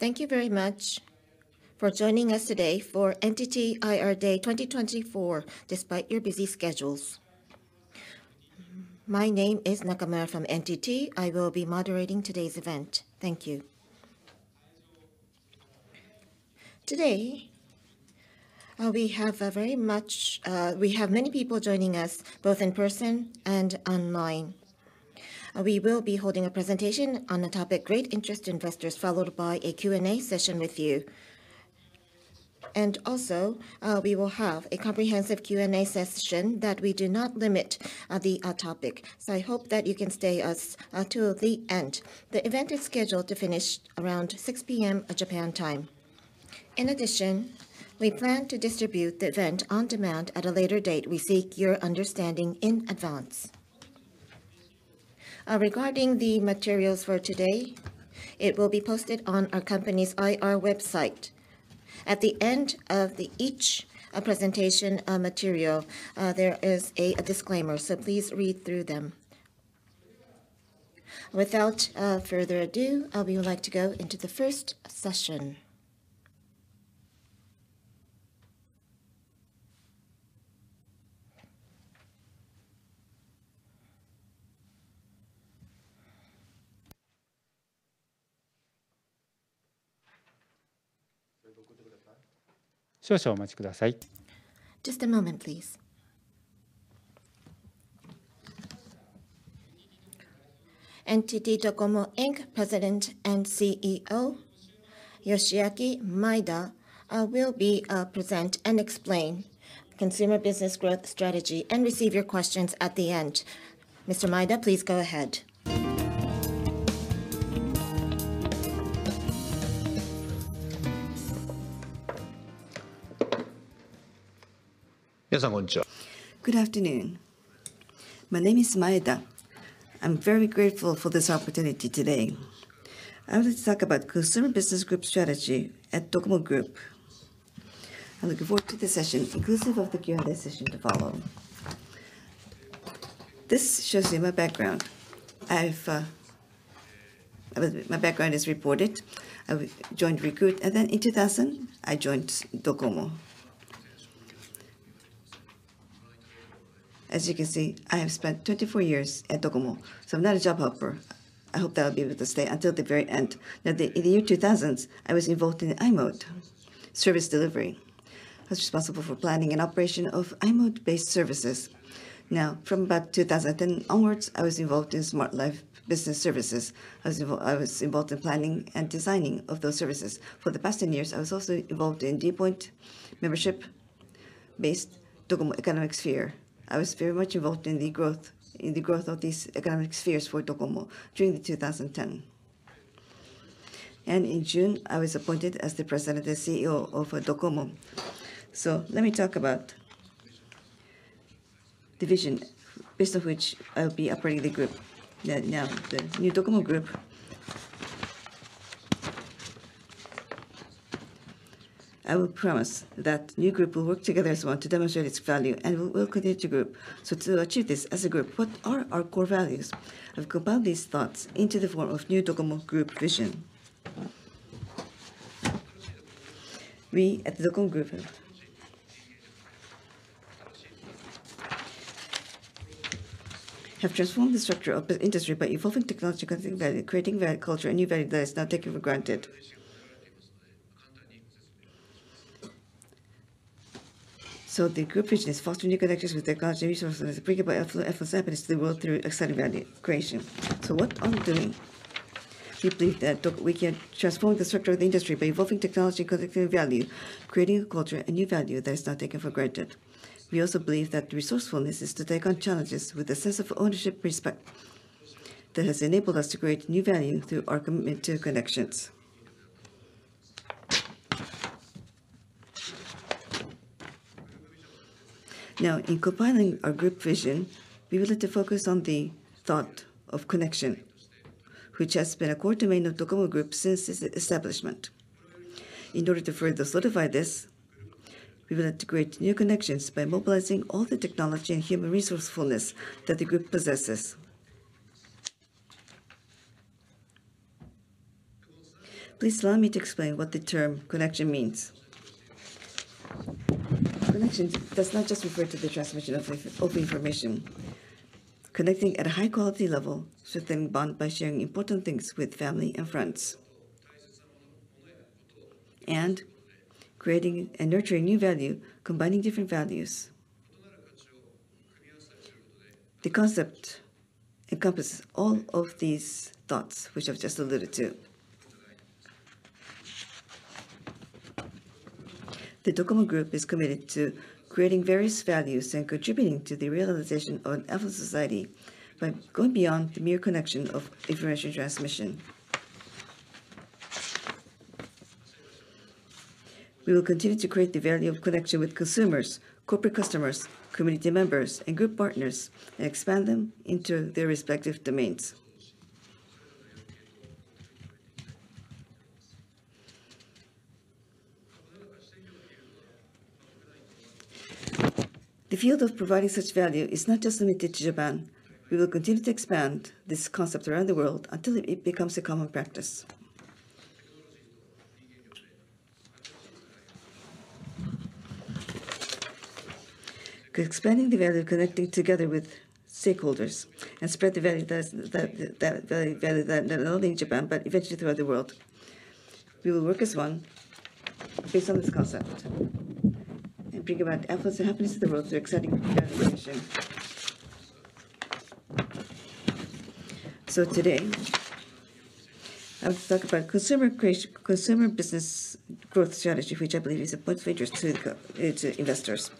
Thank you very much for joining us today for NTT IR Day 2024, despite your busy schedules. My name is Nakamura from NTT. I will be moderating today's event. Thank you. Today, we have many people joining us, both in person and online. We will be holding a presentation on a topic of great interest to investors, followed by a Q&A session with you. And also, we will have a comprehensive Q&A session that we do not limit the topic. So I hope that you can stay with us till the end. The event is scheduled to finish around 6:00 PM, Japan time. In addition, we plan to distribute the event on demand at a later date. We seek your understanding in advance. Regarding the materials for today, it will be posted on our company's IR website. At the end of each presentation material, there is a disclaimer, so please read through them. Without further ado, we would like to go into the first session. Just a moment, please. NTT DOCOMO, Inc. President and CEO Yoshiaki Maeda will present and explain consumer business growth strategy and receive your questions at the end. Mr. Maeda, please go ahead. Good afternoon. Good afternoon. My name is Maeda. I'm very grateful for this opportunity today. I would like to talk about consumer business group strategy at DOCOMO Group. I look forward to the session, inclusive of the Q&A session to follow. This shows you my background. I've... My background is reported. I joined Recruit, and then in 2000, I joined DOCOMO. As you can see, I have spent 24 years at DOCOMO, so I'm not a job hopper. I hope that I'll be able to stay until the very end. Now, in the 2000s, I was involved in the i-mode service delivery. I was responsible for planning and operation of i-mode-based services. Now, from about 2000 onwards, I was involved in Smart Life business services. I was involved in planning and designing of those services. For the past ten years, I was also involved in d POINT, membership-based DOCOMO economic sphere. I was very much involved in the growth, in the growth of these economic spheres for DOCOMO during 2010. In June, I was appointed as the President and CEO of DOCOMO. Let me talk about vision, based on which I'll be operating the group. Now, the new DOCOMO group. I promise that new group will work together as one to demonstrate its value, and we will continue to grow. To achieve this as a group, what are our core values? I've compiled these thoughts into the form of new DOCOMO Group vision. We at DOCOMO Group have transformed the structure of the industry by evolving technology, co-creating value, creating value, culture, and new value that is not taken for granted. So the group vision is foster new connections with technology and resources, bringing by effort, effortless happiness to the world through exciting value creation. So what are we doing? We believe that DOCOMO- we can transform the structure of the industry by evolving technology, collecting value, creating a culture and new value that is not taken for granted. We also believe that resourcefulness is to take on challenges with a sense of ownership and respect that has enabled us to create new value through our commitment to connections. Now, in compiling our group vision, we would like to focus on the thought of connection, which has been a core domain of DOCOMO Group since its establishment. In order to further solidify this, we would like to create new connections by mobilizing all the technology and human resourcefulness that the group possesses. Please allow me to explain what the term connection means. Connection does not just refer to the transmission of information. Connecting at a high quality level, strengthening bond by sharing important things with family and friends, and creating and nurturing new value, combining different values. The concept encompasses all of these thoughts, which I've just alluded to. The DOCOMO Group is committed to creating various values and contributing to the realization of an effortless society by going beyond the mere connection of information transmission. We will continue to create the value of connection with consumers, corporate customers, community members, and group partners, and expand them into their respective domains. ... The field of providing such value is not just limited to Japan. We will continue to expand this concept around the world until it becomes a common practice. Expanding the value, connecting together with stakeholders, and spread the value that not only in Japan, but eventually throughout the world. We will work as one based on this concept, and bring about efforts and happiness to the world through exciting value creation. Today, I will talk about consumer creation, consumer business growth strategy, which I believe is of much interest to investors.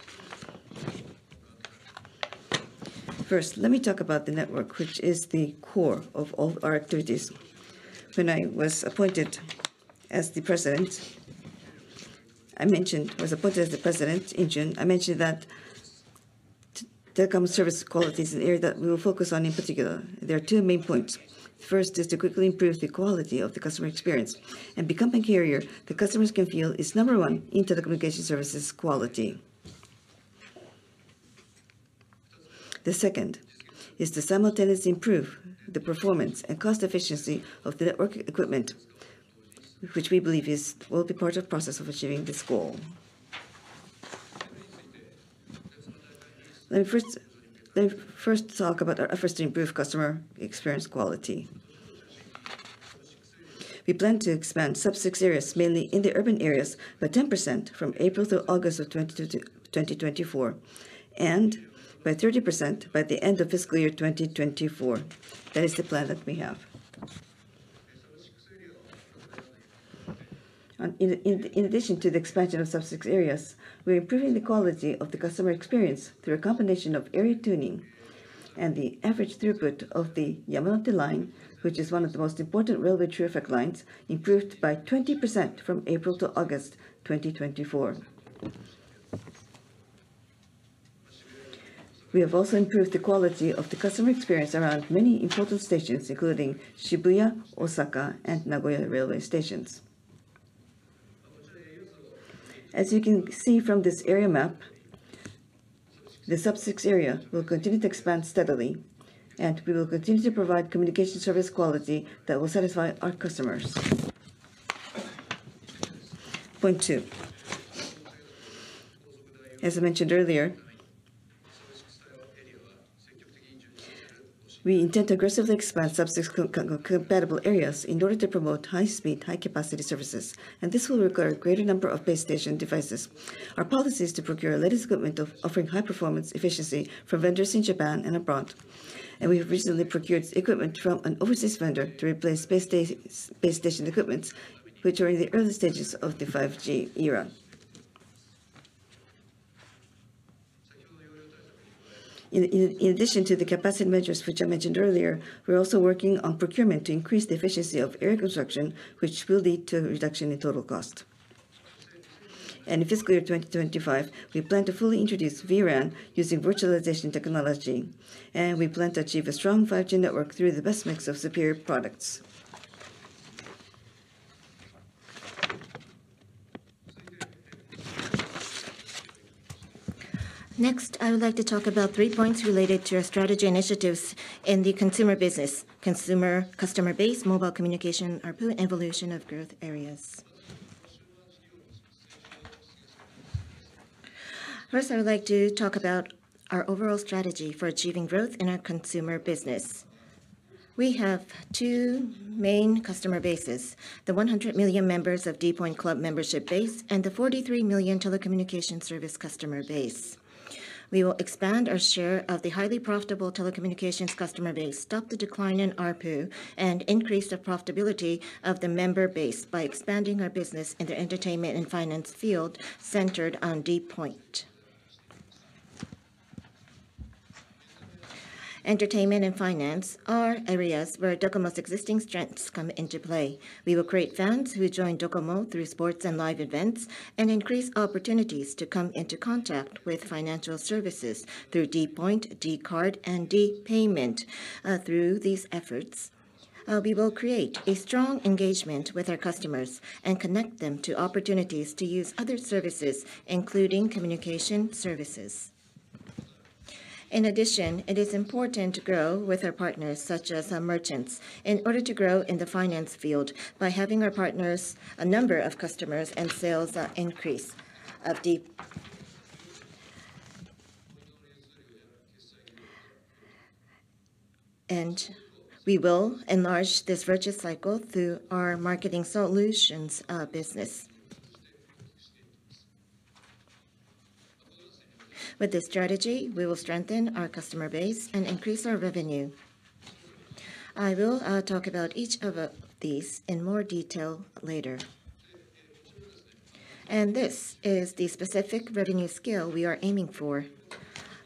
First, let me talk about the network, which is the core of all our activities. When I was appointed as the president in June, I mentioned that telecommunications service quality is an area that we will focus on in particular. There are two main points. First is to quickly improve the quality of the customer experience and become a carrier the customers can feel is number one in telecommunication services quality. The second is to simultaneously improve the performance and cost efficiency of the network equipment, which we believe will be part of the process of achieving this goal. Let me first talk about our efforts to improve customer experience quality. We plan to expand Sub-6 areas, mainly in the urban areas, by 10% from April through August of 2024, and by 30% by the end of fiscal year 2024. That is the plan that we have. In addition to the expansion of Sub-6 areas, we are improving the quality of the customer experience through a combination of area tuning and the average throughput of the Yamanote Line, which is one of the most important railway traffic lines, improved by 20% from April to August 2024. We have also improved the quality of the customer experience around many important stations, including Shibuya, Osaka, and Nagoya railway stations. As you can see from this area map, the Sub-6 area will continue to expand steadily, and we will continue to provide communication service quality that will satisfy our customers. Point two: As I mentioned earlier, we intend to aggressively expand Sub-6 compatible areas in order to promote high speed, high capacity services, and this will require a greater number of base station devices. Our policy is to procure the latest equipment offering high performance efficiency from vendors in Japan and abroad. We have recently procured equipment from an overseas vendor to replace base station equipment, which is in the early stages of the 5G era. In addition to the capacity measures, which I mentioned earlier, we're also working on procurement to increase the efficiency of area construction, which will lead to a reduction in total cost, and in fiscal year 2025, we plan to fully introduce vRAN using virtualization technology, and we plan to achieve a strong 5G network through the best mix of superior products. Next, I would like to talk about three points related to our strategy initiatives in the consumer business: consumer customer base, mobile communication, ARPU, and evolution of growth areas. First, I would like to talk about our overall strategy for achieving growth in our consumer business. We have two main customer bases, the 100 million members of d POINT Club membership base, and the 43 million telecommunication service customer base. We will expand our share of the highly profitable telecommunications customer base, stop the decline in ARPU, and increase the profitability of the member base by expanding our business in the entertainment and finance field, centered on d POINT. Entertainment and finance are areas where DOCOMO's existing strengths come into play. We will create fans who join DOCOMO through sports and live events, and increase opportunities to come into contact with financial services through d POINT, d Card, and d Payment. Through these efforts, we will create a strong engagement with our customers and connect them to opportunities to use other services, including communication services. In addition, it is important to grow with our partners, such as our merchants, in order to grow in the finance field by having our partners, a number of customers and sales, increase. And we will enlarge this virtuous cycle through our marketing solutions business. With this strategy, we will strengthen our customer base and increase our revenue. I will talk about each of these in more detail later. And this is the specific revenue scale we are aiming for.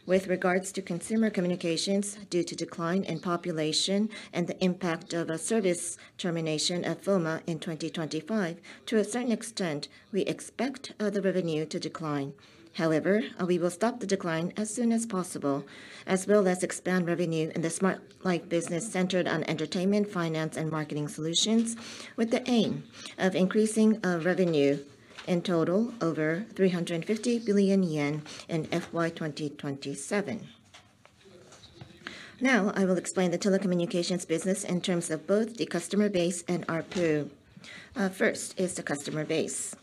With regards to consumer communications, due to decline in population and the impact of a service termination of FOMA in twenty twenty-five, to a certain extent, we expect the revenue to decline. However, we will stop the decline as soon as possible, as well as expand revenue in the Smart Life business centered on entertainment, finance, and marketing solutions, with the aim of increasing revenue in total over 350 billion yen in FY 2027. Now, I will explain the telecommunications business in terms of both the customer base and ARPU. First is the customer base.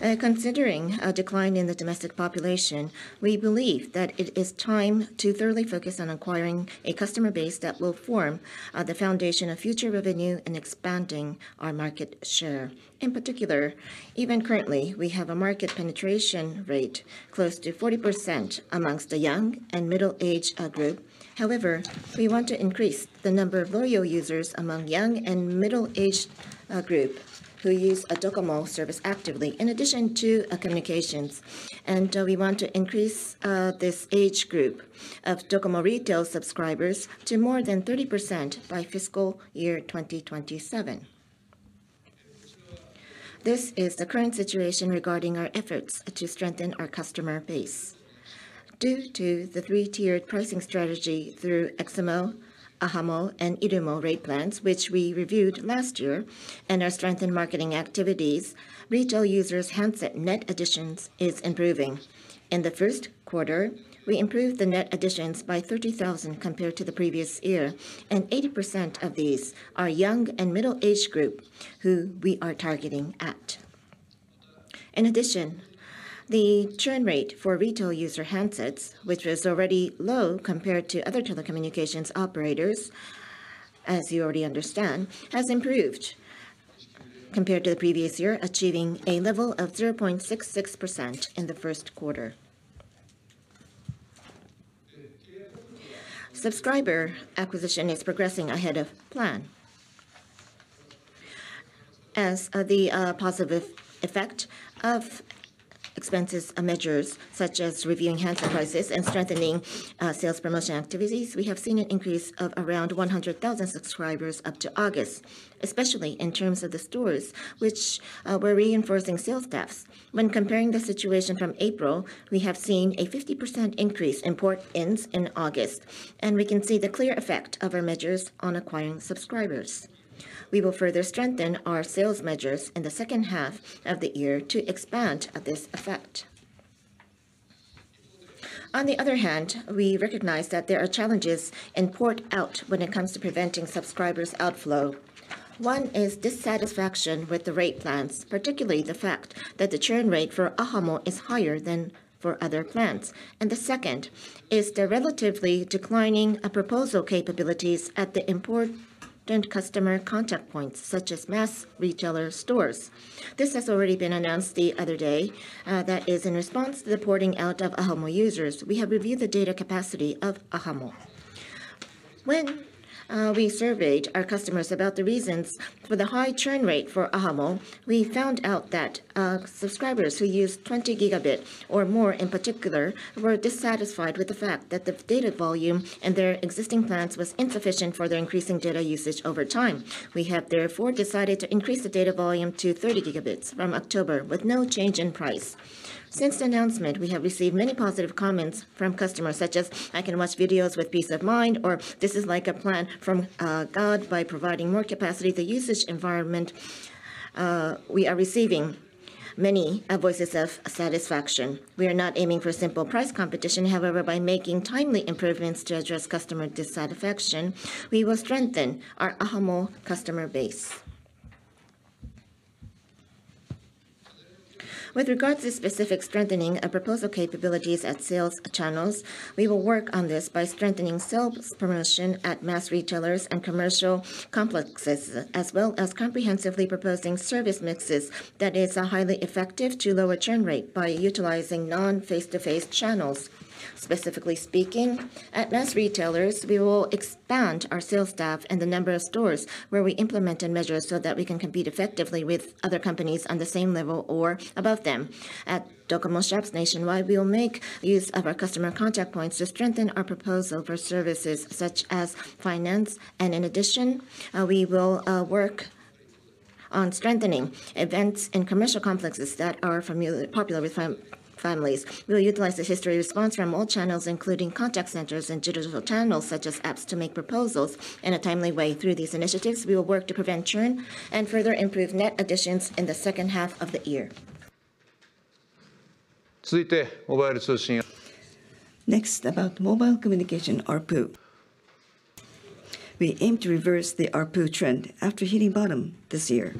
Considering a decline in the domestic population, we believe that it is time to thoroughly focus on acquiring a customer base that will form the foundation of future revenue and expanding our market share. In particular, even currently, we have a market penetration rate close to 40% among the young and middle-aged group. However, we want to increase the number of loyal users among young and middle-aged group, who use a DOCOMO service actively, in addition to communications, and we want to increase this age group of DOCOMO retail subscribers to more than 30% by fiscal year 2027. This is the current situation regarding our efforts to strengthen our customer base. Due to the three-tiered pricing strategy through eximo, ahamo, and irumo rate plans, which we reviewed last year, and our strengthened marketing activities, retail users' handset net additions is improving. In the first quarter, we improved the net additions by 30,000 compared to the previous year, and 80% of these are young and middle-aged group, who we are targeting at. In addition, the churn rate for retail user handsets, which was already low compared to other telecommunications operators, as you already understand, has improved compared to the previous year, achieving a level of 0.66% in the first quarter. Subscriber acquisition is progressing ahead of plan. As the positive effect of expenses and measures, such as reviewing handset prices and strengthening sales promotion activities, we have seen an increase of around 100,000 subscribers up to August, especially in terms of the stores, which we're reinforcing sales staffs. When comparing the situation from April, we have seen a 50% increase in port-ins in August, and we can see the clear effect of our measures on acquiring subscribers. We will further strengthen our sales measures in the second half of the year to expand this effect. On the other hand, we recognize that there are challenges in port-out when it comes to preventing subscribers' outflow. One is dissatisfaction with the rate plans, particularly the fact that the churn rate for ahamo is higher than for other plans. And the second is the relatively declining proposal capabilities at the important customer contact points, such as mass retailer stores. This has already been announced the other day, that is in response to the porting out of ahamo users. We have reviewed the data capacity of ahamo. When we surveyed our customers about the reasons for the high churn rate for ahamo, we found out that subscribers who use 20 gigabytes or more in particular were dissatisfied with the fact that the data volume in their existing plans was insufficient for their increasing data usage over time. We have therefore decided to increase the data volume to thirty gigabytes from October, with no change in price. Since the announcement, we have received many positive comments from customers, such as, "I can watch videos with peace of mind," or, "This is like a plan from God." By providing more capacity, the usage environment, we are receiving many voices of satisfaction. We are not aiming for simple price competition, however, by making timely improvements to address customer dissatisfaction, we will strengthen our ahamo customer base. With regards to specific strengthening and proposal capabilities at sales channels, we will work on this by strengthening sales promotion at mass retailers and commercial complexes, as well as comprehensively proposing service mixes that is highly effective to lower churn rate by utilizing non-face-to-face channels. Specifically speaking, at mass retailers, we will expand our sales staff and the number of stores, where we implemented measures so that we can compete effectively with other companies on the same level or above them. At DOCOMO shops nationwide, we will make use of our customer contact points to strengthen our proposal for services such as finance. And in addition, we will work on strengthening events in commercial complexes that are popular with families. We'll utilize the history response from all channels, including contact centers and digital channels, such as apps, to make proposals in a timely way. Through these initiatives, we will work to prevent churn and further improve net additions in the second half of the year. Next, about mobile communication ARPU. We aim to reverse the ARPU trend after hitting bottom this year.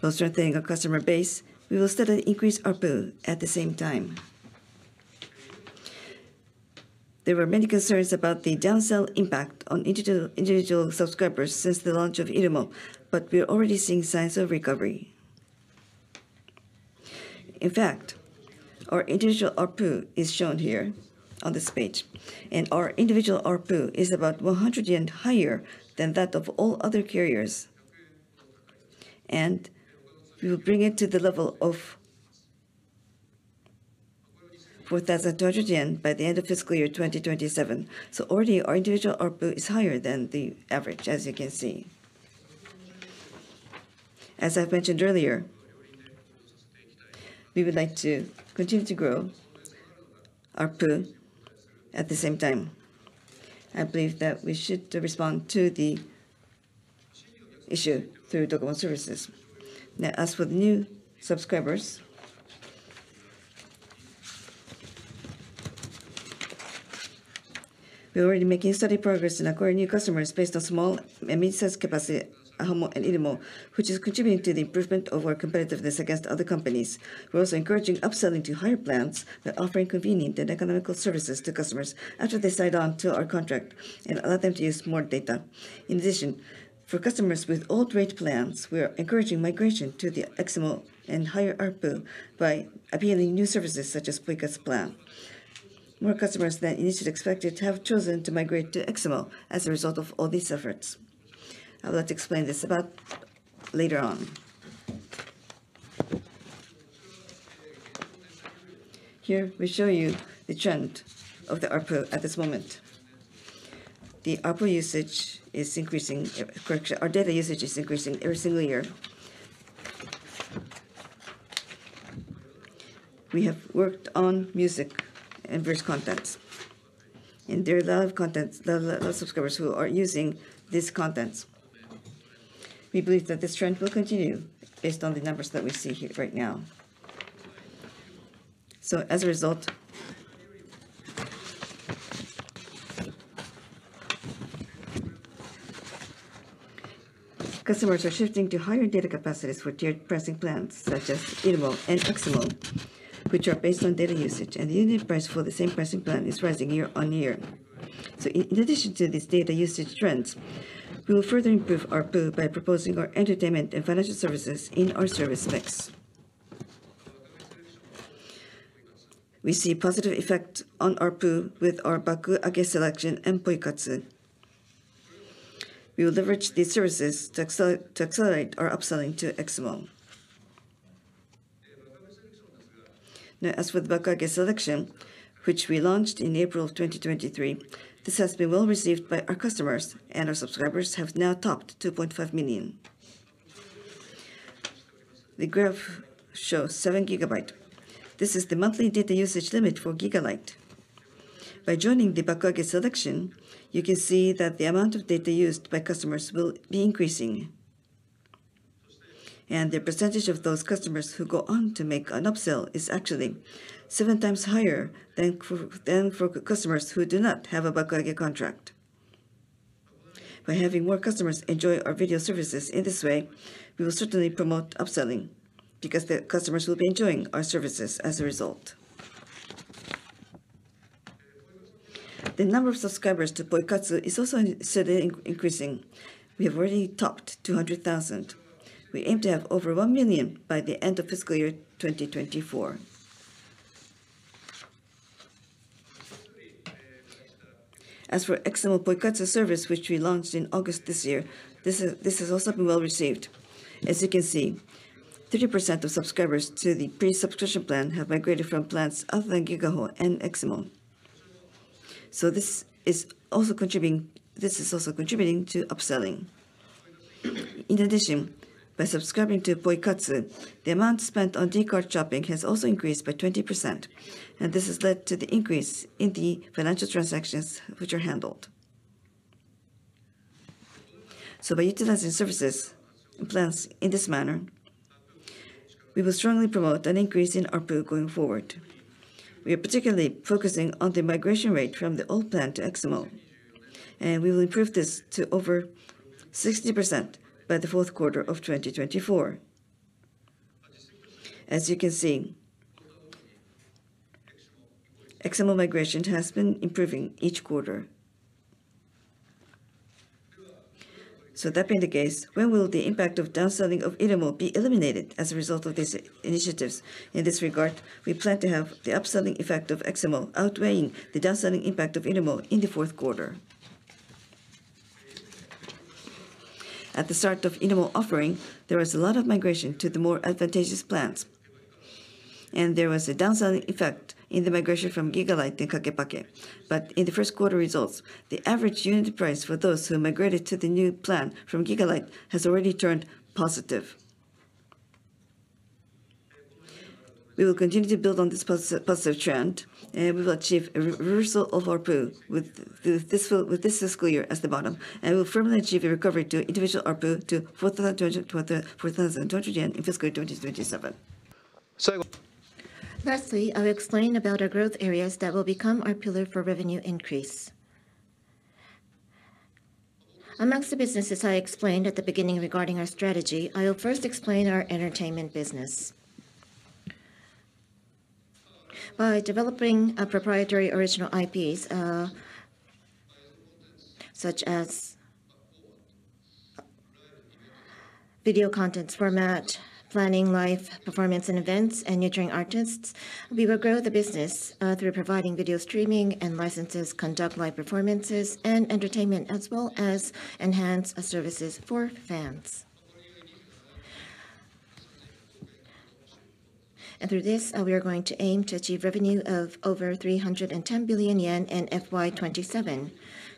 While strengthening our customer base, we will steadily increase ARPU at the same time. There were many concerns about the downsell impact on individual subscribers since the launch of irumo, but we are already seeing signs of recovery. In fact, our individual ARPU is shown here on this page, and our individual ARPU is about 100 yen higher than that of all other carriers. And we will bring it to the level of 4,200 yen by the end of fiscal year 2027. So already, our individual ARPU is higher than the average, as you can see. As I mentioned earlier, we would like to continue to grow ARPU at the same time. I believe that we should respond to the issue through DOCOMO services. Now, as for the new subscribers, we're already making steady progress in acquiring new customers based on small and mid-size capacity, ahamo and irumo, which is contributing to the improvement of our competitiveness against other companies. We're also encouraging upselling to higher plans by offering convenient and economical services to customers after they sign on to our contract and allow them to use more data. In addition, for customers with old rate plans, we are encouraging migration to the eximo and higher ARPU by appealing new services such as Poikatsu Plan. More customers than initially expected have chosen to migrate to eximo as a result of all these efforts. I would like to explain this about later on. Here, we show you the trend of the ARPU at this moment. The ARPU usage is increasing, correction, our data usage is increasing every single year. We have worked on music and various contents, and there are a lot of contents, a lot of subscribers who are using these contents. We believe that this trend will continue based on the numbers that we see here right now. As a result, customers are shifting to higher data capacities for tiered pricing plans such as irumo and eximo, which are based on data usage, and the unit price for the same pricing plan is rising year on year. In addition to these data usage trends, we will further improve ARPU by proposing our entertainment and financial services in our service mix. We see positive effect on ARPU with our Bakuage Selection and Poikatsu. We will leverage these services to accelerate our upselling to eximo. Now, as with Bakuage Selection, which we launched in April of twenty twenty-three, this has been well received by our customers, and our subscribers have now topped 2.5 million. The graph shows seven gigabytes. This is the monthly data usage limit for Gigalite. By joining the Bakuage Selection, you can see that the amount of data used by customers will be increasing. The percentage of those customers who go on to make an upsell is actually seven times higher than for customers who do not have a Bakuage contract. By having more customers enjoy our video services in this way, we will certainly promote upselling because the customers will be enjoying our services as a result. The number of subscribers to Poikatsu is also steadily increasing. We have already topped 200,000. We aim to have over one million by the end of fiscal year twenty twenty-four. As for eximo Poikatsu service, which we launched in August this year, this has also been well received. As you can see, 30% of subscribers to the pre-subscription plan have migrated from plans other than Gigaho and eximo. So this is also contributing to upselling. In addition, by subscribing to Poikatsu, the amount spent on d-card shopping has also increased by 20%, and this has led to the increase in the financial transactions which are handled. So by utilizing services and plans in this manner, we will strongly promote an increase in ARPU going forward. We are particularly focusing on the migration rate from the old plan to eximo, and we will improve this to over 60% by the fourth quarter of 2024. As you can see, eximo migration has been improving each quarter. So that being the case, when will the impact of downselling of irumo be eliminated as a result of these initiatives? In this regard, we plan to have the upselling effect of eximo outweighing the downselling impact of irumo in the fourth quarter. At the start of irumo offering, there was a lot of migration to the more advantageous plans, and there was a downselling effect in the migration from Gigalite and Kake-Pake. But in the first quarter results, the average unit price for those who migrated to the new plan from Gigalite has already turned positive. We will continue to build on this positive trend, and we will achieve a reversal of ARPU with this fiscal year as the bottom, and we will firmly achieve a recovery to individual ARPU to 4,200 yen in fiscal 2027. So Lastly, I will explain about our growth areas that will become our pillar for revenue increase. Among the businesses I explained at the beginning regarding our strategy, I will first explain our entertainment business. By developing proprietary original IPs such as video contents format, planning live performance and events, and nurturing artists, we will grow the business through providing video streaming and licenses, conduct live performances and entertainment, as well as enhance services for fans. And through this, we are going to aim to achieve revenue of over 310 billion yen in FY 2027.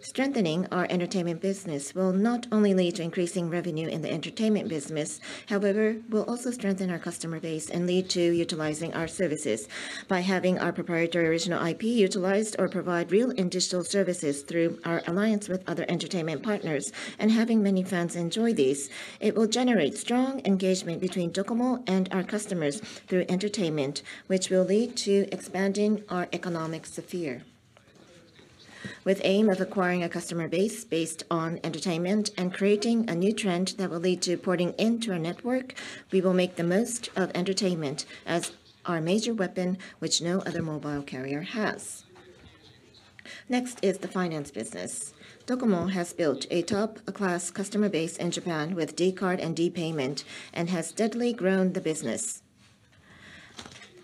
Strengthening our entertainment business will not only lead to increasing revenue in the entertainment business, however, will also strengthen our customer base and lead to utilizing our services. By having our proprietary original IP utilized or provide real and digital services through our alliance with other entertainment partners and having many fans enjoy these, it will generate strong engagement between DOCOMO and our customers through entertainment, which will lead to expanding our economic sphere. ... With aim of acquiring a customer base based on entertainment and creating a new trend that will lead to porting into our network, we will make the most of entertainment as our major weapon, which no other mobile carrier has. Next is the finance business. DOCOMO has built a top-class customer base in Japan with d CARD and d Payment, and has steadily grown the business.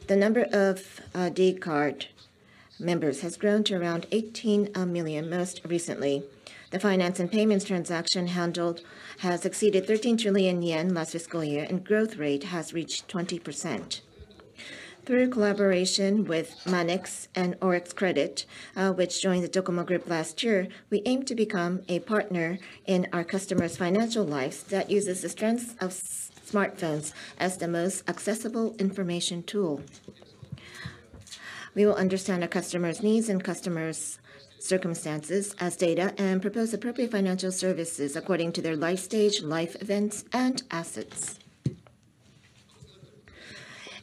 The number of d CARD members has grown to around 18 million most recently. The finance and payments transaction handled has exceeded 13 trillion yen last fiscal year, and growth rate has reached 20%. Through collaboration with Monex and ORIX Credit, which joined the DOCOMO Group last year, we aim to become a partner in our customers' financial lives that uses the strengths of smartphones as the most accessible information tool. We will understand our customers' needs and customers' circumstances as data, and propose appropriate financial services according to their life stage, life events, and assets.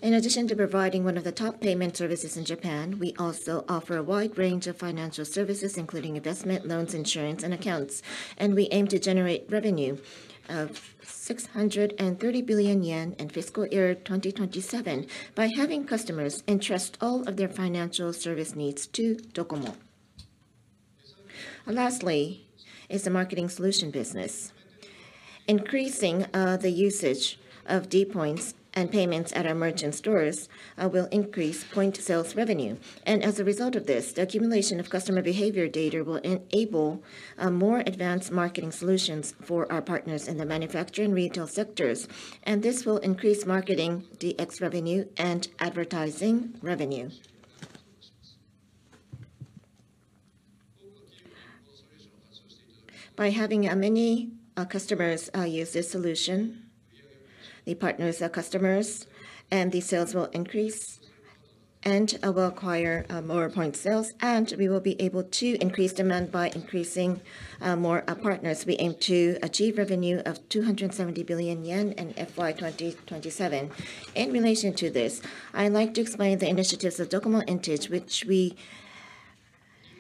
In addition to providing one of the top payment services in Japan, we also offer a wide range of financial services, including investment, loans, insurance, and accounts, and we aim to generate revenue of 630 billion yen in fiscal year 2027 by having customers entrust all of their financial service needs to DOCOMO. Lastly, is the marketing solution business. Increasing, the usage of dPoints and payments at our merchant stores, will increase point sales revenue. And as a result of this, the accumulation of customer behavior data will enable, more advanced marketing solutions for our partners in the manufacturing and retail sectors, and this will increase marketing DX revenue and advertising revenue. By having many customers use this solution, the partners, our customers, and the sales will increase, and we'll acquire more point sales, and we will be able to increase demand by increasing more partners. We aim to achieve revenue of 270 billion yen in FY 2027. In relation to this, I'd like to explain the initiatives of DOCOMO Intage, which we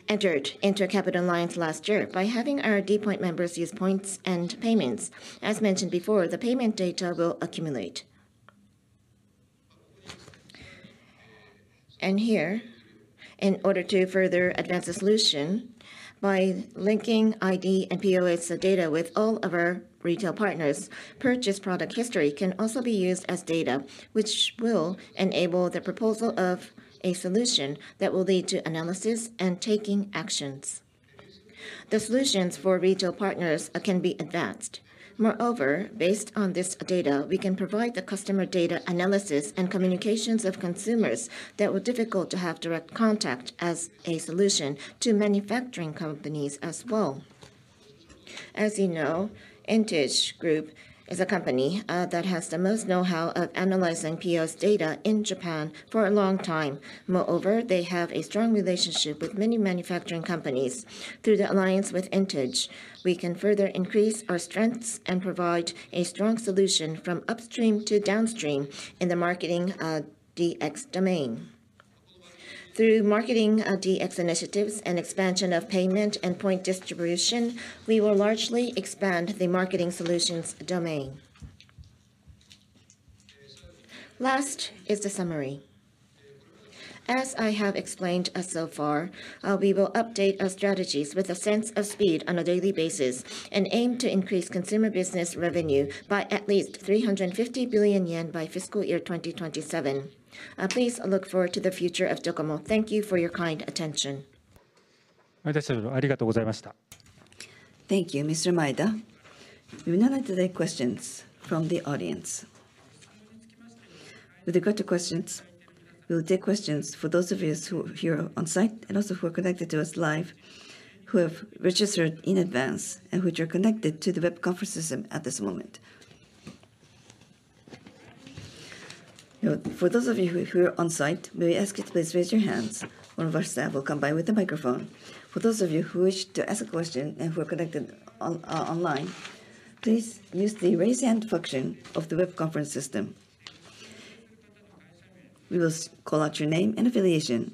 entered into a capital alliance last year. By having our d POINT members use points and payments, as mentioned before, the payment data will accumulate. Here, in order to further advance the solution, by linking ID and POS data with all of our retail partners, purchase product history can also be used as data, which will enable the proposal of a solution that will lead to analysis and taking actions. The solutions for retail partners can be advanced. Moreover, based on this data, we can provide the customer data analysis and communications of consumers that were difficult to have direct contact as a solution to manufacturing companies as well. As you know, Intage Group is a company that has the most know-how of analyzing POS data in Japan for a long time. Moreover, they have a strong relationship with many manufacturing companies. Through the alliance with Intage, we can further increase our strengths and provide a strong solution from upstream to downstream in the marketing DX domain. Through marketing DX initiatives and expansion of payment and point distribution, we will largely expand the marketing solutions domain. Last is the summary. As I have explained, so far, we will update our strategies with a sense of speed on a daily basis, and aim to increase consumer business revenue by at least 350 billion yen by fiscal year 2027. Please look forward to the future of DOCOMO. Thank you for your kind attention. Thank you, Mr. Maeda. We would now like to take questions from the audience. With regard to questions, we will take questions for those of you who are here on site and also who are connected to us live, who have registered in advance and which are connected to the web conference system at this moment. For those of you who are on site, may we ask you to please raise your hands. One of our staff will come by with a microphone. For those of you who wish to ask a question and who are connected online, please use the Raise Hand function of the web conference system. We will call out your name and affiliation.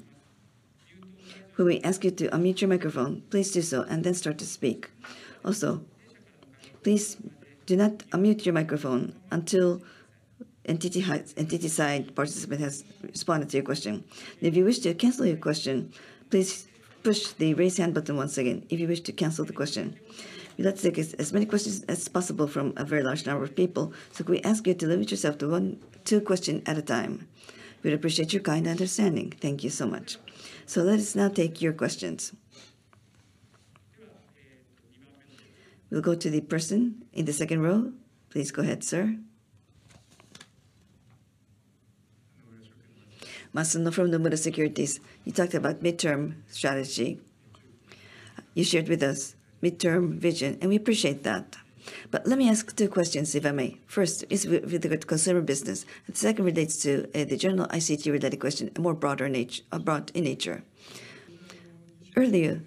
When we ask you to unmute your microphone, please do so, and then start to speak. Also, please do not unmute your microphone until NTT has. NTT side participant has responded to your question. If you wish to cancel your question, please push the Raise Hand button once again, if you wish to cancel the question. We'd like to take as many questions as possible from a very large number of people, so could we ask you to limit yourself to one, two question at a time? We appreciate your kind understanding. Thank you so much. So let us now take your questions. We'll go to the person in the second row. Please go ahead, sir. Masuno from Nomura Securities. You talked about midterm strategy. You shared with us midterm vision, and we appreciate that. But let me ask two questions, if I may. First, is with regard to consumer business, and the second relates to the general ICT-related question, a more broader nature, broad in nature. Earlier,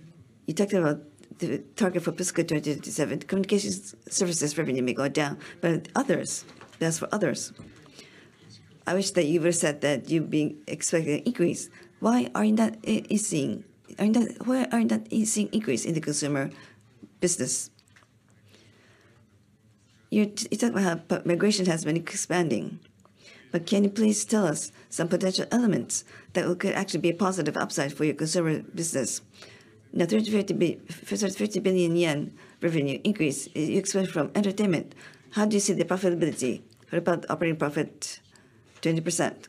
you talked about the target for fiscal 2027. Communications services revenue may go down, but others, as for others- I wish that you were said that you've been expecting an increase. Why are you not seeing, are you not, why are you not seeing increase in the consumer business? You talked about how migration has been expanding, but can you please tell us some potential elements that will could actually be a positive upside for your consumer business? Now, 30-50 billion yen revenue increase is expected from entertainment. How do you see the profitability? What about the operating profit, 20%,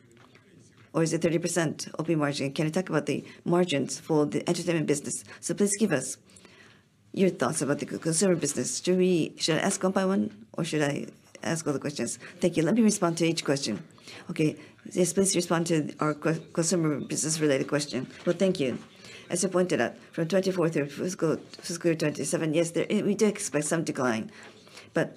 or is it 30% operating margin? Can you talk about the margins for the entertainment business? So please give us your thoughts about the consumer business. Should I ask one by one, or should I ask all the questions? Thank you. Let me respond to each question. Okay, yes, please respond to our consumer business-related question. Well, thank you. As you pointed out, from 2024 through fiscal 2027, yes. We do expect some decline, but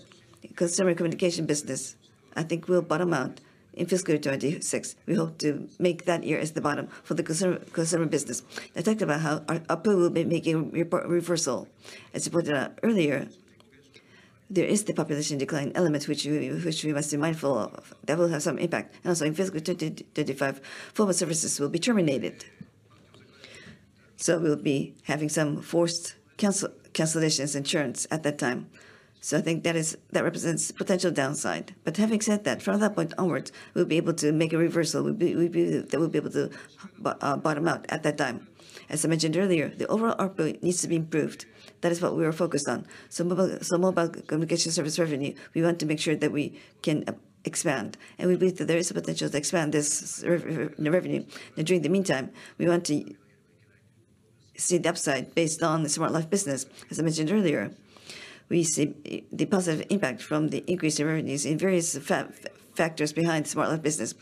consumer communication business, I think, will bottom out in fiscal 2026. We hope to make that year as the bottom for the consumer business. I talked about how our ARPU will be making reversal. As you pointed out earlier, there is the population decline element, which we must be mindful of. That will have some impact. And also, in fiscal 2025, FOMA services will be terminated. So we'll be having some forced cancellations insurance at that time. So I think that represents potential downside. But having said that, from that point onwards, we'll be able to make a reversal. We'll be able to bottom out at that time. As I mentioned earlier, the overall ARPU needs to be improved. That is what we are focused on. So mobile communication service revenue, we want to make sure that we can expand, and we believe that there is potential to expand this revenue. And during the meantime, we want to see the upside based on the Smart Life business. As I mentioned earlier, we see the positive impact from the increase in revenues in various factors behind the Smart Life business.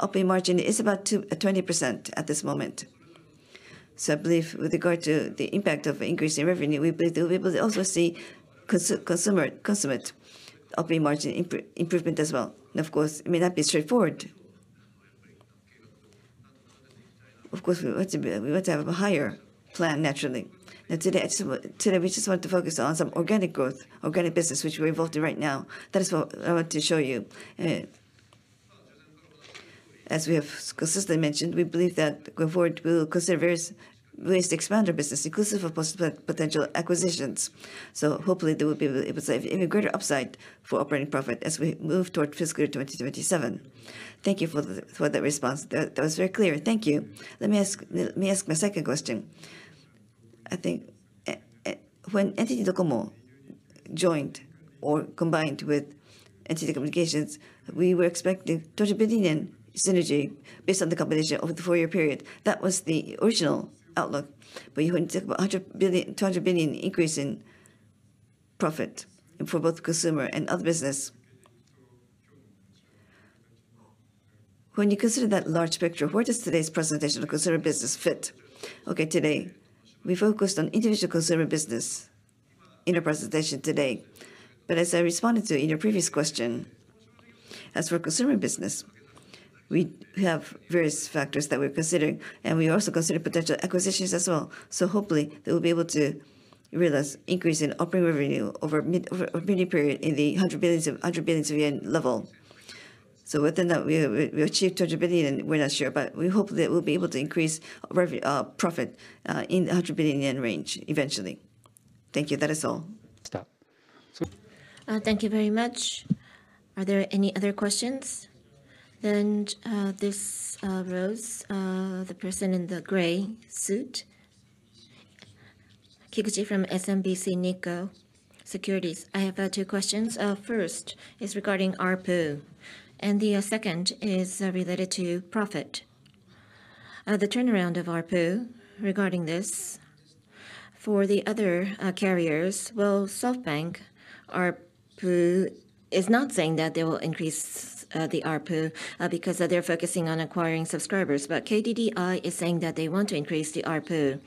Operating margin is about 20% at this moment. So I believe with regard to the impact of increase in revenue, we believe we will also see consequent operating margin improvement as well. And of course, it may not be straightforward. Of course, we want to be, we want to have a higher plan, naturally. Now, today, I just want... Today, we just want to focus on some organic growth, organic business, which we're involved in right now. That is what I want to show you. As we have consistently mentioned, we believe that going forward, we will consider various ways to expand our business, inclusive of potential acquisitions. So hopefully, there will be able, it was, an even greater upside for operating profit as we move toward fiscal 2027. Thank you for the response. That was very clear. Thank you. Let me ask my second question. I think when NTT DOCOMO joined or combined with NTT Communications, we were expecting 200 billion JPY synergy based on the combination over the four-year period. That was the original outlook. But you talked about 100 billion JPY, 200 billion JPY increase in profit for both consumer and other business. When you consider that large picture, where does today's presentation of consumer business fit? Okay, today, we focused on individual consumer business in our presentation today. But as I responded to in your previous question, as for consumer business, we have various factors that we're considering, and we also consider potential acquisitions as well. So hopefully, they will be able to realize increase in operating revenue over a mid period in the 100 billion yen level. So within that, we achieve 200 billion JPY, we're not sure, but we hope that we'll be able to increase profit in the 100 billion yen range eventually. Thank you. That is all. Stop. Thank you very much. Are there any other questions? Then, this row's the person in the gray suit. Kikuchi from SMBC Nikko Securities. I have two questions. First is regarding ARPU, and the second is related to profit. The turnaround of ARPU, regarding this, for the other carriers, well, SoftBank ARPU is not saying that they will increase the ARPU because they're focusing on acquiring subscribers, but KDDI is saying that they want to increase the ARPU,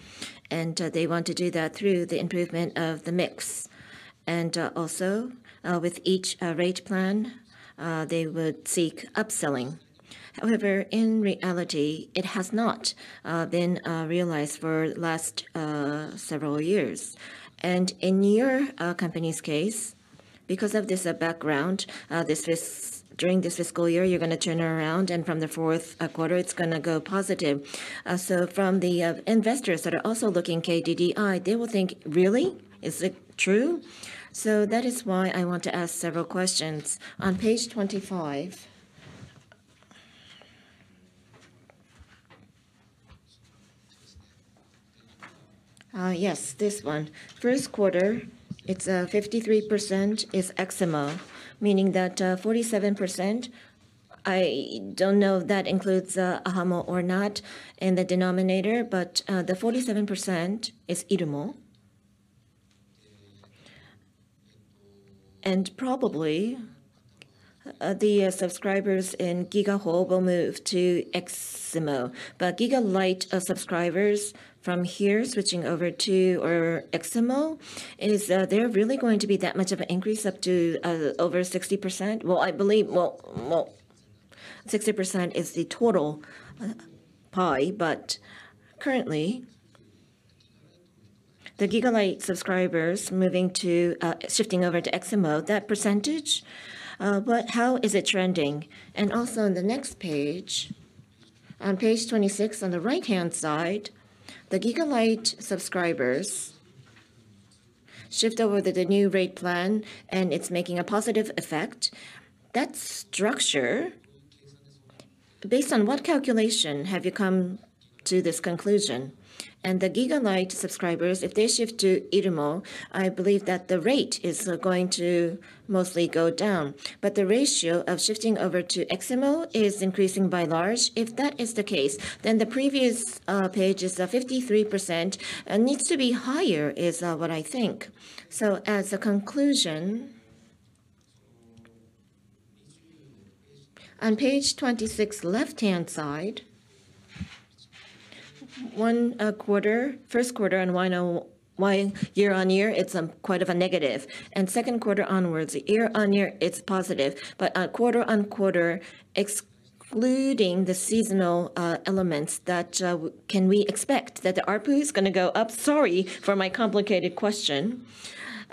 and they want to do that through the improvement of the mix, and also with each rate plan they would seek upselling. However, in reality, it has not been realized for last several years, and in your company's case, because of this background, during this fiscal year, you're gonna turn around, and from the fourth quarter, it's gonna go positive. From the investors that are also looking at KDDI, they will think, "Really? Is it true?" That is why I want to ask several questions. On page 25, yes, this one. First quarter, it's 53% is eximo, meaning that 47%, I don't know if that includes ahamo or not in the denominator, but the 47% is irumo. And probably the subscribers in Gigaho will move to eximo. But Gigalite subscribers from here switching over to eximo, is there really going to be that much of an increase up to over 60%? I believe 60% is the total pie, but currently the Gigalite subscribers moving to shifting over to eximo, that percentage, but how is it trending? Also on the next page, on page 26 on the right-hand side, the Gigalite subscribers shift over to the new rate plan, and it's making a positive effect. That structure, based on what calculation have you come to this conclusion? The Gigalite subscribers, if they shift to irumo, I believe that the rate is going to mostly go down, but the ratio of shifting over to eximo is increasing by large. If that is the case, then the previous pages of 53% needs to be higher, is what I think. As a conclusion, on page 26, left-hand side, first quarter, you know, year-on-year, it's quite a negative, and second quarter onwards, year-on-year, it's positive. Quarter on quarter, excluding the seasonal elements, can we expect that the ARPU is gonna go up? Sorry for my complicated question.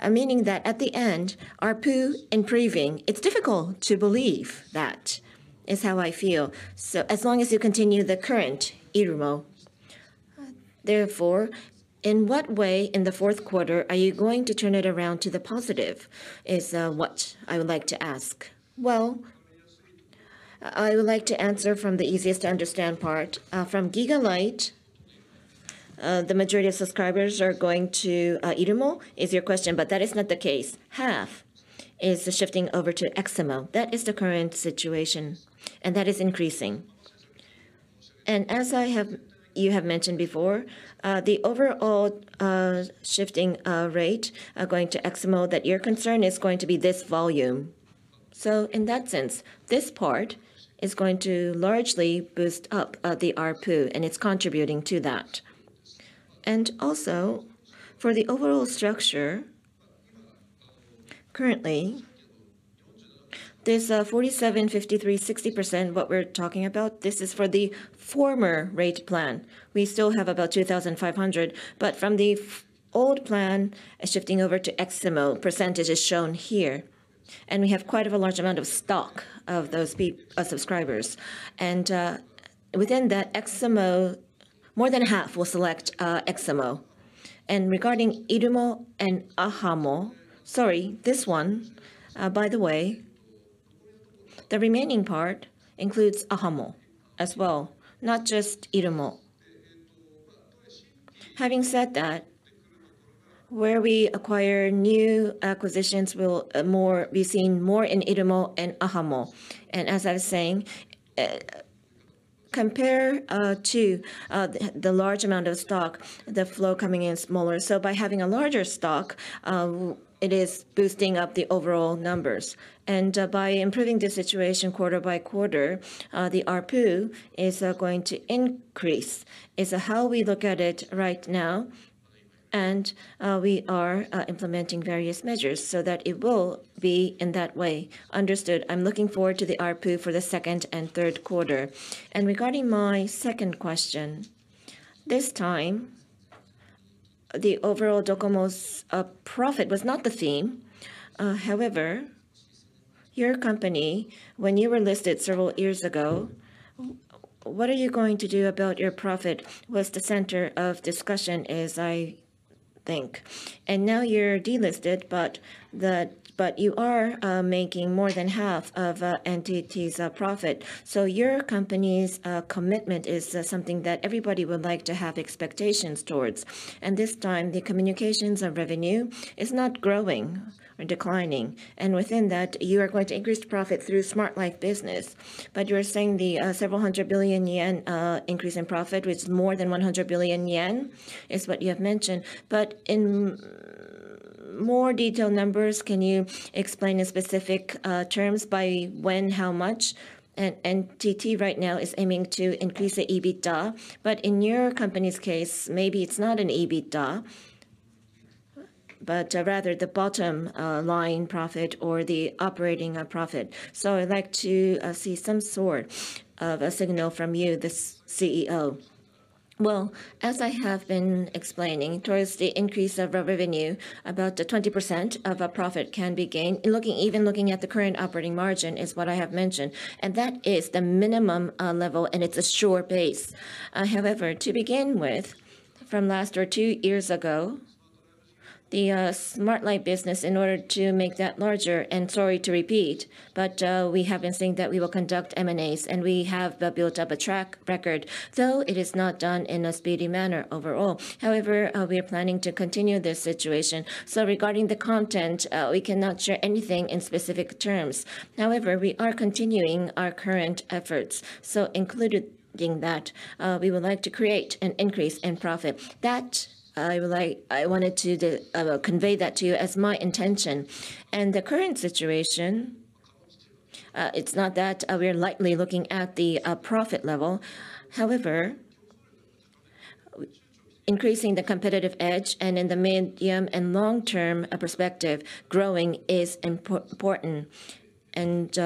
Meaning that at the end, ARPU improving, it's difficult to believe that, is how I feel. So as long as you continue the current irumo. Therefore, in what way, in the fourth quarter, are you going to turn it around to the positive, is what I would like to ask. Well, I would like to answer from the easiest to understand part. From Gigalite, the majority of subscribers are going to irumo, is your question, but that is not the case. Half is shifting over to eximo. That is the current situation, and that is increasing. And as you have mentioned before, the overall shifting rate going to eximo, that you're concerned, is going to be this volume. So in that sense, this part is going to largely boost up the ARPU, and it's contributing to that. And also, for the overall structure, currently, there's 47%, 53%, 60%, what we're talking about. This is for the former rate plan. We still have about 2,500, but from the old plan, shifting over to eximo, percentage is shown here. And we have quite a large amount of stock of those pe subscribers. And within that eximo, more than half will select eximo. And regarding irumo and ahamo, sorry, this one, by the way, the remaining part includes ahamo as well, not just irumo. Having said that, where we acquire new acquisitions will be seen more in irumo and ahamo. As I was saying, compare to the large amount of stock, the flow coming in is smaller. So by having a larger stock, it is boosting up the overall numbers. By improving the situation quarter by quarter, the ARPU is going to increase, is how we look at it right now, and we are implementing various measures so that it will be in that way. Understood. I'm looking forward to the ARPU for the second and third quarter. Regarding my second question, this time, the overall DOCOMO's profit was not the theme. However, your company, when you were listed several years ago, "What are you going to do about your profit?" was the center of discussion, as I think. And now you're delisted, but you are making more than half of NTT's profit. So your company's commitment is something that everybody would like to have expectations towards. And this time, the communications revenue is not growing or declining, and within that, you are going to increase the profit through Smart Life business. But you are saying the several hundred billion yen increase in profit, which is more than one hundred billion yen, is what you have mentioned. But in more detailed numbers, can you explain in specific terms by when, how much? And NTT right now is aiming to increase the EBITDA, but in your company's case, maybe it's not an EBITDA, but rather the bottom line profit or the operating profit. So I'd like to see some sort of a signal from you, the CEO. Well, as I have been explaining, towards the increase of revenue, about 20% of a profit can be gained. In looking, even looking at the current operating margin, is what I have mentioned, and that is the minimum level, and it's a sure base. However, to begin with, from last or two years ago, the Smart Life business, in order to make that larger, and sorry to repeat, but we have been saying that we will conduct M&As, and we have built up a track record, though it is not done in a speedy manner overall. However, we are planning to continue this situation. So regarding the content, we cannot share anything in specific terms. However, we are continuing our current efforts. So including that, we would like to create an increase in profit. That I would like. I wanted to convey that to you as my intention. The current situation, it's not that we are lightly looking at the profit level. However, increasing the competitive edge and in the medium and long-term perspective, growing is important, and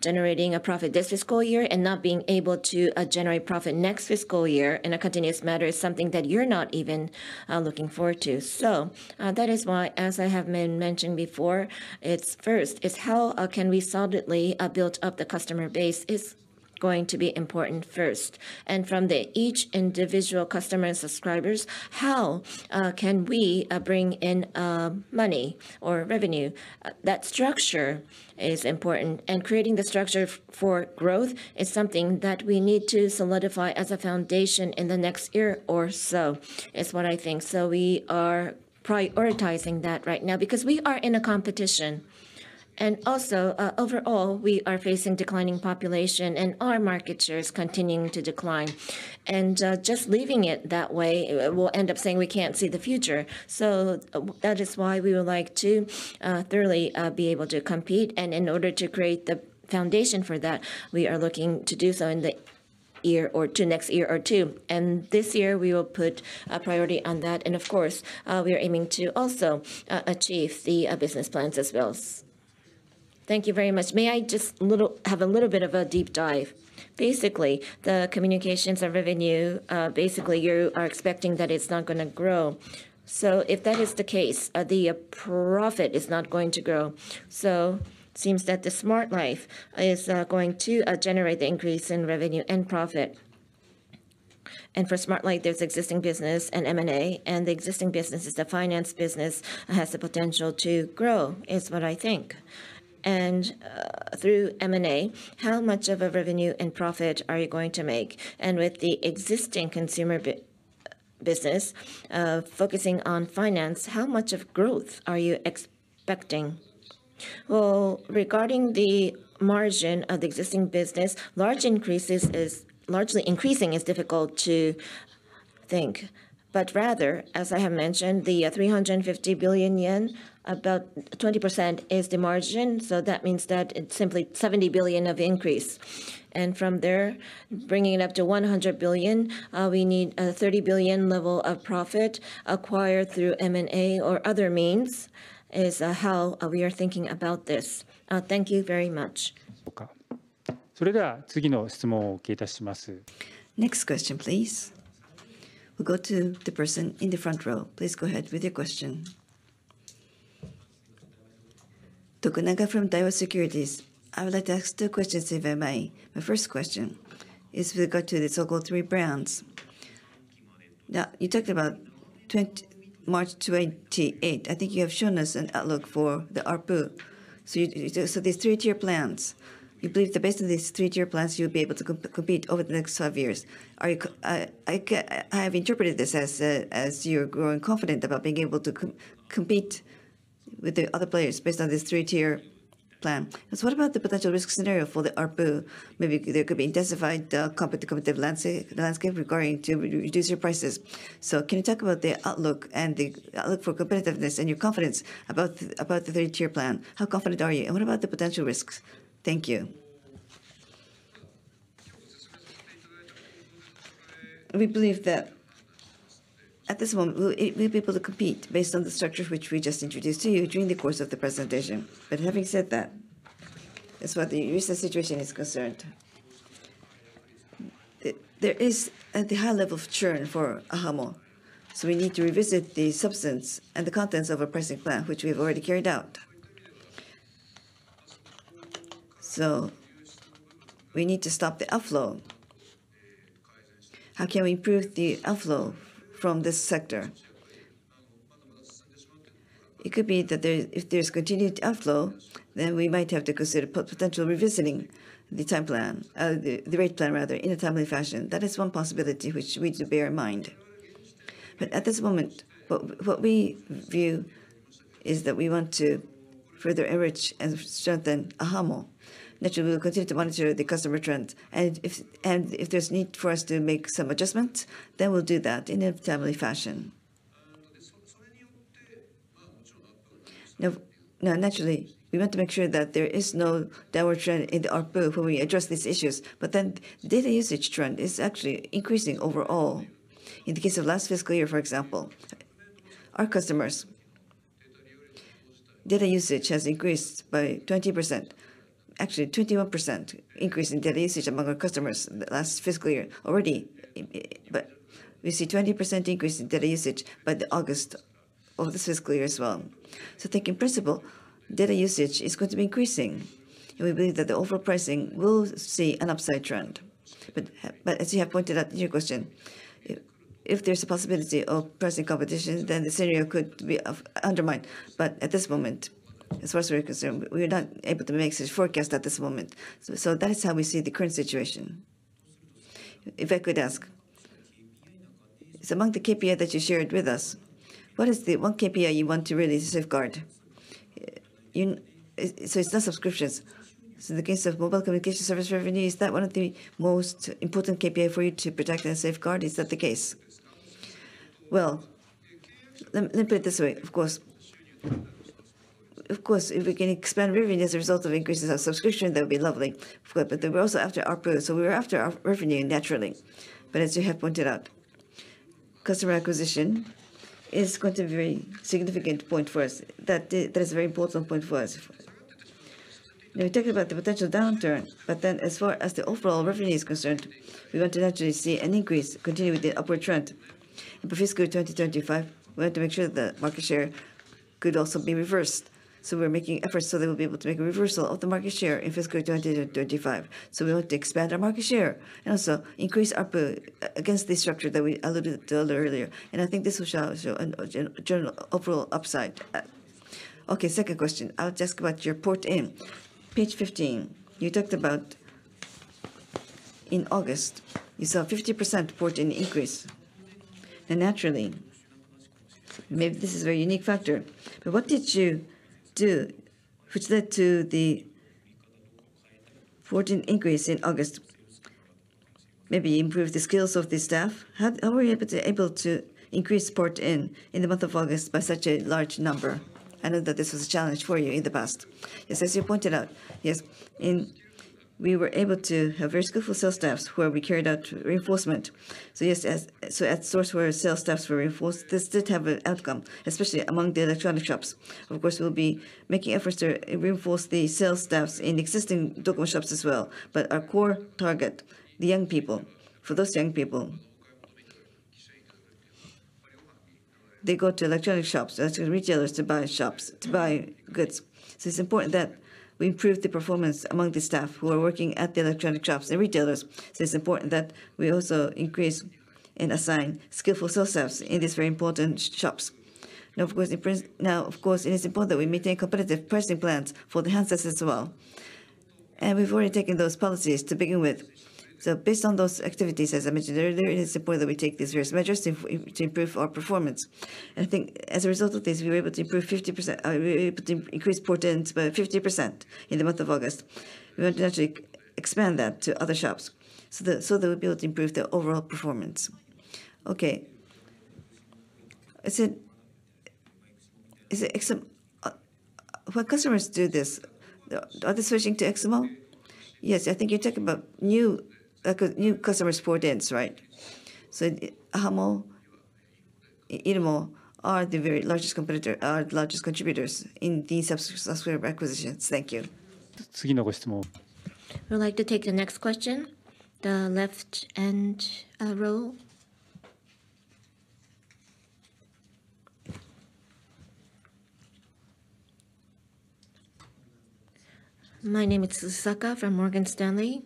generating a profit this fiscal year and not being able to generate profit next fiscal year in a continuous matter is something that you're not even looking forward to. That is why, as I have mentioned before, it's first, is how can we solidly build up the customer base is going to be important first. And from the each individual customer and subscribers, how can we bring in money or revenue? That structure is important, and creating the structure for growth is something that we need to solidify as a foundation in the next year or so, is what I think, so we are prioritizing that right now because we are in a competition, and also overall, we are facing declining population, and our market share is continuing to decline, and just leaving it that way, we'll end up saying we can't see the future, so that is why we would like to thoroughly be able to compete, and in order to create the foundation for that, we are looking to do so in the year or to next year or two, and this year, we will put a priority on that, and of course, we are aiming to also achieve the business plans as well. Thank you very much. May I just have a little bit of a deep dive? Basically, the communications revenue, basically, you are expecting that it's not gonna grow. So if that is the case, the profit is not going to grow. So seems that the Smart Life is going to generate the increase in revenue and profit. And for Smart Life, there's existing business and M&A, and the existing business is the finance business, has the potential to grow, is what I think. And through M&A, how much of a revenue and profit are you going to make? And with the existing consumer business, focusing on finance, how much of growth are you expecting? Well, regarding the margin of the existing business, largely increasing is difficult to think. But rather, as I have mentioned, the 350 billion yen, about 20% is the margin, so that means that it's simply 70 billion JPY of increase. And from there, bringing it up to 100 billion JPY, we need a 30 billion JPY level of profit acquired through M&A or other means, is how we are thinking about this. Thank you very much. Next question, please. We'll go to the person in the front row. Please go ahead with your question. Tokunaga from Daiwa Securities. I would like to ask two questions, if I may. My first question is regarding the so-called three brands. Now, you talked about March twenty-eight. I think you have shown us an outlook for the ARPU. So these three-tier plans, you believe that based on these three-tier plans, you'll be able to compete over the next five years. I have interpreted this as you're growing confident about being able to compete with the other players based on this three-tier plan. So what about the potential risk scenario for the ARPU? Maybe there could be intensified competitive landscape regarding reducing your prices. So can you talk about the outlook for competitiveness and your confidence about the three-tier plan? How confident are you, and what about the potential risks? Thank you. We believe that at this moment, we, we'll be able to compete based on the structure which we just introduced to you during the course of the presentation. But having said that, as what the recent situation is concerned, there is at the high level of churn for ahamo, so we need to revisit the substance and the contents of our pricing plan, which we have already carried out. So we need to stop the outflow. How can we improve the outflow from this sector? It could be that there, if there's continued outflow, then we might have to consider potential revisiting the time plan, the rate plan rather, in a timely fashion. That is one possibility which we need to bear in mind. But at this moment, what we view is that we want to further enrich and strengthen ahamo. Naturally, we will continue to monitor the customer trends, and if there's need for us to make some adjustments, then we'll do that in a timely fashion. Now, naturally, we want to make sure that there is no downward trend in the ARPU when we address these issues. But then, data usage trend is actually increasing overall. In the case of last fiscal year, for example, our customers' data usage has increased by 20%. Actually, 21% increase in data usage among our customers in the last fiscal year already. But we see 20% increase in data usage by the August of this fiscal year as well. So I think in principle, data usage is going to be increasing, and we believe that the overall pricing will see an upside trend. But as you have pointed out in your question, if there's a possibility of pricing competition, then the scenario could be of... undermined. But at this moment, as far as we're concerned, we are not able to make such forecast at this moment. So that is how we see the current situation. If I could ask, so among the KPI that you shared with us, what is the one KPI you want to really safeguard? So it's not subscriptions. So in the case of mobile communication service revenue, is that one of the most important KPI for you to protect and safeguard? Is that the case? Well, let me put it this way. Of course, of course, if we can expand revenue as a result of increases of subscription, that would be lovely. But, but we're also after ARPU, so we're after our revenue, naturally. But as you have pointed out.... customer acquisition is going to be a very significant point for us. That is a very important point for us. Now, we talked about the potential downturn, but then as far as the overall revenue is concerned, we're going to naturally see an increase, continue with the upward trend. But fiscal 2025, we have to make sure that the market share could also be reversed. So we're making efforts so that we'll be able to make a reversal of the market share in fiscal 2025. So we want to expand our market share, and also increase our against the structure that we alluded to earlier, and I think this will show a general overall upside. Okay, second question. I'll ask about your port-in. Page 15, you talked about in August, you saw a 50% port-in increase. Naturally, maybe this is a very unique factor, but what did you do which led to the port-in increase in August? Maybe improve the skills of the staff? How were you able to increase port-in in the month of August by such a large number? I know that this was a challenge for you in the past. Yes, as you pointed out, we were able to have very skillful sales staffs where we carried out reinforcement. So yes, so as to sources where sales staffs were reinforced, this did have an outcome, especially among the electronics shops. Of course, we'll be making efforts to reinforce the sales staffs in existing DOCOMO shops as well. But our core target, the young people. For those young people, they go to electronics shops, they go to retailers to buy phones, to buy goods. So it's important that we improve the performance among the staff who are working at the electronic shops and retailers. So it's important that we also increase and assign skillful sales staffs in these very important shops. Now, of course, it is important that we maintain competitive pricing plans for the handsets as well. And we've already taken those policies to begin with. So based on those activities, as I mentioned earlier, it is important that we take these various measures to improve our performance. And I think as a result of this, we were able to improve 50%... We were able to increase port ins by 50% in the month of August. We want to actually expand that to other shops, so that we'll be able to improve the overall performance. Okay. Is it ex... When customers do this, are they switching to eximo? Yes, I think you're talking about new customers port-ins, right? So ahamo, irumo are the very largest competitor, are the largest contributors in these subscriber acquisitions. Thank you. We would like to take the next question. The left-hand row. My name is Tsusaka from Morgan Stanley.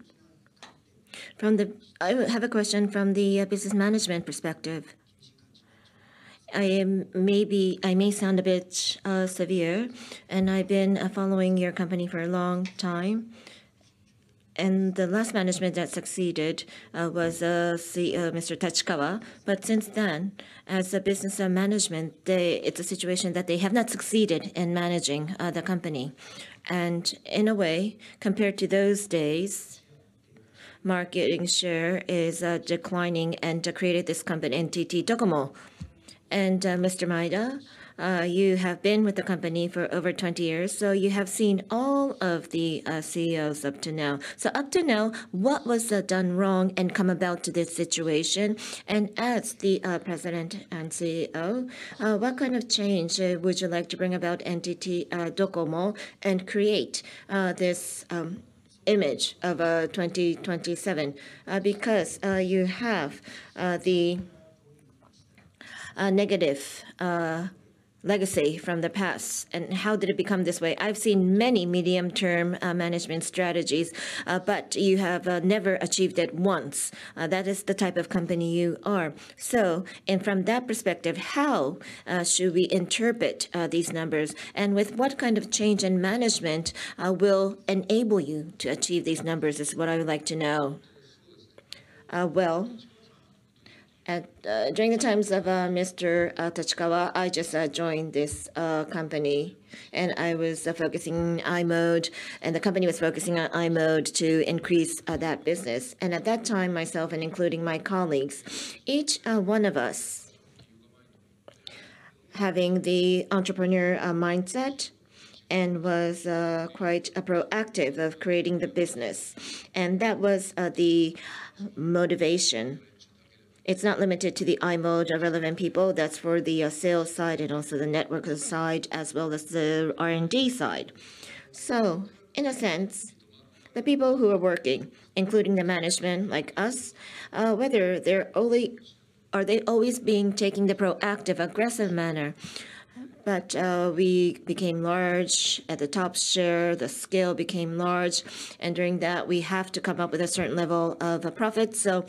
I have a question from the business management perspective. I may sound a bit severe, and I've been following your company for a long time. And the last management that succeeded was CEO Mr. Tachikawa. But since then, as a business management, they... It's a situation that they have not succeeded in managing the company. And in a way, compared to those days, market share is declining and degraded this company, NTT DOCOMO. And Mr. Maeda, you have been with the company for over 20 years, so you have seen all of the CEOs up to now. So up to now, what was done wrong and come about to this situation? As the President and CEO, what kind of change would you like to bring about NTT DOCOMO and create this image of twenty twenty-seven? Because you have the negative legacy from the past, and how did it become this way? I've seen many medium-term management strategies, but you have never achieved it once. That is the type of company you are. So, and from that perspective, how should we interpret these numbers? And with what kind of change in management will enable you to achieve these numbers, is what I would like to know. Well, during the times of Mr. Tachikawa, I just joined this company, and I was focusing on i-mode, and the company was focusing on i-mode to increase that business. And at that time, myself and including my colleagues, each one of us, having the entrepreneurial mindset, and was quite proactive of creating the business. And that was the motivation. It's not limited to the i-mode relevant people, that's for the sales side and also the network side, as well as the R&D side. So in a sense, the people who are working, including the management like us, whether they're only... Are they always being, taking the proactive, aggressive manner? But we became large at the top share, the scale became large, and during that, we have to come up with a certain level of profit, so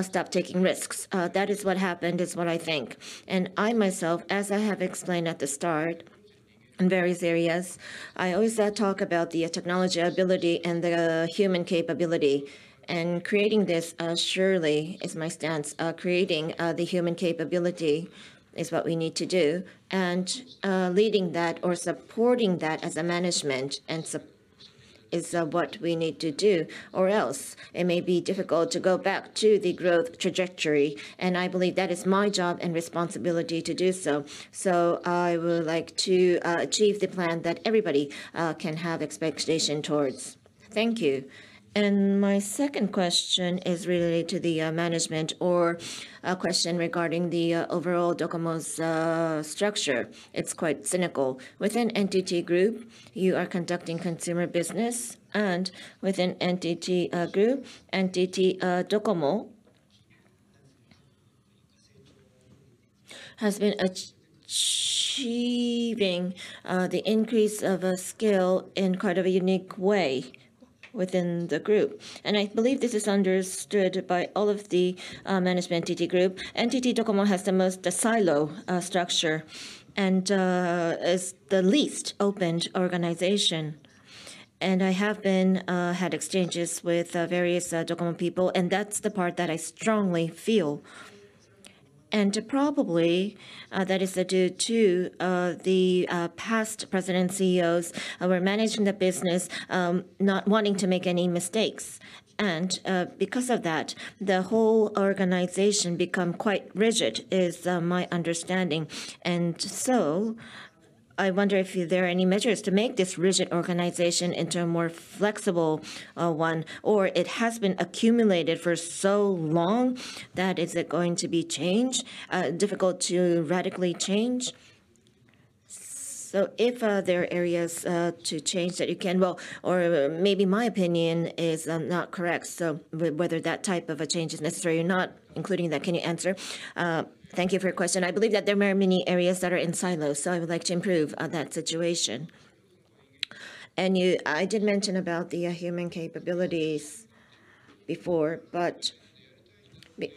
stop taking risks. That is what happened, is what I think. I, myself, as I have explained at the start, I'm very serious. I always talk about the technology ability and the human capability, and creating this surely is my stance. Creating the human capability is what we need to do, and leading that or supporting that as a management and is what we need to do, or else it may be difficult to go back to the growth trajectory, and I believe that is my job and responsibility to do so. I would like to achieve the plan that everybody can have expectation towards. Thank you. My second question is related to the management or a question regarding the overall DOCOMO's structure. It's quite cynical. Within NTT Group, you are conducting consumer business, and within NTT Group, NTT DOCOMO has been achieving the increase of a scale in quite a unique way within the group. I believe this is understood by all of the management NTT Group. NTT DOCOMO has the most silo structure, and is the least opened organization. I have been had exchanges with various DOCOMO people, and that's the part that I strongly feel. Probably, that is due to the past president CEOs who were managing the business not wanting to make any mistakes. Because of that, the whole organization become quite rigid, is my understanding. And so I wonder if there are any measures to make this rigid organization into a more flexible one, or it has been accumulated for so long that is it going to be changed, difficult to radically change? So if there are areas to change that you can... Well, or maybe my opinion is not correct, so whether that type of a change is necessary or not, including that, can you answer? Thank you for your question. I believe that there are many areas that are in silos, so I would like to improve on that situation. And you. I did mention about the human capabilities before, but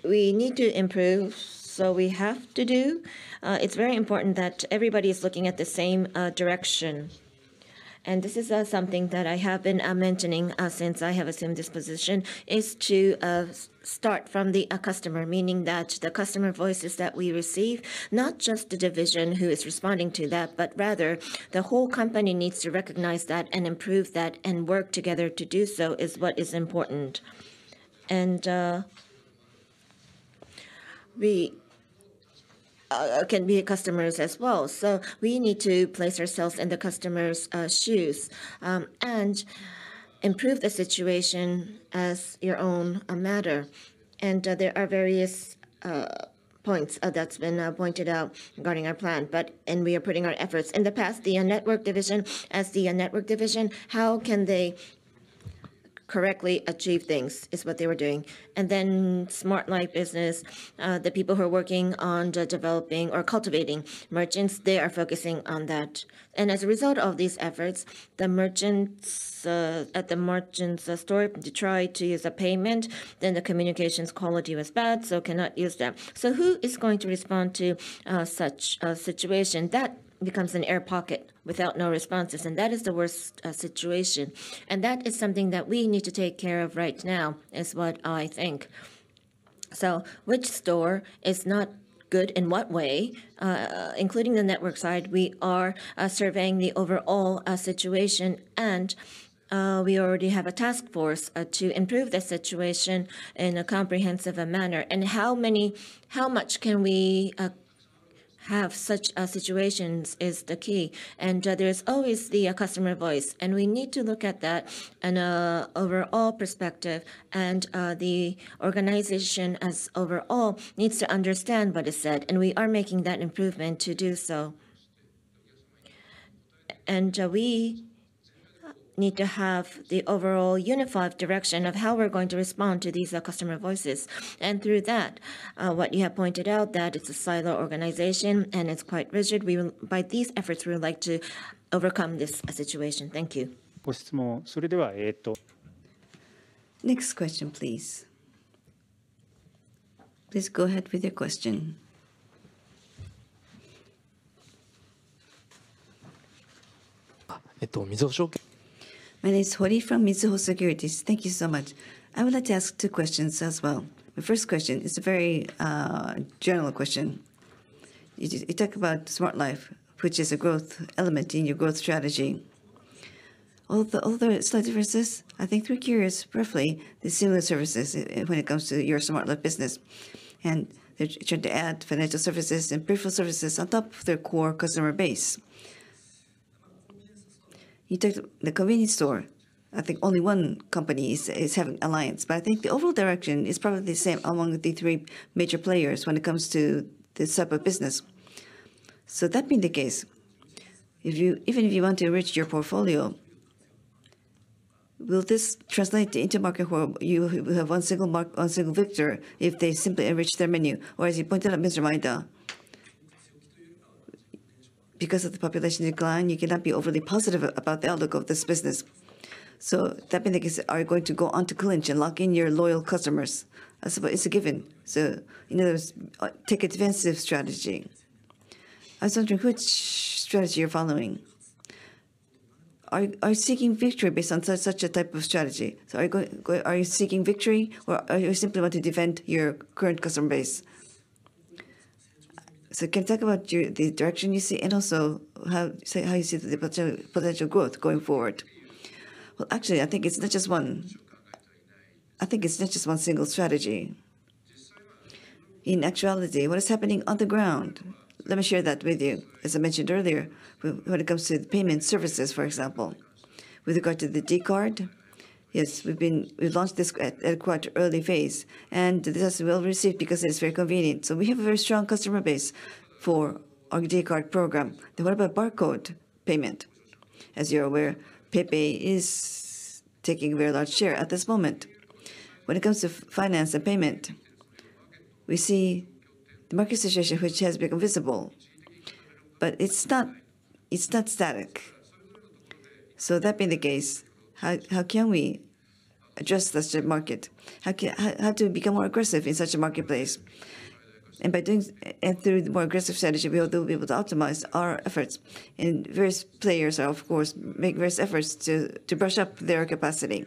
we need to improve, so we have to do. It's very important that everybody is looking at the same direction. This is something that I have been mentioning since I have assumed this position, is to start from the customer. Meaning that the customer voices that we receive, not just the division who is responding to that, but rather the whole company needs to recognize that and improve that, and work together to do so, is what is important. We can be customers as well, so we need to place ourselves in the customer's shoes and improve the situation as your own matter. There are various points that's been pointed out regarding our plan, but we are putting our efforts. In the past, the network division, as the network division, how can they correctly achieve things, is what they were doing. And then Smart Life business, the people who are working on the developing or cultivating merchants, they are focusing on that. And as a result of these efforts, the merchants, at the merchants' store, they try to use a payment, then the communications quality was bad, so cannot use them. So who is going to respond to such a situation? That becomes an air pocket without no responses, and that is the worst situation. And that is something that we need to take care of right now, is what I think. So which store is not good in what way? Including the network side, we are surveying the overall situation, and we already have a task force to improve the situation in a comprehensive manner. And how much can we have such situations is the key. There is always the customer voice, and we need to look at that in a overall perspective, and the organization as overall needs to understand what is said, and we are making that improvement to do so. We need to have the overall unified direction of how we're going to respond to these customer voices. Through that, what you have pointed out, that it's a silo organization and it's quite rigid, we will by these efforts, we would like to overcome this situation. Thank you. Next question, please. Please go ahead with your question. My name is Hori from Mizuho Securities. Thank you so much. I would like to ask two questions as well. The first question is a very general question. You talk about Smart Life, which is a growth element in your growth strategy. Although it slightly resists, I think we're curious, briefly, the similar services when it comes to your Smart Life business. They're trying to add financial services and peripheral services on top of their core customer base. You took the convenience store. I think only one company is having alliance, but I think the overall direction is probably the same among the three major players when it comes to this type of business. So that being the case, if you even if you want to enrich your portfolio, will this translate into a market where you will have one single market one single victor if they simply enrich their menu? Or as you pointed out, Mr. Maeda, because of the population decline, you cannot be overly positive about the outlook of this business. So that being the case, are you going to go on to clinch and lock in your loyal customers? As well, it's a given, so in other words, take a defensive strategy. I was wondering which strategy you're following. Are you seeking victory based on such a type of strategy? So are you going to are you seeking victory, or are you simply want to defend your current customer base? Can you talk about your, the direction you see, and also how, say, how you see the potential growth going forward? Well, actually, I think it's not just one. I think it's not just one single strategy. In actuality, what is happening on the ground? Let me share that with you. As I mentioned earlier, when it comes to the payment services, for example, with regard to the dCARD, yes, we launched this at a quite early phase, and it is well received because it's very convenient. So we have a very strong customer base for our dCARD program. Then what about barcode payment? As you're aware, PayPay is taking a very large share at this moment. When it comes to fintech and payment, we see the market situation, which has become visible, but it's not, it's not static. So that being the case, how can we address the market? How can we become more aggressive in such a marketplace? And by doing and through the more aggressive strategy, we will be able to optimize our efforts. And various players are, of course, making various efforts to brush up their capacity.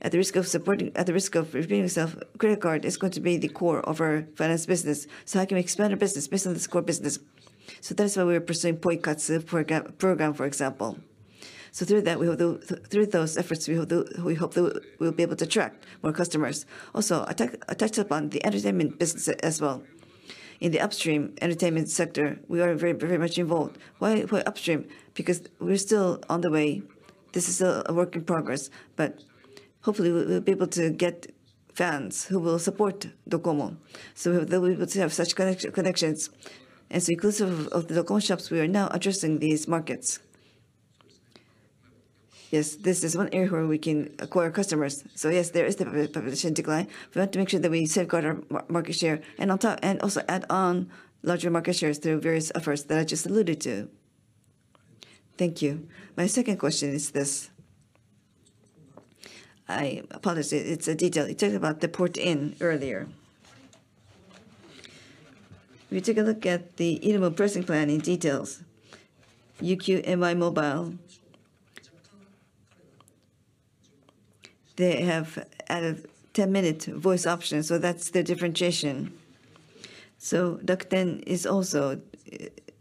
At the risk of repeating myself, credit card is going to be the core of our finance business. So how can we expand our business based on this core business? So that is why we are pursuing Poikatsu program, for example. So through that, we hope through those efforts, we hope we'll be able to attract more customers. Also, I touched upon the entertainment business as well. In the upstream entertainment sector, we are very, very much involved. Why upstream? Because we're still on the way. This is a work in progress, but hopefully, we'll be able to get fans who will support DOCOMO, so we'll be able to have such connections. As inclusive of the DOCOMO shops, we are now addressing these markets. Yes, this is one area where we can acquire customers. So yes, there is the population decline. We want to make sure that we safeguard our market share, and on top... And also add on larger market shares through various efforts that I just alluded to. Thank you. My second question is this: I apologize, it's a detail. You talked about the portion earlier. We took a look at the installment pricing plan in detail. UQ and Y!mobile, they have added a 10-minute voice option, so that's the differentiation. So DOCOMO is also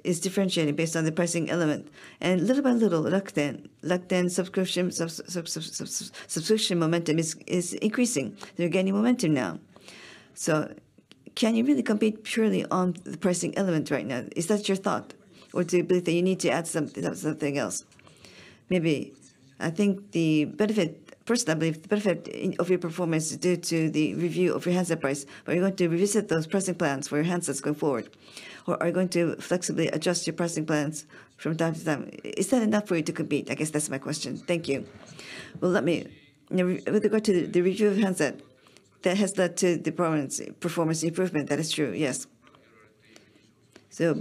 differentiating based on the pricing element. And little by little, DOCOMO subscription momentum is increasing. They're gaining momentum now. So can you really compete purely on the pricing element right now? Is that your thought, or do you believe that you need to add something else? Maybe. I think the benefit. First, I believe the benefit of your performance is due to the review of your handset price. Are you going to revisit those pricing plans for your handsets going forward, or are you going to flexibly adjust your pricing plans from time to time? Is that enough for you to compete? I guess that's my question. Thank you. With regard to the review of handset, that has led to the performance improvement. That is true, yes, so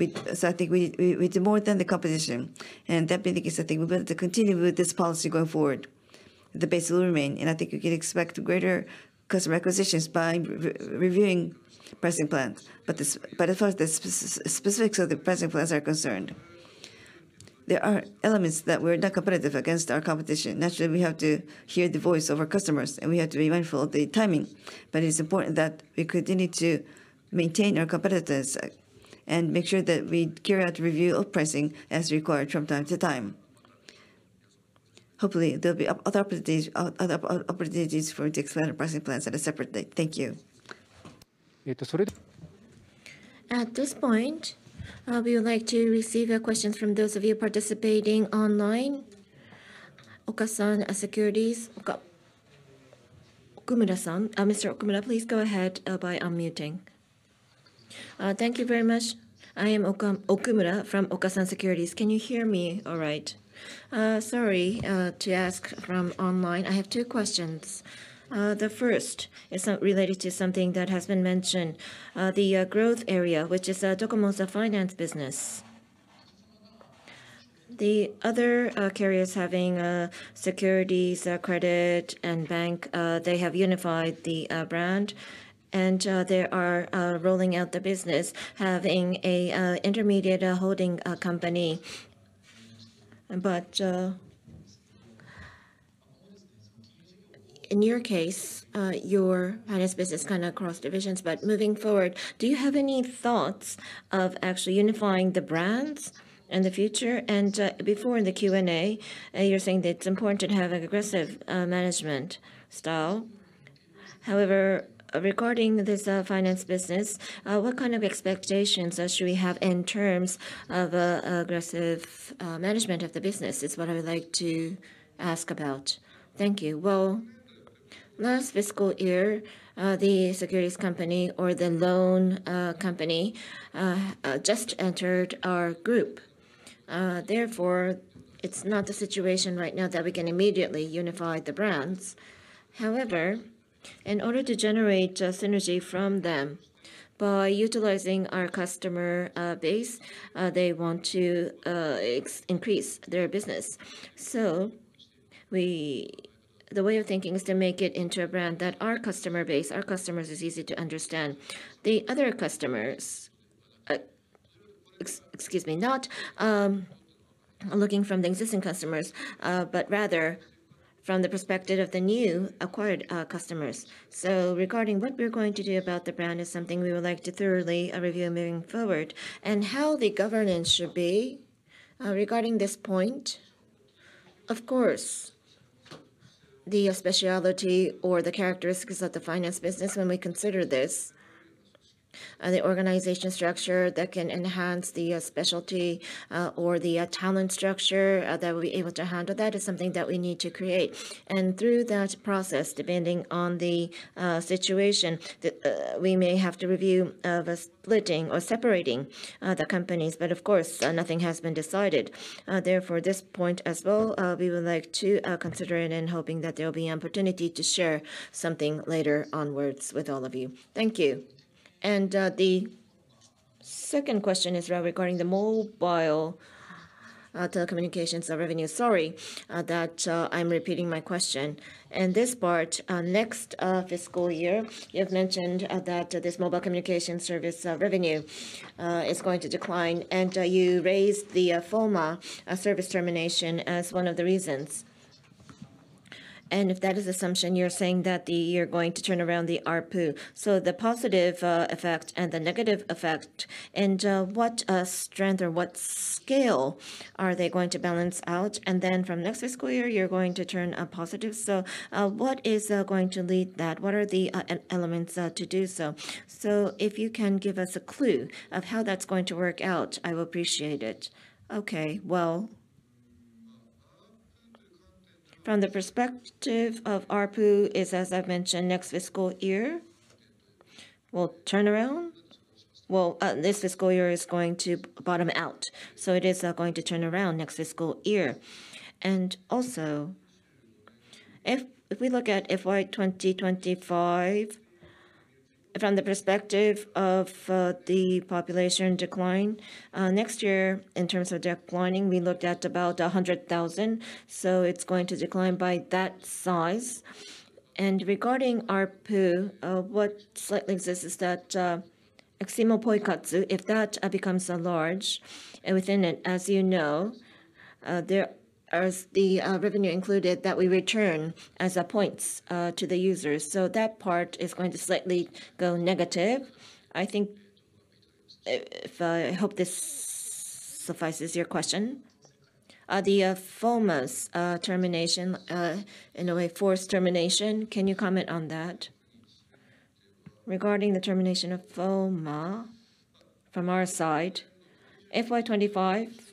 I think we did more than the competition, and that being the case, I think we're going to continue with this policy going forward. The base will remain, and I think you can expect greater customer acquisitions by reviewing pricing plans, but as far as the specifics of the pricing plans are concerned, there are elements that we're not competitive against our competition. Naturally, we have to hear the voice of our customers, and we have to be mindful of the timing, but it's important that we continue to maintain our competitiveness and make sure that we carry out review of pricing as required from time to time. Hopefully, there'll be other opportunities for to expand our pricing plans at a separate date. Thank you. At this point, we would like to receive your questions from those of you participating online. Okasan Securities, Okumura-san, Mr. Okumura, please go ahead by unmuting. Thank you very much. I am Okumura from Okasan Securities. Can you hear me all right? Sorry to ask from online. I have two questions. The first is related to something that has been mentioned, the growth area, which is DOCOMO's finance business. The other carriers having securities, credit, and bank, they have unified the brand, and they are rolling out the business, having a intermediate holding company. But in your case, your finance business kind of cross divisions, but moving forward, do you have any thoughts of actually unifying the brands in the future? Before in the Q&A, you were saying that it's important to have an aggressive management style. However, regarding this finance business, what kind of expectations should we have in terms of aggressive management of the business? That is what I would like to ask about. Thank you. Last fiscal year, the securities company or the loan company just entered our group. Therefore, it's not the situation right now that we can immediately unify the brands. However, in order to generate a synergy from them by utilizing our customer base, they want to increase their business. So we... The way of thinking is to make it into a brand that our customer base, our customers, is easy to understand. The other customers, excuse me, not.... looking from the existing customers, but rather from the perspective of the new acquired, customers. So regarding what we're going to do about the brand is something we would like to thoroughly review moving forward, and how the governance should be, regarding this point, of course, the specialty or the characteristics of the finance business when we consider this, the organization structure that can enhance the specialty or the talent structure that will be able to handle that is something that we need to create, and through that process, depending on the situation, we may have to review the splitting or separating the companies, but of course, nothing has been decided. Therefore, this point as well, we would like to consider it and hoping that there will be an opportunity to share something later onwards with all of you. Thank you. And the second question is regarding the mobile telecommunications revenue. Sorry, that I'm repeating my question. In this part, next fiscal year, you've mentioned that this mobile communication service revenue is going to decline, and you raised the FOMA service termination as one of the reasons. And if that is assumption, you're saying that the-- you're going to turn around the ARPU. So the positive effect and the negative effect, and what strength or what scale are they going to balance out? And then from next fiscal year, you're going to turn positive. So, what is going to lead that? What are the elements to do so? If you can give us a clue of how that's going to work out, I will appreciate it. Okay, well, from the perspective of ARPU, as I've mentioned, next fiscal year will turn around. Well, this fiscal year is going to bottom out, so it is going to turn around next fiscal year. And also, if we look at FY 2025, from the perspective of the population decline, next year, in terms of declining, we looked at about 100,000, so it's going to decline by that size. Regarding ARPU, what slightly exists is that, eximo Poikatsu, if that becomes large within it, as you know, there is the revenue included that we return as points to the users. So that part is going to slightly go negative. I think, if I hope this suffices your question. The FOMA's termination, in a way, forced termination, can you comment on that? Regarding the termination of FOMA, from our side, FY 2025,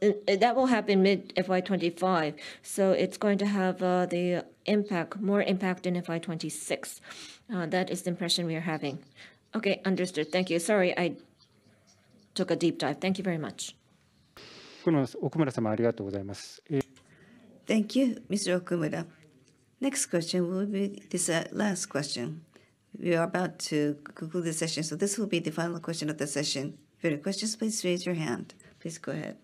that will happen mid-FY 2025, so it's going to have the impact, more impact in FY 2026. That is the impression we are having. Okay, understood. Thank you. Sorry, I took a deep dive. Thank you very much. Thank you, Mr. Okumura. Next question will be this last question. We are about to conclude the session, so this will be the final question of the session. If you have questions, please raise your hand. Please go ahead. ...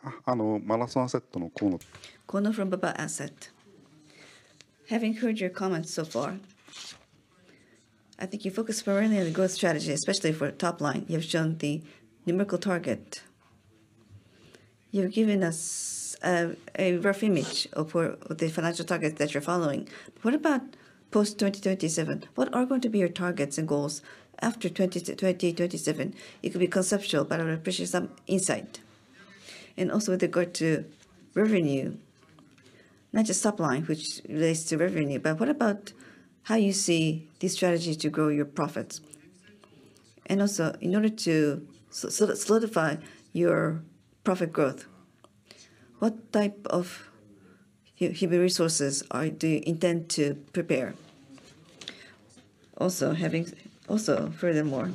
Kono from Bayview Asset Management. Having heard your comments so far, I think you focused primarily on the growth strategy, especially for top line. You've shown the numerical target. You've given us a rough image of the financial targets that you're following. What about post twenty thirty-seven? What are going to be your targets and goals after twenty thirty-seven? It could be conceptual, but I would appreciate some insight. And also with regard to revenue, not just top line, which relates to revenue, but what about how you see the strategy to grow your profits? And also, in order to solidify your profit growth, what type of human resources do you intend to prepare? Also, furthermore,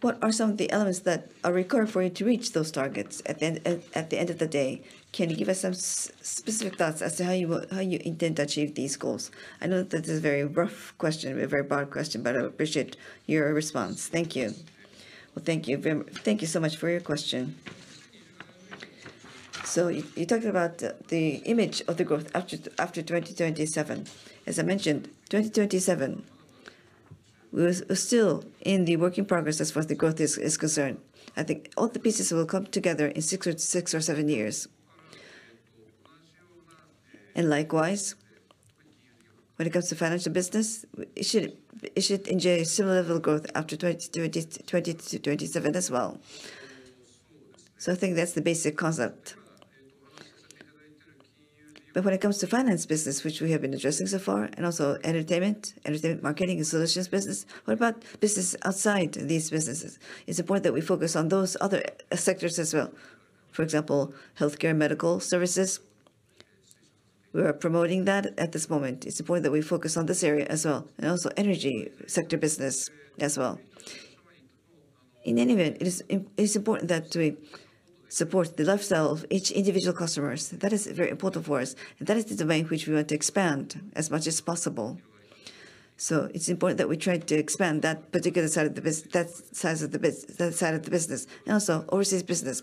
what are some of the elements that are required for you to reach those targets at the end of the day? Can you give us some specific thoughts as to how you intend to achieve these goals? I know that this is a very rough question, a very broad question, but I appreciate your response. Thank you. Thank you so much for your question. So you talked about the image of the growth after twenty thirty-seven. As I mentioned, twenty thirty-seven, we're still in the working progress as far as the growth is concerned. I think all the pieces will come together in six or seven years. Likewise, when it comes to financial business, it should enjoy a similar level of growth after twenty twenty to twenty-seven as well. So I think that's the basic concept. But when it comes to finance business, which we have been addressing so far, and also entertainment, entertainment marketing and solutions business, what about business outside these businesses? It's important that we focus on those other sectors as well. For example, healthcare and medical services. We are promoting that at this moment. It's important that we focus on this area as well, and also energy sector business as well. In any event, it is important that we support the lifestyle of each individual customers. That is very important for us, and that is the domain which we want to expand as much as possible. So it's important that we try to expand that particular side of the business. And also, overseas business,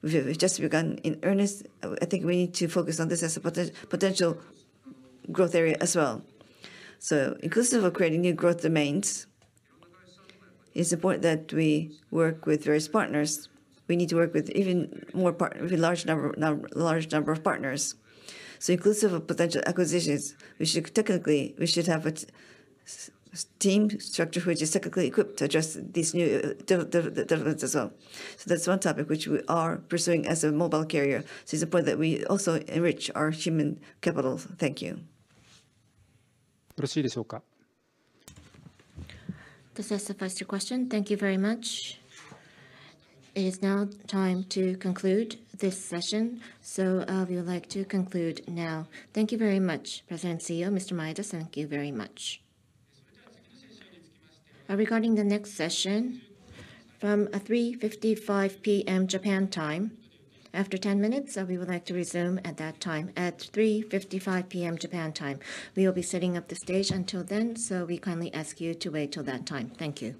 we've just begun in earnest. I think we need to focus on this as a potential growth area as well. So inclusive of creating new growth domains, it's important that we work with various partners. We need to work with even more, with a large number of partners. So inclusive of potential acquisitions, we should technically have a team structure which is technically equipped to address these new developments as well. So that's one topic which we are pursuing as a mobile carrier. So it's important that we also enrich our human capital. Thank you. Does that suffice your question? Thank you very much. It is now time to conclude this session, so we would like to conclude now. Thank you very much, President and CEO, Mr. Maeda. Thank you very much. Regarding the next session, from 3:55 P.M. Japan time, after ten minutes, we would like to resume at that time, at 3:55 P.M. Japan time. We will be setting up the stage until then, so we kindly ask you to wait till that time. Thank you. ...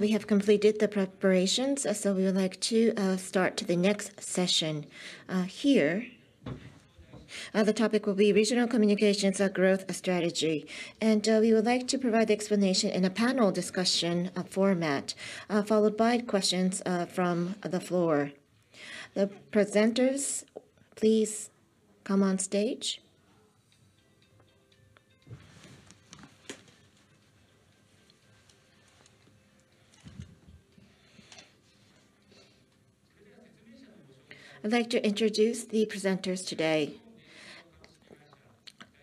We have completed the preparations, so we would like to start the next session here. The topic will be Regional Communications: A Growth Strategy. And we would like to provide the explanation in a panel discussion format followed by questions from the floor. The presenters, please come on stage. I'd like to introduce the presenters today.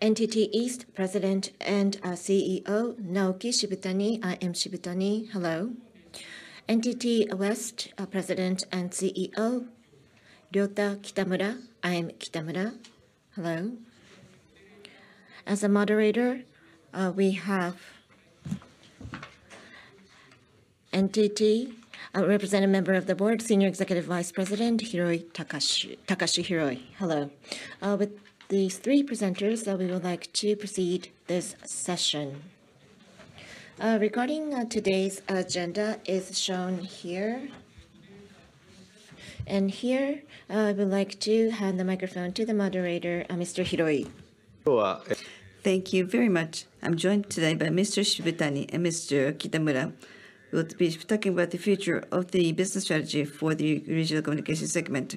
NTT East President and CEO Naoki Shibutani. I am Shibutani. Hello. NTT West President and CEO Ryota Kitamura. I am Kitamura. Hello. As a moderator, we have NTT, a Representative Member of the Board, Senior Executive Vice President Takashi Hiroi. Hello. With these three presenters, we would like to proceed this session. Regarding today's agenda is shown here, and here, I would like to hand the microphone to the moderator, Mr. Hiroi. Thank you very much. I'm joined today by Mr. Shibutani and Mr. Kitamura, who will be talking about the future of the business strategy for the regional communication segment.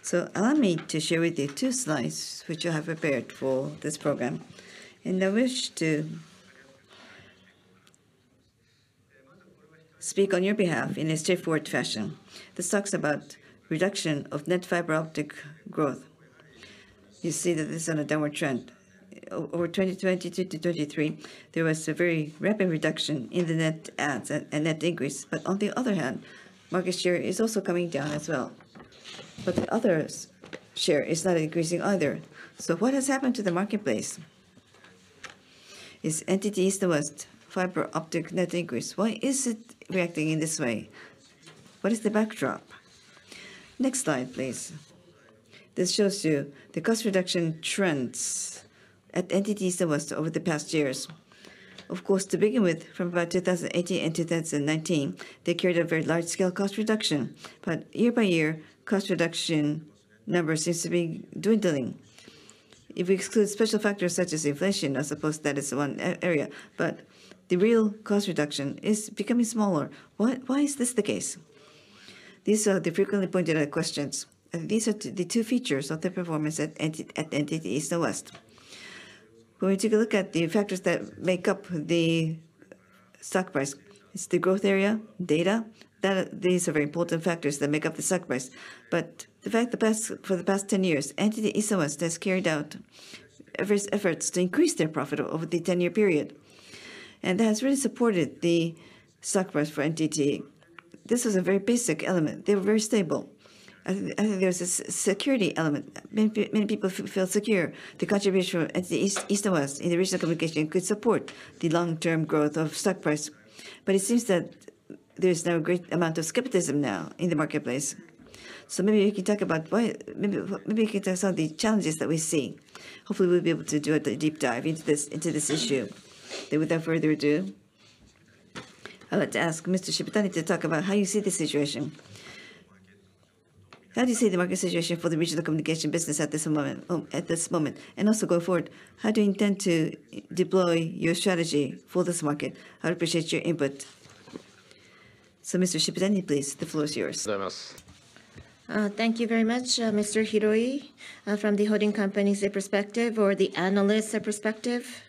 So allow me to share with you two slides, which I have prepared for this program, and I wish to speak on your behalf in a straightforward fashion. This talks about reduction of net fiber optic growth. You see that this is on a downward trend. Over 2022 to 2023, there was a very rapid reduction in the net adds and net increase. But on the other hand, market share is also coming down as well. But the others' share is not increasing either. So what has happened to the marketplace? Is NTT East the worst fiber optic net increase? Why is it reacting in this way? What is the backdrop? Next slide, please. This shows you the cost reduction trends at NTT East and West over the past years. Of course, to begin with, from about 2018 and 2019, they carried a very large-scale cost reduction. But year by year, cost reduction number seems to be dwindling. If we exclude special factors such as inflation, I suppose that is one area, but the real cost reduction is becoming smaller. Why, why is this the case? These are the frequently pointed out questions. These are the two features of the performance at NTT East and West. When we take a look at the factors that make up the stock price, it's the growth area, data. These are very important factors that make up the stock price. But in fact, for the past ten years, NTT East and West has carried out various efforts to increase their profit over the ten-year period, and that has really supported the stock price for NTT. This is a very basic element. They were very stable, and there was a security element. Many people feel secure. The contribution at the East and West in the regional communication could support the long-term growth of stock price. But it seems that there's now a great amount of skepticism in the marketplace. So maybe you can tell us some of the challenges that we see. Hopefully, we'll be able to do a deep dive into this issue. Then without further ado, I'd like to ask Mr. Shibutani to talk about how you see the situation. How do you see the market situation for the Regional Communications Business at this moment? And also going forward, how do you intend to deploy your strategy for this market? I appreciate your input. So Mr. Shibutani, please, the floor is yours. Thank you very much, Mr. Hiroi. From the holding company's perspective or the analyst's perspective,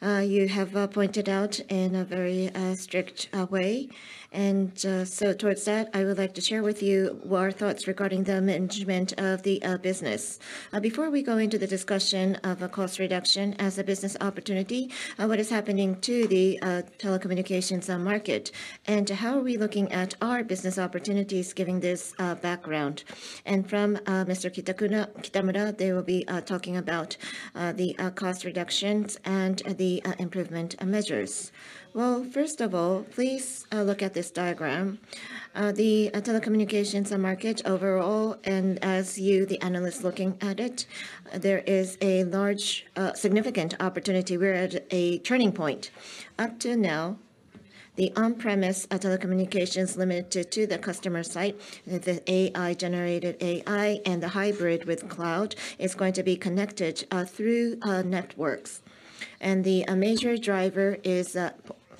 you have pointed out in a very strict way, and so towards that, I would like to share with you our thoughts regarding the management of the business. Before we go into the discussion of a cost reduction as a business opportunity, what is happening to the telecommunications market, and how are we looking at our business opportunities given this background, and from Mr. Kitamura, they will be talking about the cost reductions and the improvement measures. First of all, please look at this diagram. The telecommunications market overall, and as you, the analyst, looking at it, there is a large significant opportunity. We're at a turning point. Up to now, the on-premise telecommunications limited to the customer site, the AI, generated AI, and the hybrid with cloud is going to be connected through networks. And the major driver is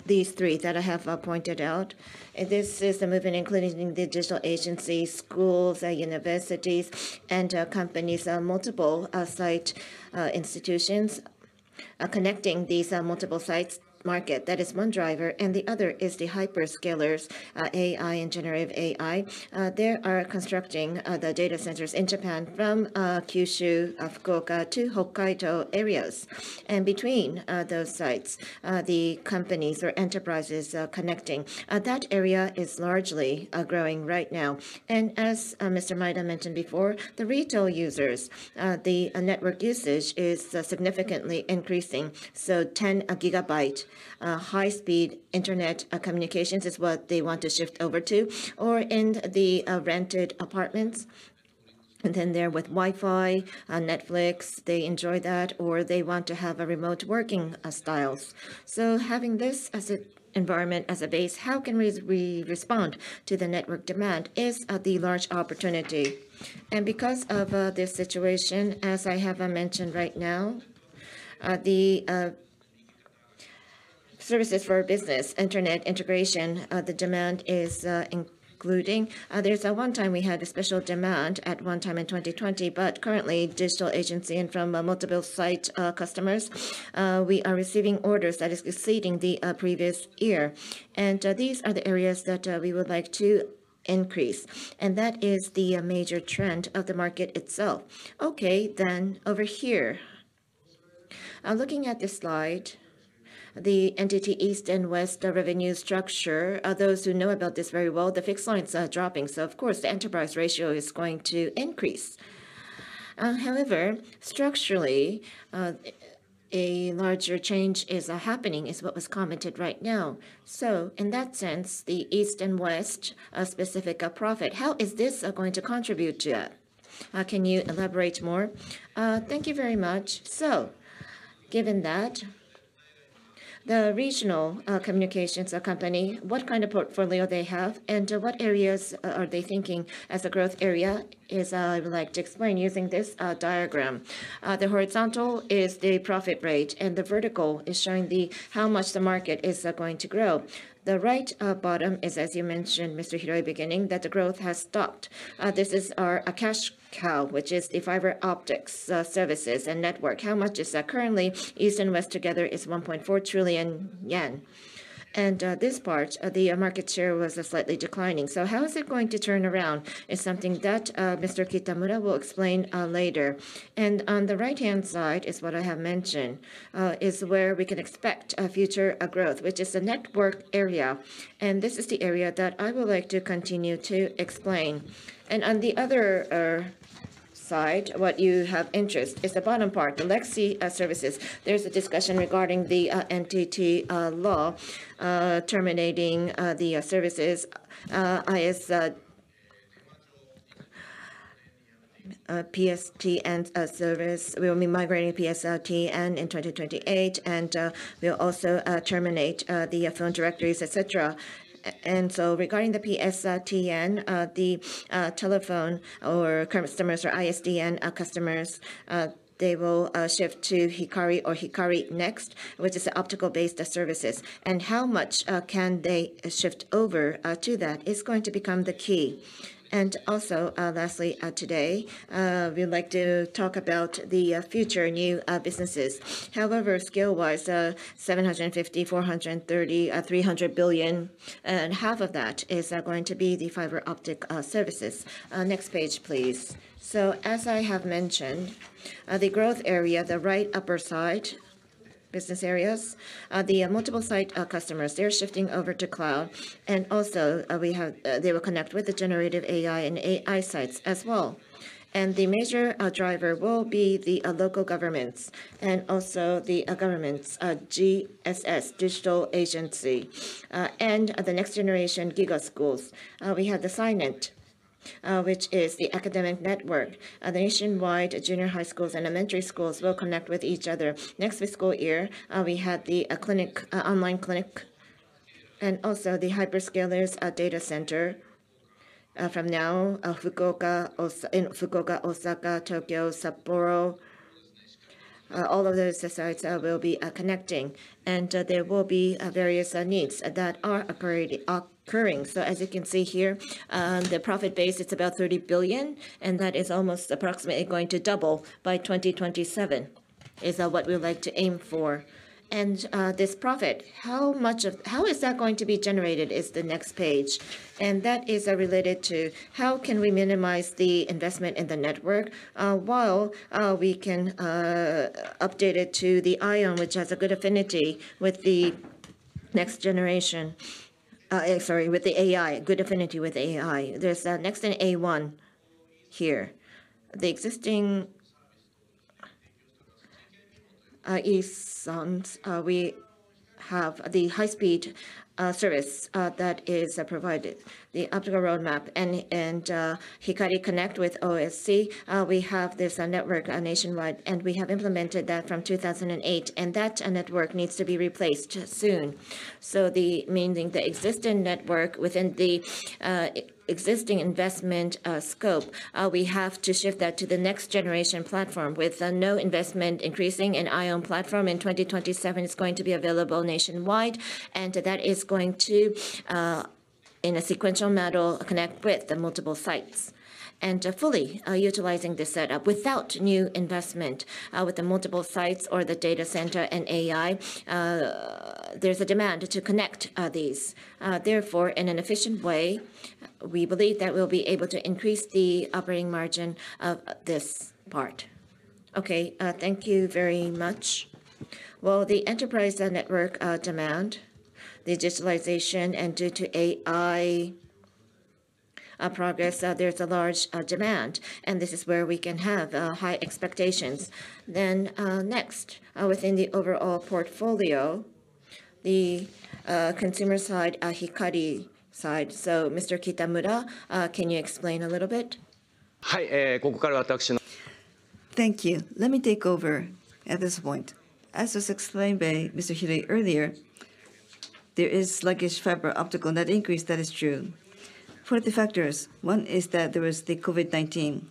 these three that I have pointed out. This is a movement including the Digital Agency, schools, universities, and companies multiple site institutions. Connecting these multiple sites market, that is one driver, and the other is the hyperscalers AI and generative AI. They are constructing the data centers in Japan from Kyushu Fukuoka to Hokkaido areas. And between those sites, the companies or enterprises are connecting. That area is largely growing right now. And as Mr. Maeda mentioned before, the retail users the network usage is significantly increasing. So 10 gigabit high-speed internet communications is what they want to shift over to, or in the rented apartments, and then there with Wi-Fi, Netflix, they enjoy that, or they want to have a remote working styles. So having this as an environment, as a base, how can we respond to the network demand is the large opportunity. And because of this situation, as I have mentioned right now, the services for business, internet integration, the demand is including. There's one time we had a special demand in 2020, but currently, Digital Agency and from multiple site customers, we are receiving orders that is exceeding the previous year. These are the areas that we would like to increase, and that is the major trend of the market itself. Okay, then over here. Looking at this slide, the NTT East and NTT West, the revenue structure, those who know about this very well, the fixed lines are dropping. So of course, the enterprise ratio is going to increase. However, structurally, a larger change is happening, is what was commented right now. In that sense, the East and West, a specific profit, how is this going to contribute to that? Can you elaborate more? Thank you very much. Given that, the regional communications company, what kind of portfolio they have, and what areas are they thinking as a growth area, is I would like to explain using this diagram. The horizontal is the profit rate, and the vertical is showing how much the market is going to grow. The right bottom is, as you mentioned, Mr. Hiroi, beginning, that the growth has stopped. This is our cash cow, which is the fiber optics services and network. How much is that? Currently, East and West together is 1.4 trillion yen. And this part, the market share was slightly declining. So how is it going to turn around is something that Mr. Kitamura will explain later. And on the right-hand side is what I have mentioned is where we can expect a future growth, which is the network area, and this is the area that I would like to continue to explain. And on the other side, what you have interest is the bottom part, the legacy services. There's a discussion regarding the NTT Law terminating the services, ISDN, PSTN service. We will be migrating PSTN in twenty twenty-eight, and we'll also terminate the phone directories, et cetera. And so regarding the PSTN, the telephone or current customers or ISDN customers, they will shift to Hikari or Hikari Next, which is the optical-based services. And how much can they shift over to that is going to become the key. And also, lastly, today, we'd like to talk about the future new businesses. However, scale-wise, 750 billion, 430 billion, 300 billion, and half of that is going to be the fiber optic services. Next page, please. So as I have mentioned, the growth area, the right upper side, business areas, the multiple site customers, they're shifting over to cloud, and also, they will connect with the generative AI and AI sites as well. And the major driver will be the local governments and also the governments, GSS, Digital Agency, and the next generation GIGA Schools. We have the SINET, which is the academic network. The nationwide junior high schools and elementary schools will connect with each other. Next school year, we have the online clinic and also the hyperscalers data center. From now, in Fukuoka, Osaka, Tokyo, Sapporo, all of those sites will be connecting, and there will be various needs that are occurring. So as you can see here, the profit base, it's about 30 billion, and that is almost approximately going to double by 2027, is what we would like to aim for. And this profit, how much of... How is that going to be generated, is the next page. And that is related to: How can we minimize the investment in the network, while we can update it to the IOWN, which has a good affinity with the next generation, sorry, with the AI, good affinity with AI? There's next in A one here. The existing is, we have the high-speed service that is provided, the optical roadmap and, and, Hikari Connect with OSC. We have this network nationwide, and we have implemented that from 2008, and that network needs to be replaced soon. So the... Meaning the existing network within the existing investment scope, we have to shift that to the next generation platform with no investment increasing, and IOWN platform in 2027 is going to be available nationwide, and that is going to, in a sequential model, connect with the multiple sites. And, fully, utilizing this setup without new investment, with the multiple sites or the data center and AI, there's a demand to connect these. Therefore, in an efficient way, we believe that we'll be able to increase the operating margin of this part. Okay, thank you very much. The enterprise and network demand, the digitalization, and due to AI progress, there's a large demand, and this is where we can have high expectations. Next, within the overall portfolio, the consumer side, Hikari side. So Mr. Kitamura, can you explain a little bit? Thank you. Let me take over at this point. As was explained by Mr. Hiroi earlier, there is sluggish fiber optic net increase, that is true. For the factors, one is that there was the COVID-19.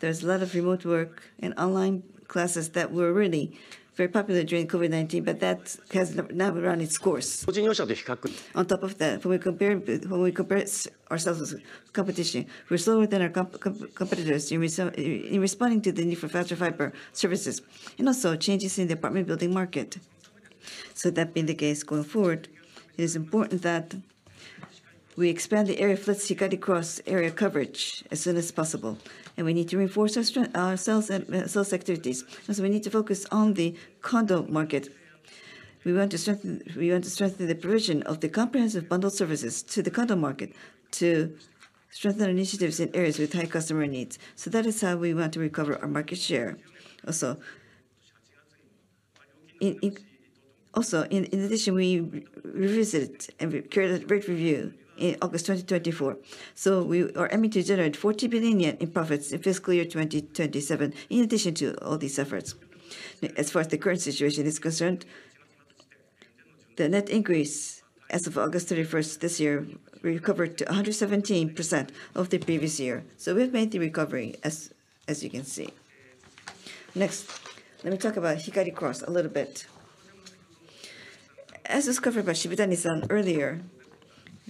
There's a lot of remote work and online classes that were really very popular during COVID-19, but that has now run its course. On top of that, when we compare ourselves with competition, we're slower than our competitors in responding to the need for faster fiber services and also changes in the apartment building market. So that being the case, going forward, it is important that we expand the area for Hikari Cross area coverage as soon as possible, and we need to reinforce our sales and sales activities. Also, we need to focus on the condo market. We want to strengthen the provision of the comprehensive bundled services to the condo market, to strengthen our initiatives in areas with high customer needs. So that is how we want to recover our market share. Also, in addition, we revisit and carry out a great review in August 2024. So we are aiming to generate 40 billion yen in profits in fiscal year 2027, in addition to all these efforts. As far as the current situation is concerned, the net increase as of August 31st this year, we recovered to 117% of the previous year. So we've made the recovery, as you can see. Next, let me talk about Hikari Cross a little bit. As was covered by Shibutani-san earlier,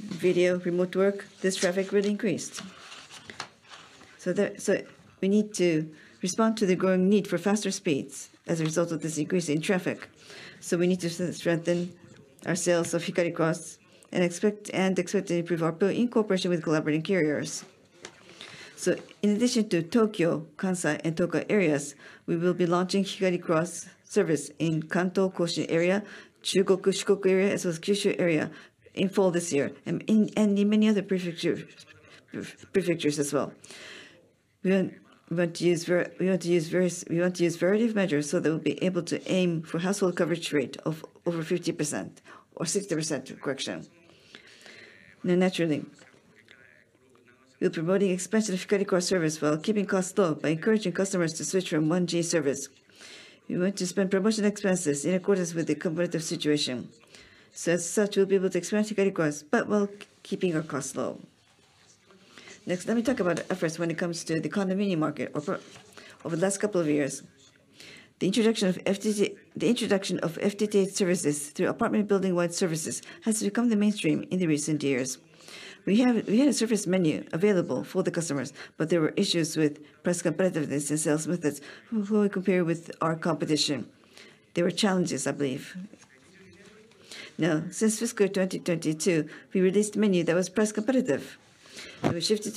video, remote work, this traffic really increased. We need to respond to the growing need for faster speeds as a result of this increase in traffic. We need to strengthen our sales of Hikari Cross, and expect to improve our bill in cooperation with collaborating carriers. In addition to Tokyo, Kansai, and Tokai areas, we will be launching Hikari Cross service in Kanto, Kyushu area, Chugoku, Shikoku area, as well as Kyushu area in fall this year, and in many other prefectures as well. We want to use a variety of measures, so that we'll be able to aim for household coverage rate of over 50% or 60%, correction. Now, naturally, we're promoting expansion of Hikari Cross service while keeping costs low by encouraging customers to switch from 1G service. We want to spend promotion expenses in accordance with the competitive situation. So as such, we'll be able to expand Hikari Cross, but while keeping our costs low. Next, let me talk about efforts when it comes to the condominium market over the last couple of years. The introduction of FTT, the introduction of FTTH services through apartment building-wide services, has become the mainstream in the recent years. We have, we had a service menu available for the customers, but there were issues with price competitiveness and sales methods when we compare with our competition. There were challenges, I believe. Now, since fiscal 2022, we released a menu that was price competitive. We shifted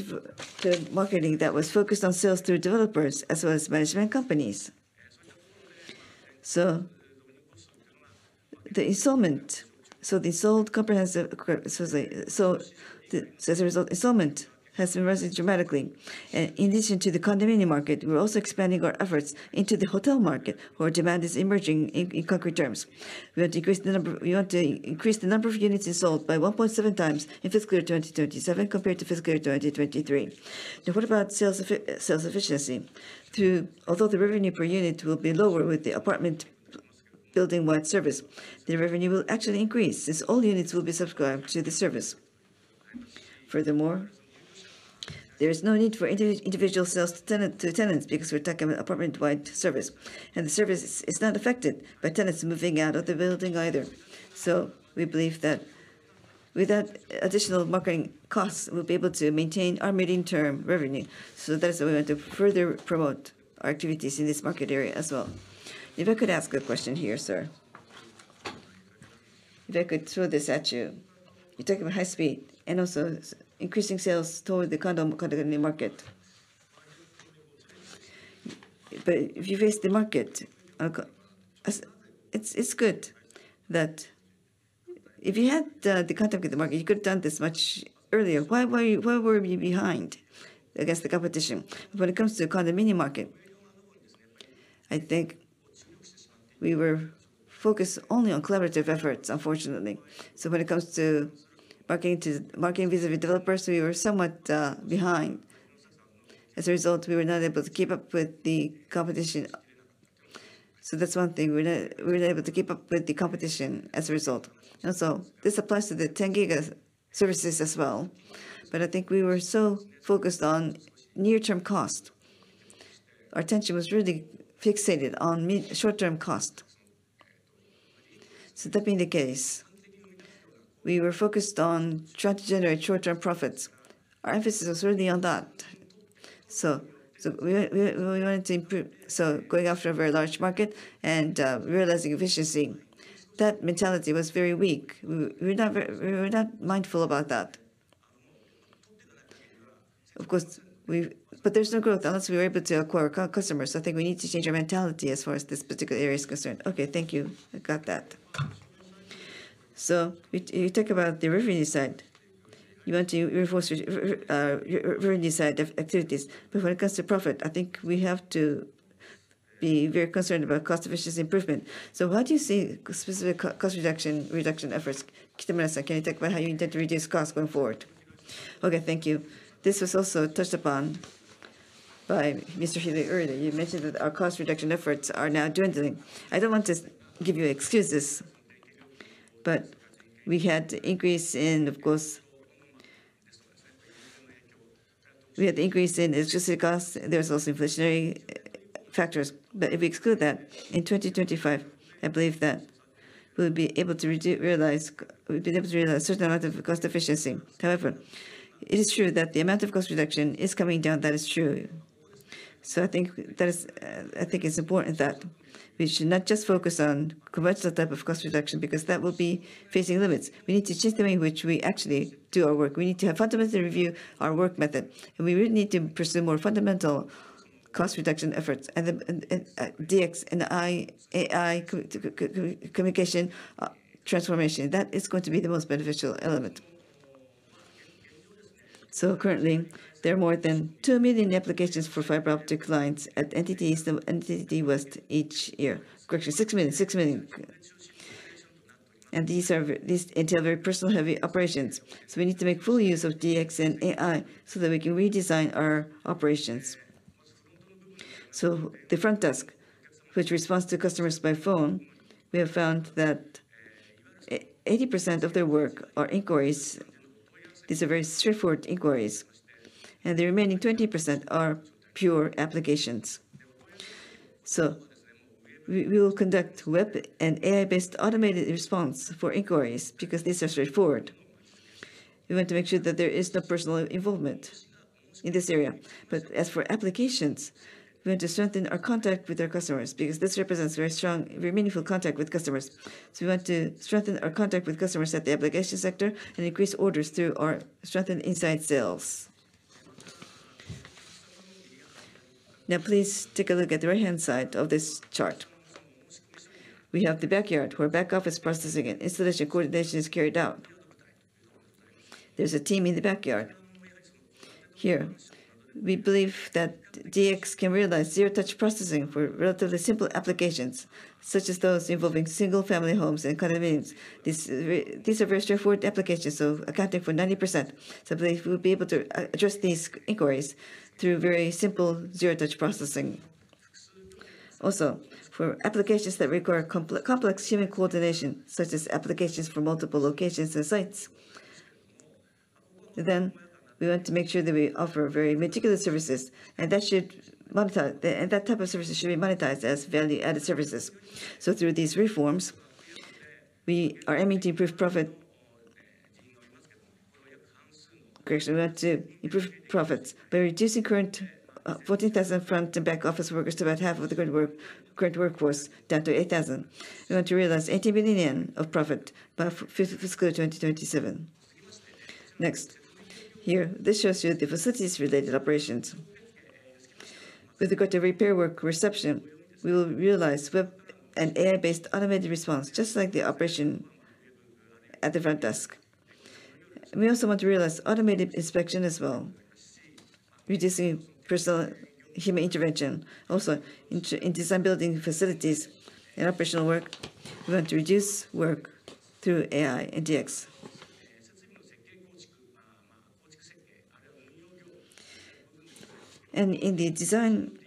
to marketing that was focused on sales through developers as well as management companies. So as a result, installment has been rising dramatically. In addition to the condominium market, we're also expanding our efforts into the hotel market, where demand is emerging in concrete terms. We want to increase the number of units sold by 1.7 times in fiscal 2027 compared to fiscal 2023. Now, what about sales efficiency? Although the revenue per unit will be lower with the apartment building-wide service, the revenue will actually increase, since all units will be subscribed to the service. Furthermore, there is no need for individual sales to tenants because we're talking about apartment-wide service, and the service is not affected by tenants moving out of the building either. So we believe that without additional marketing costs, we'll be able to maintain our medium-term revenue. So that is why we want to further promote our activities in this market area as well. If I could ask a question here, sir. If I could throw this at you. You're talking about high speed and also increasing sales toward the condo, condominium market. But if you face the market, it's good that if you had the contact with the market, you could have done this much earlier. Why were you behind against the competition? When it comes to the condominium market, I think we were focused only on collaborative efforts, unfortunately. So when it comes to marketing to, marketing vis-à-vis developers, we were somewhat behind. As a result, we were not able to keep up with the competition. So that's one thing, we were not able to keep up with the competition as a result. So this applies to the ten giga services as well. But I think we were so focused on near-term cost. Our attention was really fixated on short-term cost. So that being the case, we were focused on trying to generate short-term profits. Our emphasis was really on that. So we wanted to improve, so going after a very large market and realizing efficiency, that mentality was very weak. We were not very mindful about that. Of course, we... But there's no growth unless we are able to acquire customers. So I think we need to change our mentality as far as this particular area is concerned. Okay, thank you. I got that. So you talk about the revenue side. You want to reinforce revenue side of activities. But when it comes to profit, I think we have to be very concerned about cost efficiency improvement. So what do you see specific cost reduction efforts? Kitamura-san, can you talk about how you intend to reduce costs going forward? Okay, thank you. This was also touched upon by Mr. Hiroi earlier. You mentioned that our cost reduction efforts are now doing the thing. I don't want to give you excuses, but we had increase in, of course. We had the increase in electricity costs. There was also inflationary factors. But if we exclude that, in 2025, I believe that we'll be able to realize, we'll be able to realize a certain amount of cost efficiency. However, it is true that the amount of cost reduction is coming down. That is true. I think that is. I think it's important that we should not just focus on commercial type of cost reduction, because that will be facing limits. We need to change the way in which we actually do our work. We need to fundamentally review our work method, and we really need to pursue more fundamental cost reduction efforts and DX and AI communication transformation. That is going to be the most beneficial element. Currently, there are more than two million applications for fiber optic lines at NTT East and NTT West each year. Correct, six million, six million. And these entail very personnel heavy operations. We need to make full use of DX and AI so that we can redesign our operations. The front desk, which responds to customers by phone, we have found that 80% of their work or inquiries is a very straightforward inquiries, and the remaining 20% are pure applications. We will conduct web and AI-based automated response for inquiries because these are straightforward. We want to make sure that there is no personal involvement in this area. But as for applications, we want to strengthen our contact with our customers because this represents very strong, very meaningful contact with customers. We want to strengthen our contact with our customers at the application sector and increase orders through our strengthened inside sales. Now, please take a look at the right-hand side of this chart. We have the backyard, where back office processing and installation coordination is carried out. There is a team in the backyard. Here, we believe that DX can realize zero-touch processing for relatively simple applications, such as those involving single-family homes and condominiums. These are very straightforward applications, so accounting for 90%. So I believe we'll be able to address these inquiries through very simple zero-touch processing. Also, for applications that require complex human coordination, such as applications for multiple locations and sites, then we want to make sure that we offer very meticulous services, and that should monetize. And that type of services should be monetized as value-added services. So through these reforms, we are aiming to improve profit. Correct, we want to improve profits by reducing current 14,000 front and back office workers to about half of the current workforce, down to 8,000. We want to realize 80 billion JPY of profit by fiscal year 2027. Next. Here, this shows you the facilities-related operations. With regard to repair work reception, we will realize web and AI-based automated response, just like the operation at the front desk. We also want to realize automated inspection as well, reducing personal human intervention. Also, in design building facilities and operational work, we want to reduce work through AI and DX. And in the design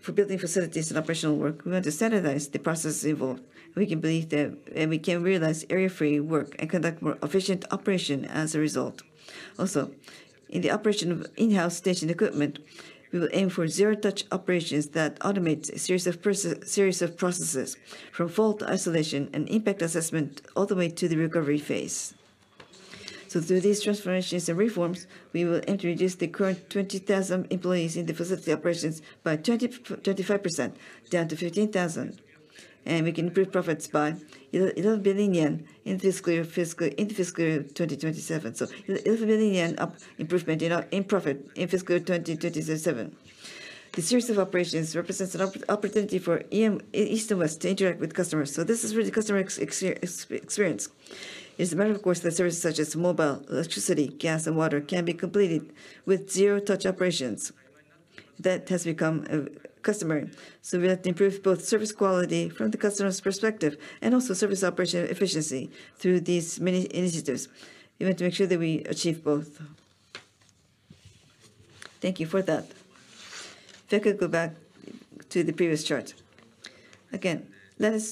for building facilities and operational work, we want to standardize the process involved. We can believe that, and we can realize error-free work and conduct more efficient operation as a result. Also, in the operation of in-house station equipment, we will aim for zero-touch operations that automate a series of processes, from fault isolation and impact assessment all the way to the recovery phase. Through these transformations and reforms, we will reduce the current 20,000 employees in the facility operations by 25%, down to 15,000, and we can improve profits by 11 billion yen in fiscal year 2027. This represents an 11 billion yen improvement in our profit in fiscal year 2027. The series of operations represents an opportunity for NTT East and West to interact with customers. This is really customer experience. It is a matter, of course, that services such as mobile, electricity, gas, and water can be completed with zero-touch operations. That has become a customer. We have to improve both service quality from the customer's perspective and also service operation efficiency through these many initiatives. We want to make sure that we achieve both. Thank you for that. If you could go back to the previous chart. Again, let us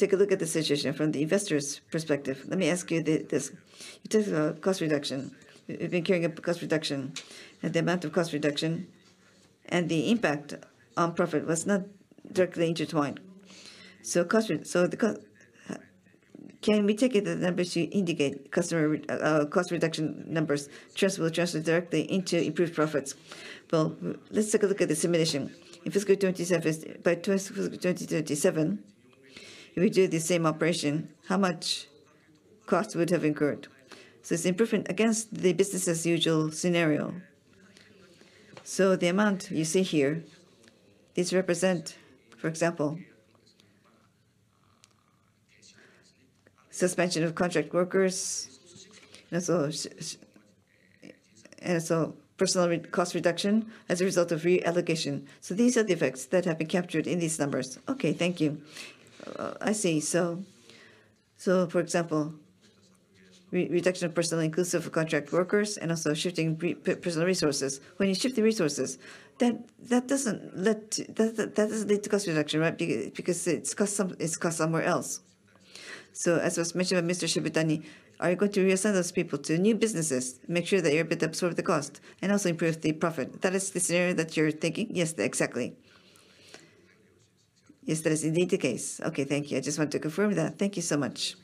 take a look at the situation from the investor's perspective. Let me ask you this: You talked about cost reduction. We've been carrying out cost reduction, and the amount of cost reduction and the impact on profit was not directly intertwined. So, can we take it the numbers you indicate customer re, cost reduction numbers transfer, will transfer directly into improved profits? Well, let's take a look at the simulation. In fiscal twenty twenty-seven, if we do the same operation, how much cost would have incurred? So it's improvement against the business as usual scenario. So the amount you see here, these represent, for example, suspension of contract workers, and so cost reduction as a result of reallocation. These are the effects that have been captured in these numbers. Okay, thank you. I see. So for example, reduction of personnel inclusive of contract workers and also shifting personal resources. When you shift the resources, then that doesn't lead to cost reduction, right? Because it costs somewhere else. So as was mentioned by Mr. Shibutani, are you going to reassign those people to new businesses, make sure that you're able to absorb the cost, and also improve the profit? That is the scenario that you're thinking? Yes, exactly. Yes, that is indeed the case. Okay, thank you. I just wanted to confirm that. Thank you so much.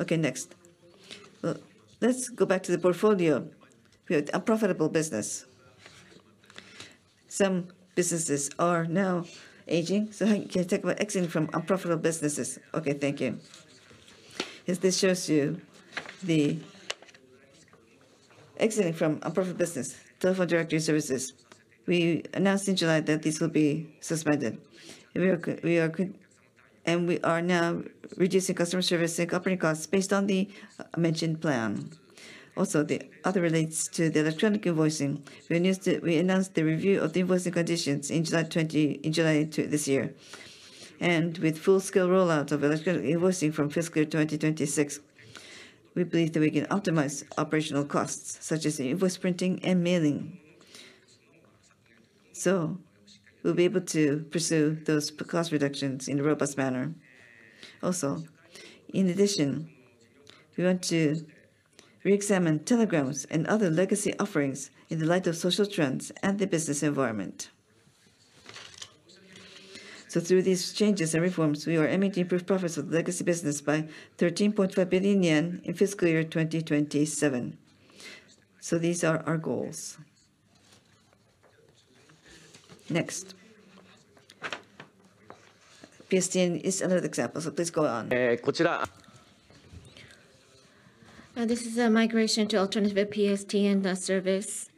Okay, next. Well, let's go back to the portfolio. We have unprofitable business. Some businesses are now aging, so can you talk about exiting from unprofitable businesses? Okay, thank you. Yes, this shows you the exit from unprofitable business. Telephone directory services, we announced in July that these will be suspended. We are now reducing customer service and operating costs based on the mentioned plan. Also, the other relates to the electronic invoicing. We announced the review of the invoicing conditions in July of this year. With full-scale rollout of electronic invoicing from fiscal year 2026, we believe that we can optimize operational costs, such as invoice printing and mailing. So we'll be able to pursue those cost reductions in a robust manner. Also, in addition, we want to reexamine telegrams and other legacy offerings in the light of social trends and the business environment. Through these changes and reforms, we are aiming to improve profits of the legacy business by 13.5 billion yen in fiscal year 2027. These are our goals. Next. PSTN is another example, so please go on. This is a migration to alternative PSTN service.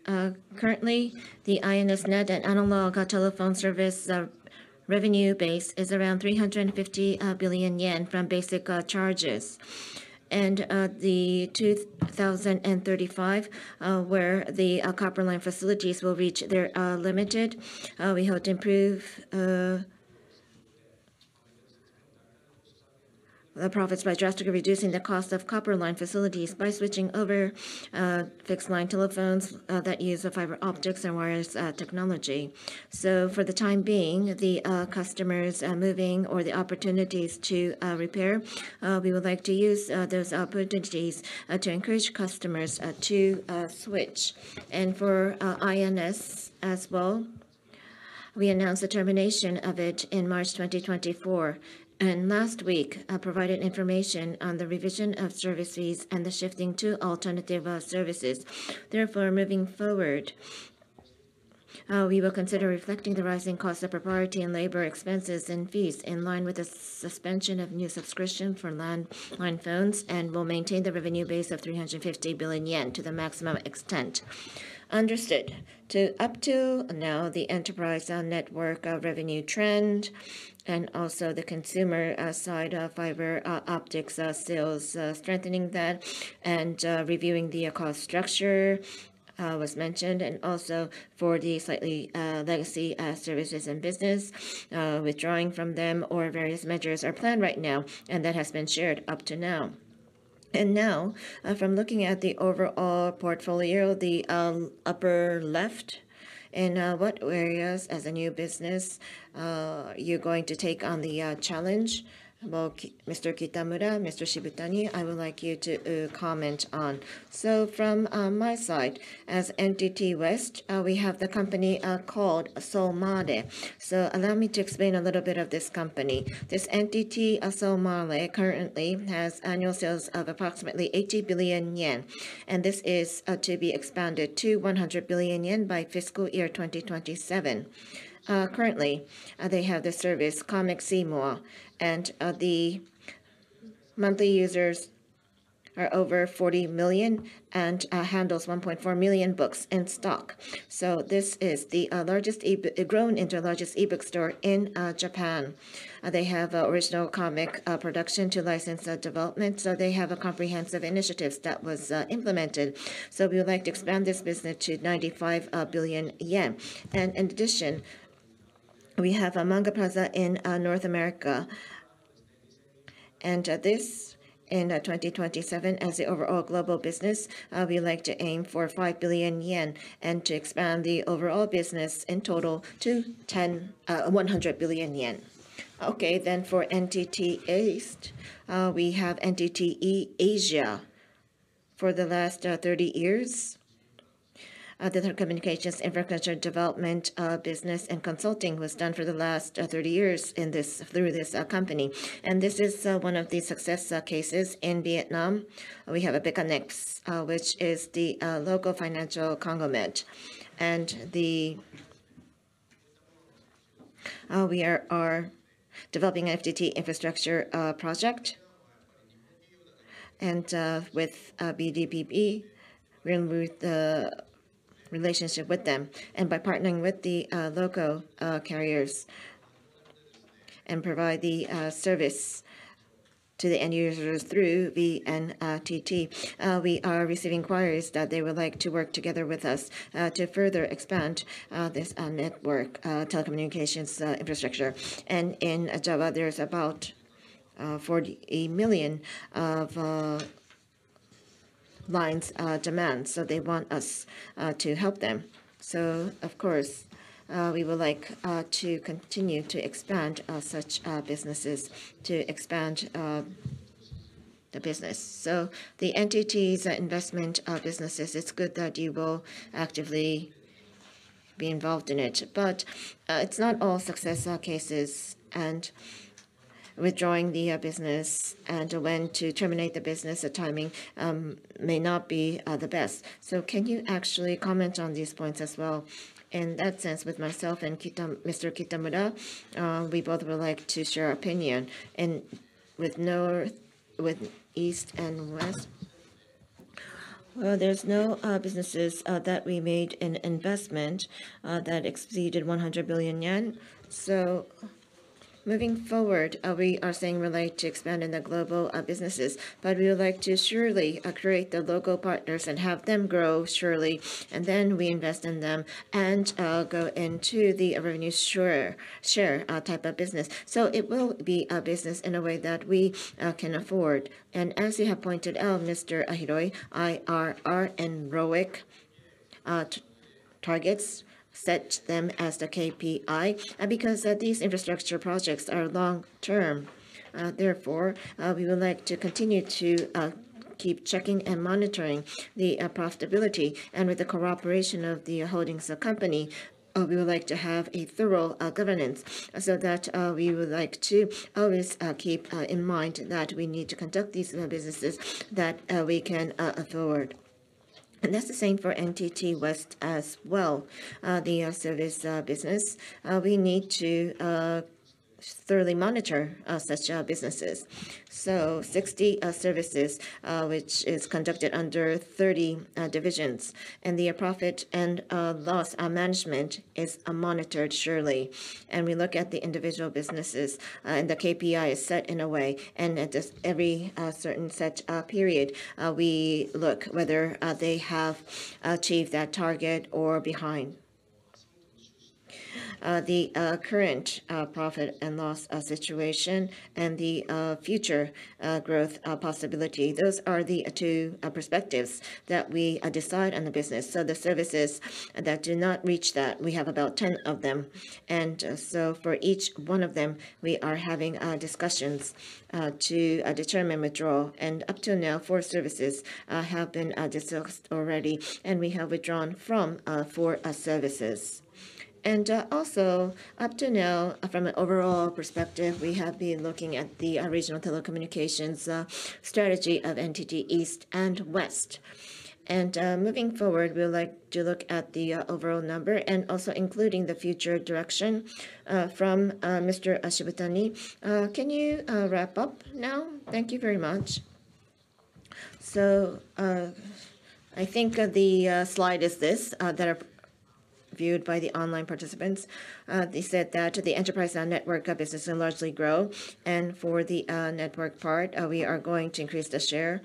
Currently, the INS-Net and analog telephone service revenue base is around 350 billion yen from basic charges, and the 2035 where the copper line facilities will reach their limit, we hope to improve the profits by drastically reducing the cost of copper line facilities by switching over fixed-line telephones that use fiber optics and wireless technology, so for the time being, the customers moving or the opportunities to repair, we would like to use those opportunities to encourage customers to switch. And for ISDN as well, we announced the termination of it in March 2024, and last week provided information on the revision of services and the shifting to alternative services. Therefore, moving forward, we will consider reflecting the rising costs of electricity and labor expenses and fees in line with the suspension of new subscription for landline phones, and we'll maintain the revenue base of 350 billion yen to the maximum extent. Understood. Up to now, the enterprise network revenue trend and also the consumer side of fiber optics sales strengthening that and reviewing the cost structure was mentioned, and also for the slightly legacy services and business withdrawing from them or various measures are planned right now, and that has been shared up to now. Now, from looking at the overall portfolio, the upper left, in what areas as a new business you're going to take on the challenge? Mr. Kitamura, Mr. Shibutani, I would like you to comment on. From my side, as NTT West, we have the company called Solmare. Allow me to explain a little bit of this company. This entity, Solmare, currently has annual sales of approximately 80 billion yen, and this is to be expanded to 100 billion yen by fiscal year 2027. Currently, they have the service, Comic SIM, and the monthly users are over 40 million and handles 1.4 million books in stock. This is the largest ebook. It's grown into the largest ebook store in Japan. They have original comic production to license and development, so they have comprehensive initiatives that was implemented. So we would like to expand this business to 95 billion yen. And in addition, we have a Manga Plaza in North America. And this in 2027, as the overall global business, we like to aim for 5 billion yen and to expand the overall business in total to 101 billion yen. Okay, then for NTT East, we have NTT e-Asia. For the last 30 years, the telecommunications infrastructure development business and consulting was done for the last 30 years in this through this company. And this is one of the success cases. In Vietnam, we have Becamex, which is the local financial conglomerate, and the... We are developing an FTT infrastructure project, and with BDPP, we improve the relationship with them, and by partnering with the local carriers and provide the service to the end users through the NTT. We are receiving inquiries that they would like to work together with us to further expand this network telecommunications infrastructure. And in Java, there is about 48 million of lines demand, so they want us to help them. So of course, we would like to continue to expand such businesses to expand the business. So the entities, the investment businesses, it's good that you will actively be involved in it. It's not all success cases, and withdrawing the business and when to terminate the business, the timing may not be the best. So can you actually comment on these points as well? In that sense, with myself and Mr. Kitamura, we both would like to share our opinion, and with NTT, with East and West. There's no businesses that we made in investment that exceeded 100 billion yen. Moving forward, we are saying we'd like to expand in the global businesses, but we would like to surely create the local partners and have them grow surely, and then we invest in them and go into the revenue share type of business. It will be a business in a way that we can afford. As you have pointed out, Mr. Hiroi, IRR and ROIC targets set them as the KPI, and because these infrastructure projects are long-term, therefore, we would like to continue to keep checking and monitoring the profitability. And with the cooperation of the holdings company, we would like to have a thorough governance so that we would like to always keep in mind that we need to conduct these businesses that we can afford. And that's the same for NTT West as well. The service business we need to thoroughly monitor such businesses. 60 services which is conducted under 30 divisions, and the profit and loss management is monitored surely. And we look at the individual businesses, and the KPI is set in a way, and at every certain set period, we look whether they have achieved that target or behind. The current profit and loss situation and the future growth possibility, those are the two perspectives that we decide on the business. So the services that do not reach that, we have about ten of them. And so for each one of them, we are having discussions to determine withdrawal. And up till now, four services have been discussed already, and we have withdrawn from four services. And also, up to now, from an overall perspective, we have been looking at the regional telecommunications strategy of NTT East and NTT West. Moving forward, we would like to look at the overall number and also including the future direction from Mr. Shibutani. Can you wrap up now? Thank you very much. I think the slide is this that are viewed by the online participants. They said that the enterprise and network business will largely grow, and for the network part, we are going to increase the share.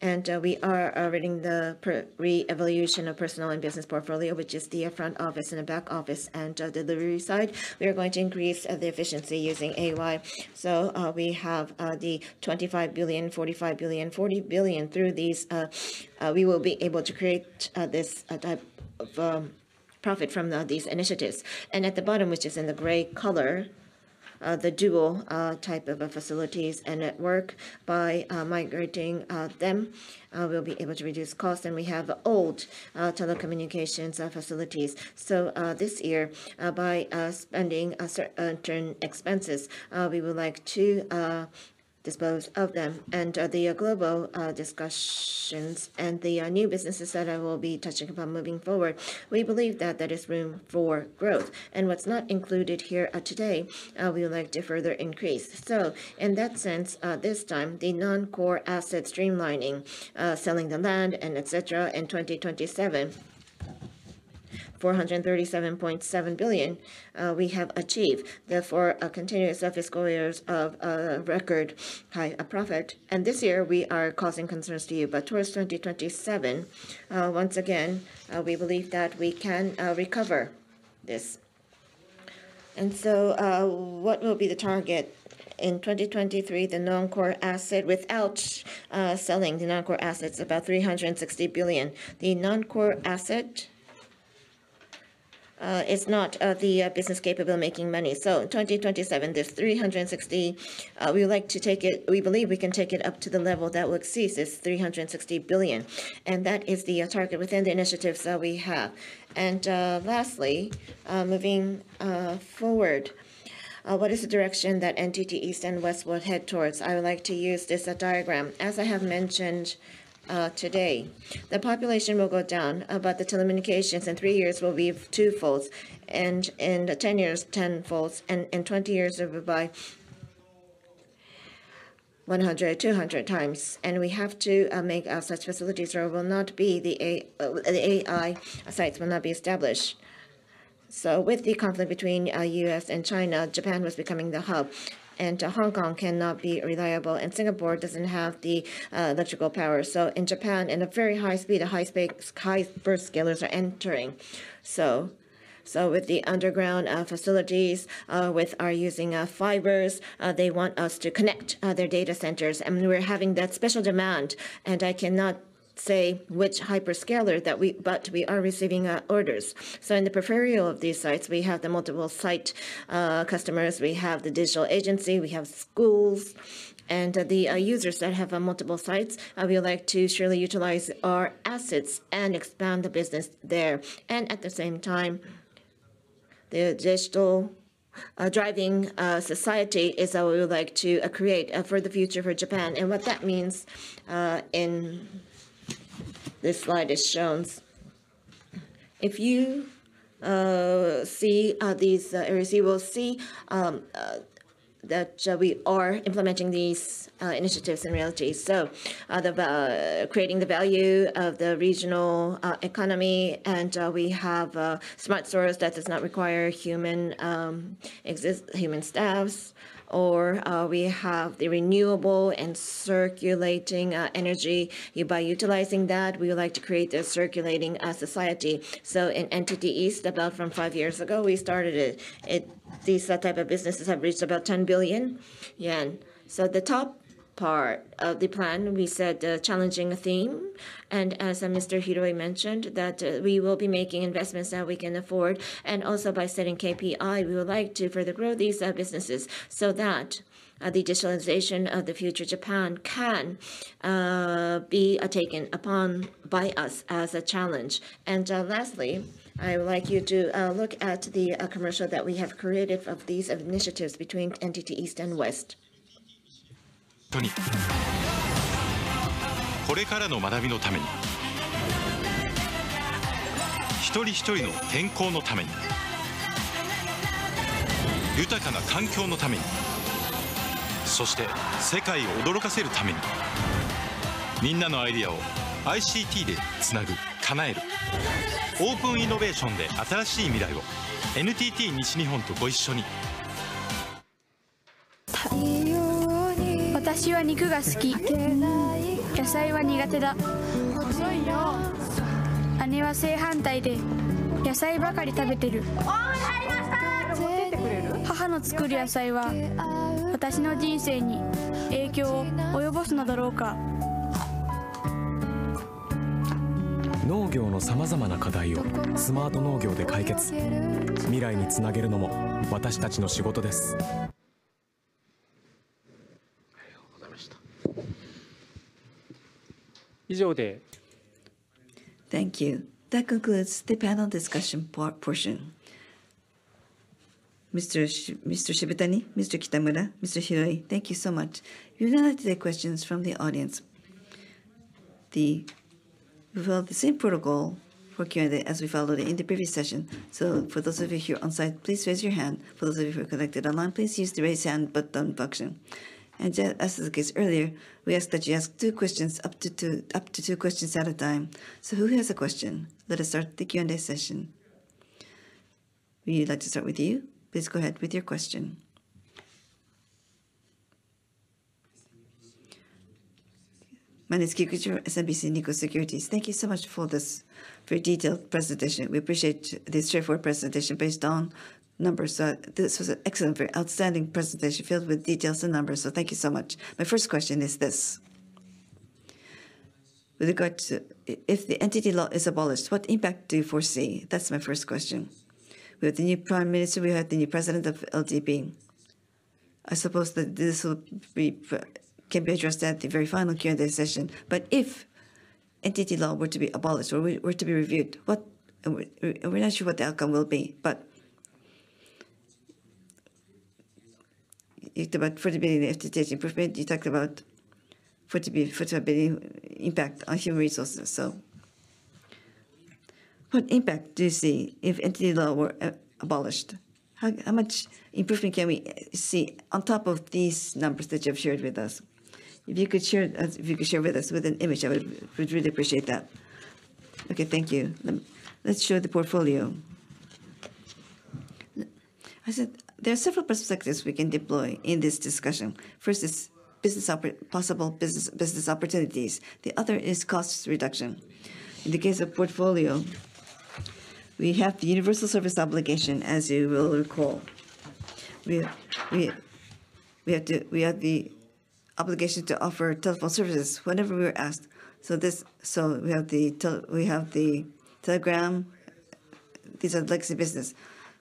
And we are arranging the reevaluation of personal and business portfolio, which is the front office and the back office. And the delivery side, we are going to increase the efficiency using AI. We have the 25 billion JPY, 45 billion JPY, 40 billion JPY. Through these, we will be able to create this type of profit from these initiatives. And at the bottom, which is in the gray color, the dual type of facilities and network. By migrating them, we'll be able to reduce cost. And we have old telecommunications facilities. So this year, by spending certain expenses, we would like to dispose of them. And the global discussions and the new businesses that I will be touching upon moving forward, we believe that there is room for growth. And what's not included here today, we would like to further increase. So in that sense, this time, the non-core asset streamlining, selling the land and et cetera, in twenty twenty-seven, 437.7 billion, we have achieved, therefore, continuous fiscal years of record high profit. This year, we are causing concerns to you. Towards 2027, once again, we believe that we can recover this. What will be the target? In 2023, the non-core asset, without selling the non-core assets, about 360 billion. The non-core asset is not the business capable of making money. In 2027, this 360 billion, we would like to take it. We believe we can take it up to the level that would cease this 360 billion, and that is the target within the initiatives that we have. Lastly, moving forward, what is the direction that NTT East and NTT West will head towards? I would like to use this diagram. As I have mentioned, today, the population will go down, but the telecommunications in three years will be twofold, and in ten years, tenfold, and in twenty years, it will be by one hundred, two hundred times. And we have to make such facilities, or the AI sites will not be established. So with the conflict between U.S. and China, Japan was becoming the hub, and Hong Kong cannot be reliable, and Singapore doesn't have the electrical power. So in Japan, in a very high speed, high burst hyperscalers are entering. So with the underground facilities with are using fibers, they want us to connect their data centers, and we're having that special demand, and I cannot say which hyperscaler that we, but we are receiving orders. So in the periphery of these sites, we have the multiple site customers, we have the Digital Agency, we have schools, and the users that have multiple sites. We would like to surely utilize our assets and expand the business there. And at the same time, the digital driving society is how we would like to create for the future for Japan. And what that means in this slide is shown. If you see these areas, you will see that we are implementing these initiatives in reality. So, creating the value of the regional economy, and we have smart stores that does not require human staffs, or we have the renewable and circulating energy. By utilizing that, we would like to create a circulating society. In NTT East, about from five years ago, we started it. These type of businesses have reached about 10 billion yen. The top part of the plan, we set a challenging theme, and as Mr. Hiroi mentioned, that we will be making investments that we can afford. Also by setting KPI, we would like to further grow these businesses so that the digitalization of the future Japan can be taken upon by us as a challenge. Lastly, I would like you to look at the commercial that we have created of these initiatives between NTT East and West. Thank you. That concludes the panel discussion portion. Mr. Shibutani, Mr. Kitamura, Mr. Hiroi, thank you so much. We would now like to take questions from the audience. We follow the same protocol for Q&A as we followed in the previous session. So for those of you here on site, please raise your hand. For those of you who are connected online, please use the Raise Hand button function. And just as the case earlier, we ask that you ask two questions, up to two, up to two questions at a time. So who has a question? Let us start the Q&A session. We would like to start with you. Please go ahead with your question. My name is Kikuchi, SMBC Nikko Securities. Thank you so much for this very detailed presentation. We appreciate this straightforward presentation based on numbers. This was an excellent, very outstanding presentation filled with details and numbers, so thank you so much. My first question is this: with regard to if the NTT law is abolished, what impact do you foresee? That's my first question. We have the new prime minister, we have the new president of LDP. I suppose that this will be can be addressed at the very final Q&A session. But if NTT law were to be abolished or were to be reviewed, what. And we, and we're not sure what the outcome will be, but you talked about further being NTT improvement, you talked about further being impact on human resources. So what impact do you see if NTT law were abolished? How much improvement can we see on top of these numbers that you have shared with us? If you could share with us with an image, I would really appreciate that. Okay, thank you. Let's show the portfolio. There are several perspectives we can deploy in this discussion. First is possible business opportunities. The other is cost reduction. In the case of portfolio, we have the universal service obligation, as you will recall. We have the obligation to offer telephone services whenever we are asked. So we have the telegram. These are legacy business.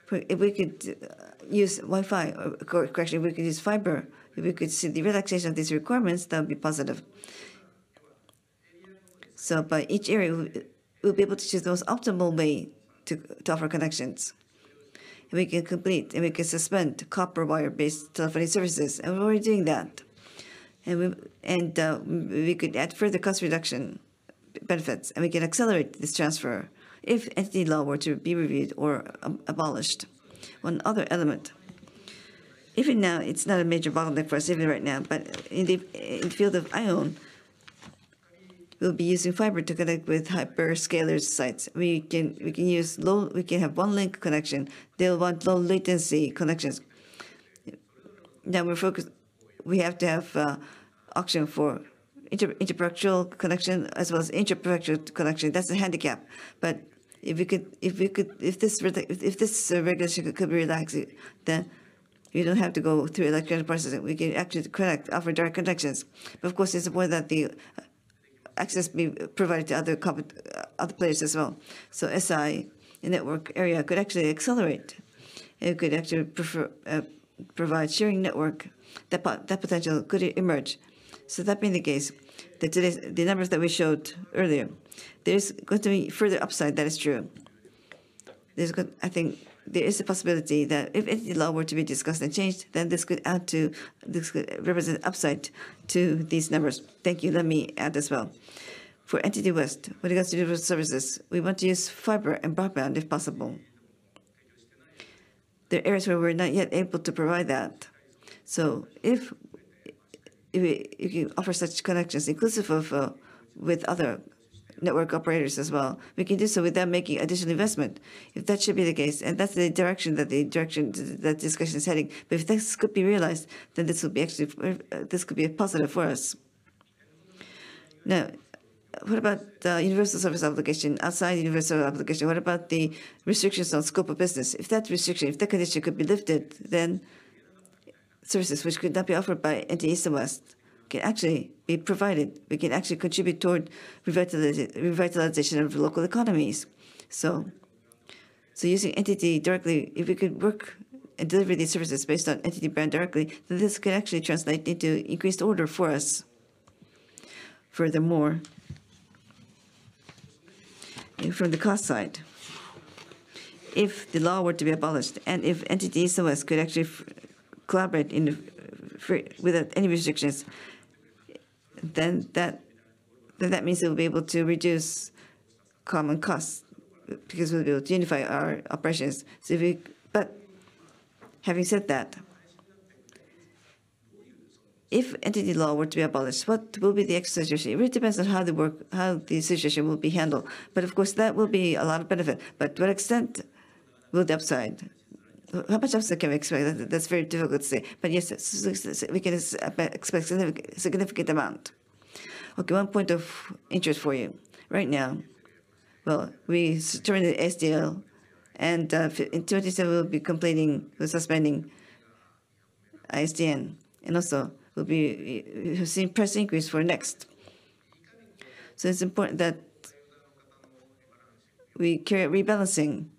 But if we could use Wi-Fi, or correctly, we could use fiber, if we could see the relaxation of these requirements, that would be positive. So by each area, we'll be able to choose the most optimal way to offer connections. We can complete and we can suspend copper wire-based telephony services, and we're already doing that. And we could add further cost reduction benefits, and we can accelerate this transfer if NTT Law were to be reviewed or abolished. One other element, even now, it's not a major bottleneck for us even right now, but in the field of IOWN, we'll be using fiber to connect with hyperscaler's sites. We can use low. We can have one link connection. They'll want low latency connections. Now, we're focused. We have to have auction for inter-prefectural connection as well as intra-prefectural connection. That's a handicap. But if we could. If this regulation could be relaxed, then we don't have to go through electrical processes. We can actually connect, offer direct connections. But of course, it's important that the access be provided to other companies, other players as well. So shared network area could actually accelerate, and it could actually provide sharing network. That potential could emerge. So that being the case, today's numbers that we showed earlier, there's going to be further upside, that is true. I think there is a possibility that if NTT Law were to be discussed and changed, then this could add to this could represent upside to these numbers. Thank you. Let me add as well. For NTT West, when it comes to universal services, we want to use fiber and broadband if possible. There are areas where we're not yet able to provide that. So if you offer such connections inclusive of with other network operators as well, we can do so without making additional investment. If that should be the case, and that's the direction that discussion is heading, but if this could be realized, then this will be actually this could be a positive for us. Now, what about the universal service obligation, outside universal obligation? What about the restrictions on scope of business? If that restriction, if that condition could be lifted, then services which could not be offered by NTT East or West can actually be provided. We can actually contribute toward revitalization of local economies. So using NTT directly, if we could work and deliver these services based on NTT brand directly, then this can actually translate into increased order for us. Furthermore, from the cost side, if the law were to be abolished, and if NTT East and West could actually freely collaborate freely, without any restrictions, then that means we'll be able to reduce common costs because we'll be able to unify our operations. But having said that, if NTT Law were to be abolished, what will be the exercise usually? It really depends on how the situation will be handled. But of course, that will be a lot of benefit. But to what extent will the upside... How much upside can we expect? That's very difficult to say, but yes, it's we can expect significant amount. Okay, one point of interest for you. Right now, well, we started the SDL, and in 2027, we'll be completing the suspending ISDN, and also we'll be. We've seen price increase for Hikari Next. So it's important that we carry out rebalancing.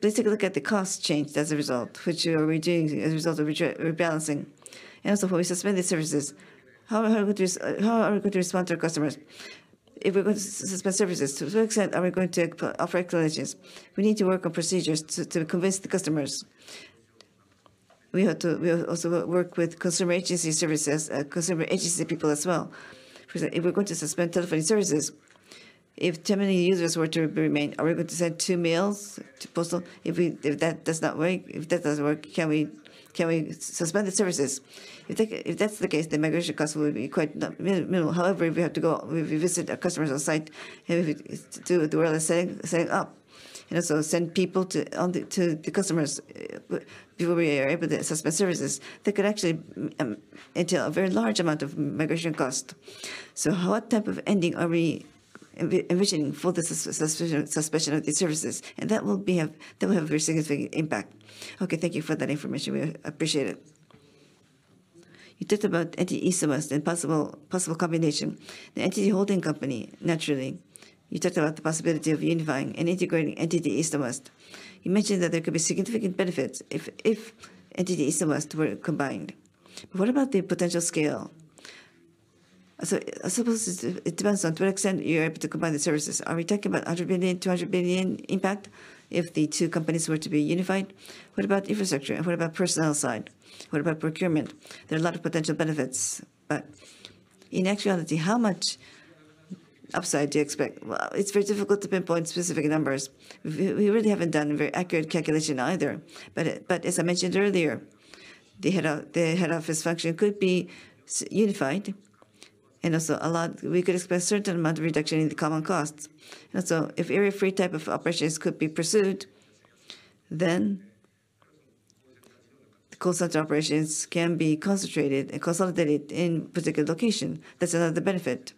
Please take a look at the cost change as a result, which we are doing as a result of rebalancing, and also for we suspend the services. How are we going to respond to our customers if we're going to suspend services? To what extent are we going to offer alternatives? We need to work on procedures to convince the customers. We have to. We also work with Consumer Affairs Agency services, Consumer Affairs Agency people as well. For if we're going to suspend telephone services, if too many users were to remain, are we going to send two mails to postal? If that does not work, if that doesn't work, can we suspend the services? If that's the case, the migration cost will be quite minimal. However, if we have to go, if we visit our customers on site, and if we do what we are saying, "Oh," you know, so send people to the customers before we are able to suspend services, that could actually entail a very large amount of migration cost. So what type of ending are we envisioning for the suspension of these services? That will have a very significant impact. Okay, thank you for that information. We appreciate it. You talked about NTT East and NTT West and possible combination. The NTT holding company, naturally, you talked about the possibility of unifying and integrating NTT East and West. You mentioned that there could be significant benefits if NTT East and West were combined. What about the potential scale? So I suppose it depends on to what extent you're able to combine the services. Are we talking about 100 billion, 200 billion impact if the two companies were to be unified? What about infrastructure, and what about personnel side? What about procurement? There are a lot of potential benefits, but in actuality, how much upside do you expect? It's very difficult to pinpoint specific numbers. We really haven't done a very accurate calculation either. But as I mentioned earlier, the head office function could be unified, and also a lot... We could expect a certain amount of reduction in the common costs. So if area-free type of operations could be pursued, then call center operations can be concentrated and consolidated in particular location. That's another benefit.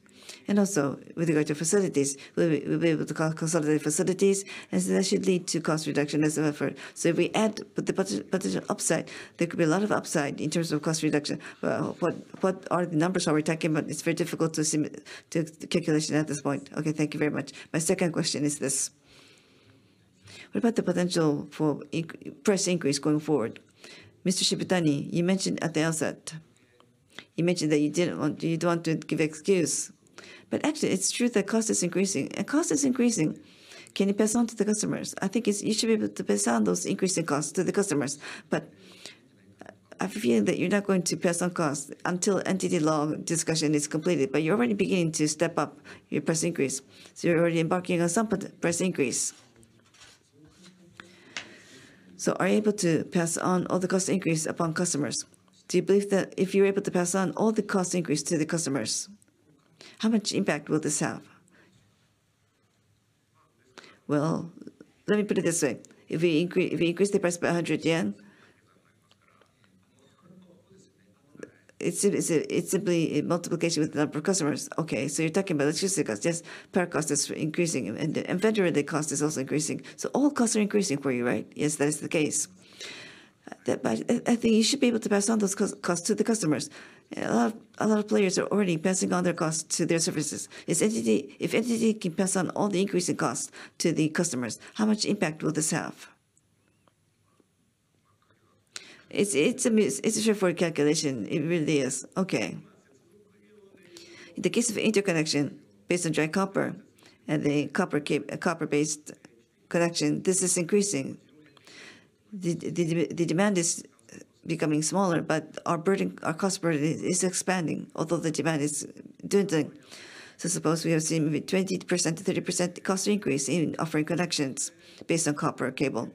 Also, with regard to facilities, we'll be able to consolidate facilities, and so that should lead to cost reduction as well for... So if we add the potential upside, there could be a lot of upside in terms of cost reduction. What are the numbers we are talking about? It's very difficult to calculate at this point. Okay, thank you very much. My second question is this: What about the potential for price increase going forward? Mr. Shibutani, you mentioned at the outset, you mentioned that you didn't want, you don't want to give excuse, but actually, it's true that cost is increasing, and cost is increasing. Can you pass on to the customers? I think it's, you should be able to pass on those increasing costs to the customers, but I've a feeling that you're not going to pass on costs until NTT law discussion is completed, but you're already beginning to step up your price increase, so you're already embarking on some price increase. So are you able to pass on all the cost increase upon customers? Do you believe that if you're able to pass on all the cost increase to the customers, how much impact will this have? Well, let me put it this way: If we increase, if we increase the price by 100 yen-... It's simply a multiplication with the number of customers. Okay, so you're talking about logistics costs. Yes, power cost is increasing, and vendor related cost is also increasing. So all costs are increasing for you, right? Yes, that is the case. But I think you should be able to pass on those costs to the customers. A lot of players are already passing on their costs to their services. If NTT can pass on all the increasing costs to the customers, how much impact will this have? It's a straightforward calculation. It really is. Okay. In the case of interconnection based on dry copper and the copper-based connection, this is increasing. The demand is becoming smaller, but our burden, our cost burden is expanding, although the demand is doing the. So I suppose we have seen maybe 20%-30% cost increase in offering connections based on copper cable.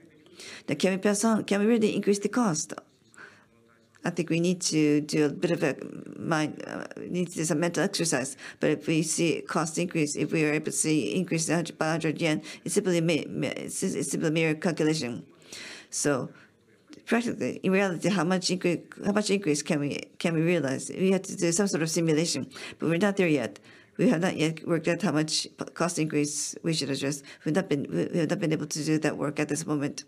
Now, can we pass on? Can we really increase the cost? I think we need to do a bit of a mind, need to do some mental exercise. But if we see cost increase, if we are able to see increase by 100 yen, it's simply a mere calculation. So practically, in reality, how much increase can we realize? We have to do some sort of simulation, but we're not there yet. We have not yet worked out how much cost increase we should adjust. We have not been able to do that work at this moment.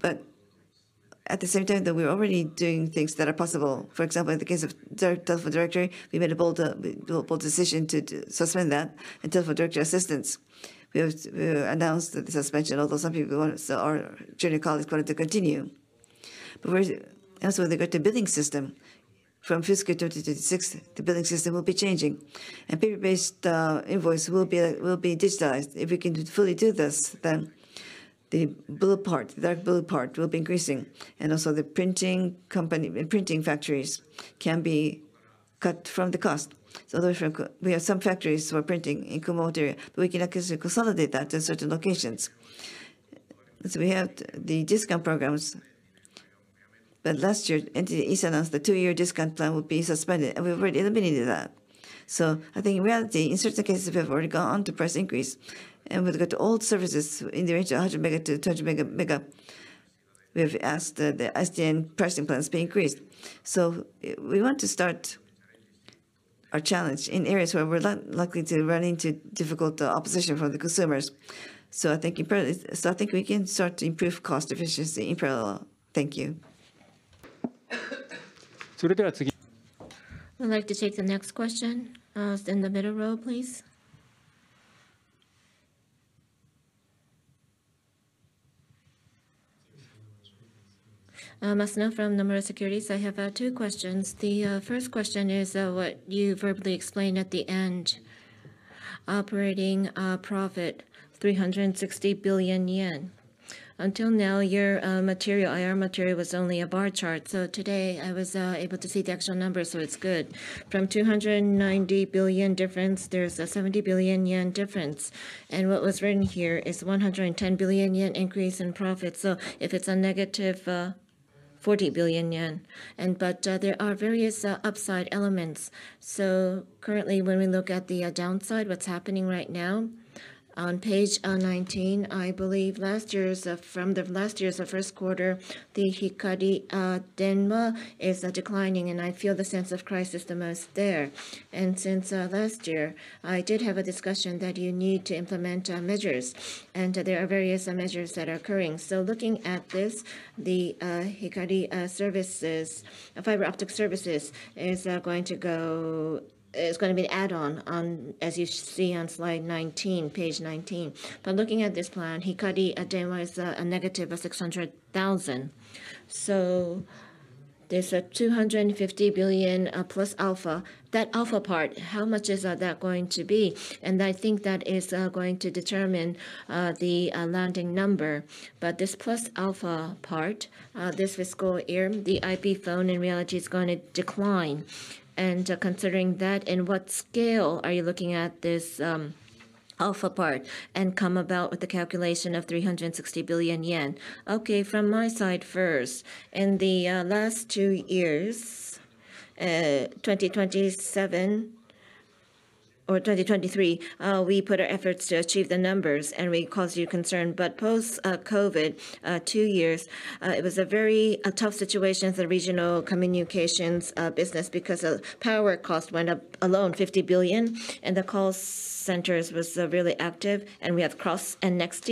But at the same time, though, we're already doing things that are possible. For example, in the case of directory telephone directory, we made a bold decision to suspend that. And telephone directory assistance, we have announced the suspension, although some people want. So our junior colleagues wanted to continue. But we're also, with regard to billing system, from fiscal 2026, the billing system will be changing, and paper-based invoice will be digitalized. If we can fully do this, then the blue part, the dark blue part, will be increasing, and also the printing company, printing factories can be cut from the cost. So although from co- we have some factories for printing in Kumamoto, we can actually consolidate that to certain locations. So we have the discount programs, but last year, NTT East announced the two-year discount plan would be suspended, and we've already eliminated that. So I think in reality, in certain cases, we have already gone on to price increase, and with regard to old services in the range of 100 mega to 200 mega, we have asked that the ISDN pricing plans be increased. So we want to start our challenge in areas where we're likely to run into difficult opposition from the consumers. So I think in parallel, so I think we can start to improve cost efficiency in parallel. Thank you. I'd like to take the next question. In the middle row, please. Masuno from Nomura Securities. I have two questions. The first question is what you verbally explained at the end. Operating profit, 360 billion yen. Until now, your material, IR material was only a bar chart. So today, I was able to see the actual numbers, so it's good. From 290 billion difference, there's a 70 billion yen difference, and what was written here is 110 billion yen increase in profit. So if it's a negative 40 billion yen, and but there are various upside elements. So currently, when we look at the downside, what's happening right now, on page 19, I believe last year's from the last year's first quarter, the Hikari Denwa is declining, and I feel the sense of crisis the most there. Since last year, I did have a discussion that you need to implement measures, and there are various measures that are occurring. Looking at this, the Hikari services, fiber optic services, is going to be an add-on, as you see on slide 19, page 19. Looking at this plan, Hikari Denwa is a negative of 600,000. There's 250 billion plus alpha. That alpha part, how much is that going to be? I think that is going to determine the landing number. This plus alpha part, this fiscal year, the IP phone in reality is gonna decline. Considering that, in what scale are you looking at this alpha part and come about with the calculation of 360 billion yen? Okay, from my side first. In the last two years, twenty twenty-two or twenty twenty-three, we put our efforts to achieve the numbers, and we caused you concern. But post-COVID two years, it was a very tough situation for the regional communications business because power cost went up alone 50 billion JPY, and the call centers was really active, and we had Hikari Cross and Hikari Next.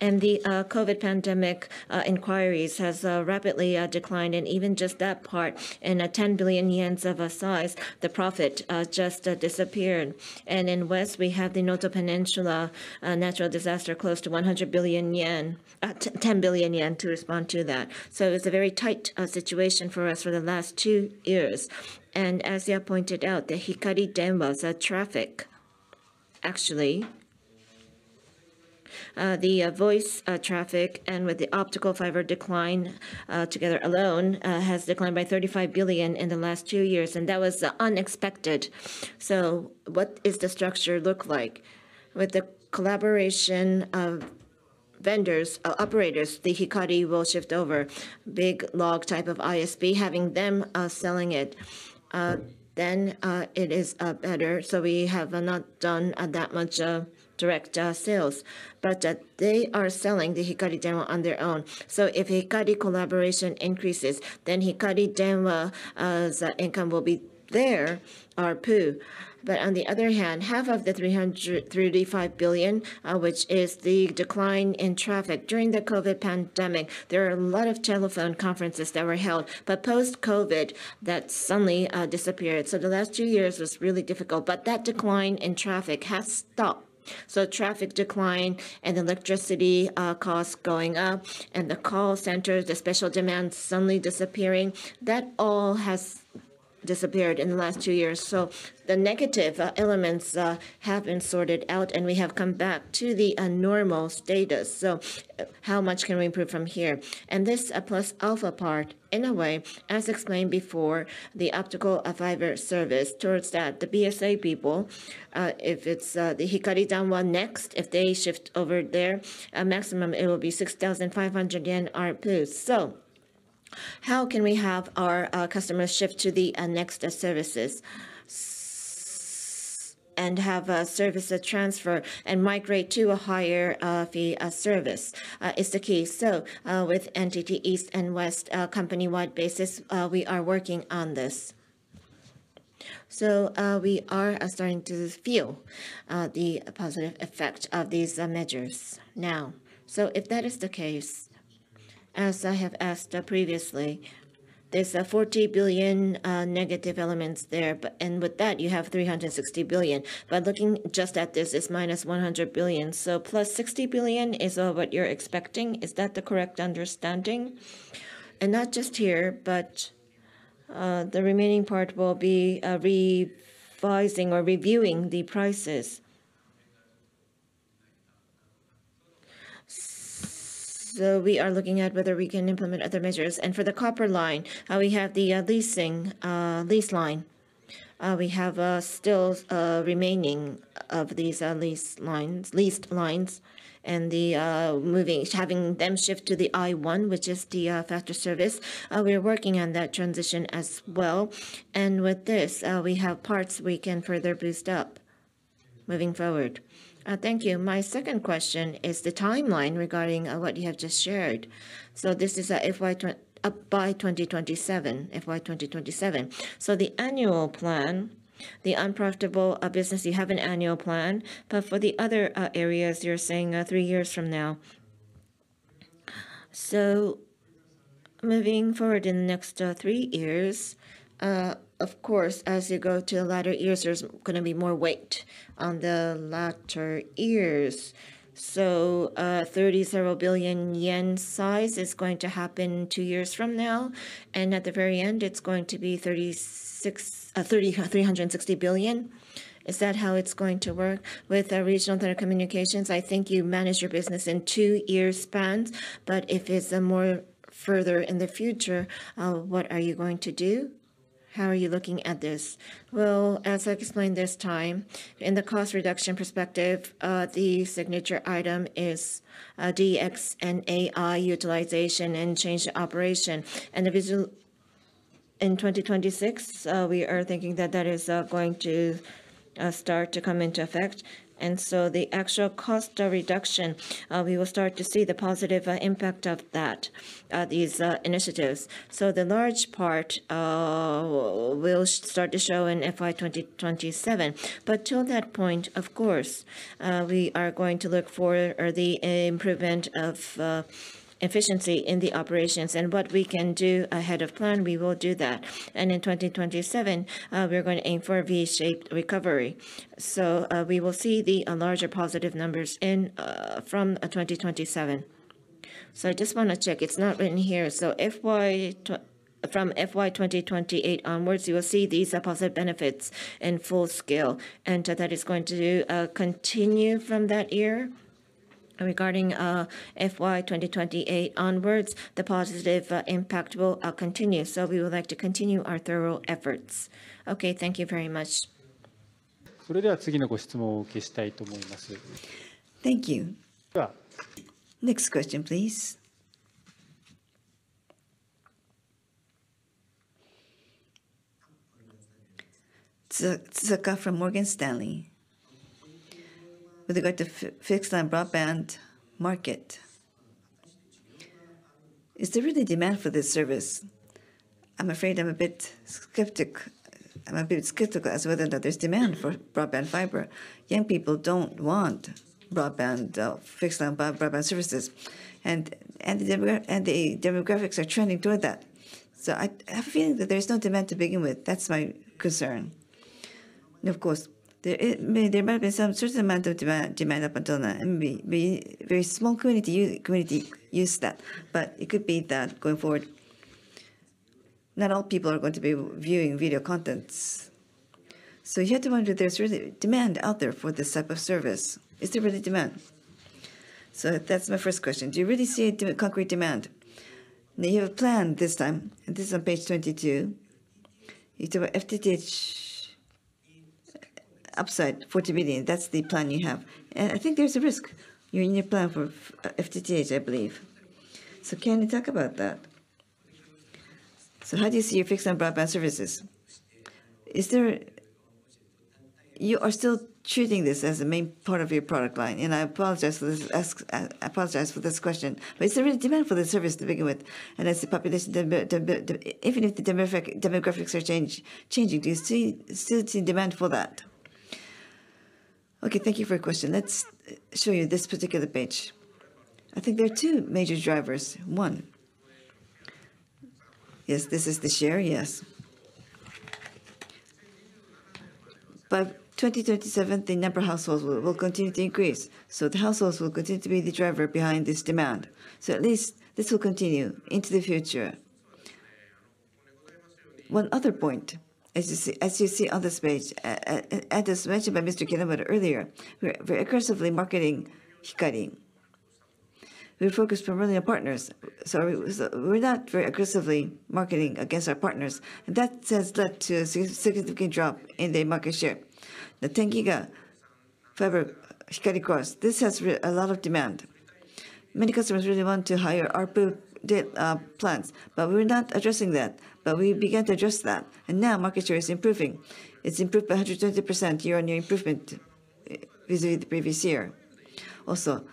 And the COVID pandemic inquiries has rapidly declined, and even just that part, in a 10 billion yen of a size, the profit just disappeared. And in West, we had the Noto Peninsula natural disaster, close to 100 billion yen, 10 billion yen to respond to that. So it's a very tight situation for us for the last two years. As you have pointed out, the Hikari Denwa's traffic, actually, the voice traffic and with the optical fiber decline, together alone, has declined by 35 billion in the last two years, and that was unexpected. What is the structure look like? With the collaboration of-... vendors, operators, the Hikari will shift over. Big log type of ISP, having them selling it, then it is better. So we have not done that much direct sales, but they are selling the Hikari Denwa on their own. So if Hikari Collaboration increases, then Hikari Denwa, the income will be there, ARPU. But on the other hand, half of the 335 billion, which is the decline in traffic. During the COVID pandemic, there were a lot of telephone conferences that were held, but post-COVID, that suddenly disappeared. So the last two years was really difficult, but that decline in traffic has stopped. So traffic decline and electricity costs going up, and the call center, the special demand suddenly disappearing, that all has disappeared in the last two years. The negative elements have been sorted out, and we have come back to the normal status. How much can we improve from here? This plus alpha part, in a way, as explained before, the optical fiber service towards that, the BSA people, if it's the Hikari Denwa next, if they shift over there, at maximum it will be 6,500 yen ARPU. How can we have our customers shift to the next services and have a service transfer and migrate to a higher fee service is the key. With NTT East and West, company-wide basis, we are working on this. We are starting to feel the positive effect of these measures now. If that is the case, as I have asked previously, there's a 40 billion negative element there, but and with that, you have 360 billion. By looking just at this, it's minus 100 billion. So plus 60 billion is what you're expecting. Is that the correct understanding? And not just here, but the remaining part will be revising or reviewing the prices. So we are looking at whether we can implement other measures. And for the copper line, we have the leased line. We have still remaining of these leased lines, and the moving having them shift to the I1, which is the fiber service. We are working on that transition as well. And with this, we have parts we can further boost up moving forward. Thank you. My second question is the timeline regarding what you have just shared. So this is by FY 2027. So the annual plan, the unprofitable business, you have an annual plan, but for the other areas, you're saying three years from now. So moving forward in the next three years, of course, as you go to the latter years, there's gonna be more weight on the latter years. So thirty several billion JPY size is going to happen two years from now, and at the very end, it's going to be 360 billion JPY. Is that how it's going to work? With regional telecommunications, I think you manage your business in two-year spans, but if it's more further in the future, what are you going to do? How are you looking at this? As I've explained this time, in the cost reduction perspective, the signature item is DX and AI utilization and change of operation. In 2026, we are thinking that that is going to start to come into effect. And so the actual cost reduction, we will start to see the positive impact of that, these initiatives. So the large part will start to show in FY 2027. But till that point, of course, we are going to look for the improvement of efficiency in the operations. And what we can do ahead of plan, we will do that. And in 2027, we're going to aim for a V-shaped recovery. So, we will see the larger positive numbers in from 2027. So I just wanna check, it's not written here. From FY 2028 onwards, you will see these positive benefits in full scale, and that is going to continue from that year? Regarding FY 2028 onwards, the positive impact will continue. So we would like to continue our thorough efforts. Okay. Thank you very much. Thank you. Next question, please. Susaka from Morgan Stanley. With regard to fixed line broadband market, is there really demand for this service? I'm afraid I'm a bit skeptical about whether or not there's demand for broadband fiber. Young people don't want broadband, fixed line broadband services, and the demographics are trending toward that. So I have a feeling that there's no demand to begin with. That's my concern. Of course, there may be some certain amount of demand up until now, and maybe very small community use that. But it could be that going forward, not all people are going to be viewing video contents. So you have to wonder if there's really demand out there for this type of service. Is there really demand? That's my first question: Do you really see a concrete demand? Now, you have a plan this time, and this is on page 22. You talk about FTTH upside 40 million, that's the plan you have. And I think there's a risk in your plan for FTTH, I believe. So can you talk about that? So how do you see your fixed and broadband services? Is there? You are still treating this as a main part of your product line, and I apologize for this ask. I apologize for this question, but is there any demand for this service to begin with? And as the population declines even if the demographics are changing, do you still see demand for that? Okay, thank you for your question. Let's show you this particular page. I think there are two major drivers. One... Yes, this is the share, yes. By 2037, the number of households will continue to increase, so the households will continue to be the driver behind this demand, so at least this will continue into the future. One other point, as you see on this page, and as mentioned by Mr. Kitamura earlier, we're aggressively marketing Hikari. We're focused on supporting our partners, so we're not very aggressively marketing against our partners, and that has led to a significant drop in the market share. The 10-giga fiber Hikari Cross has a lot of demand. Many customers really want higher 10G plans, but we're not addressing that. But we began to address that, and now market share is improving. It's improved by 120% year-on-year improvement vis-à-vis the previous year. Also,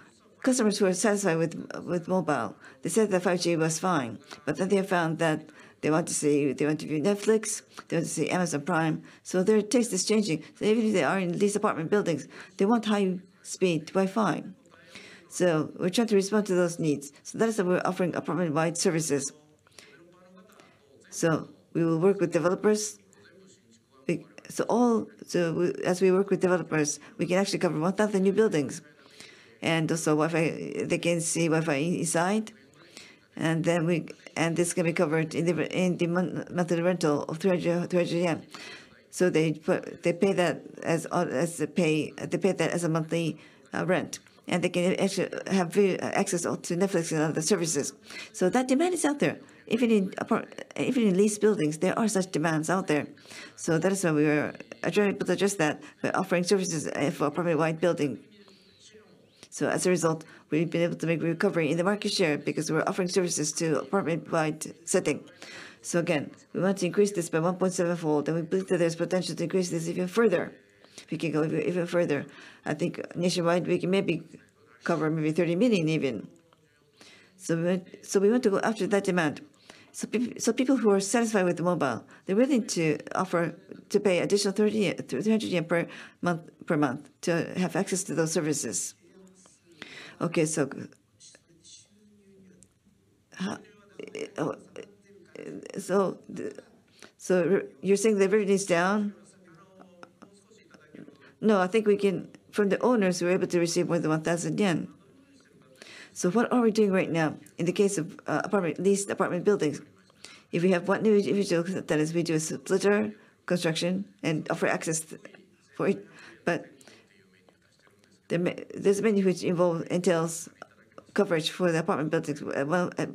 customers who are satisfied with mobile, they said that 5G was fine, but then they found that they want to view Netflix, they want to see Amazon Prime. So their taste is changing. So even if they are in these apartment buildings, they want high speed WiFi. So we're trying to respond to those needs. So that is why we're offering apartment-wide services. So we will work with developers. So as we work with developers, we can actually cover 1,000 new buildings, and also WiFi, they can see WiFi inside. And this can be covered in the monthly rental of 300 yen. So they pay that as a pay... They pay that as a monthly rent, and they can actually have access to Netflix and other services. That demand is out there. Even in apartments, even in leased buildings, there are such demands out there. That is why we are addressing it, to address that. We're offering services for apartment-wide building. As a result, we've been able to make a recovery in the market share because we're offering services to apartment-wide setting. Again, we want to increase this by 1.7-fold, and we believe that there's potential to increase this even further. We can go even further. I think nationwide, we can maybe cover 30 million even. We want to go after that demand. So people who are satisfied with mobile, they're willing to offer to pay additional three hundred yen per month to have access to those services. Okay, so you're saying the revenue is down? No, I think we can. From the owners, we're able to receive more than one thousand yen. What are we doing right now in the case of leased apartment buildings? If we have one new individual, that is, we do a splitter construction and offer access for it. But there's many which involve entails coverage for the apartment buildings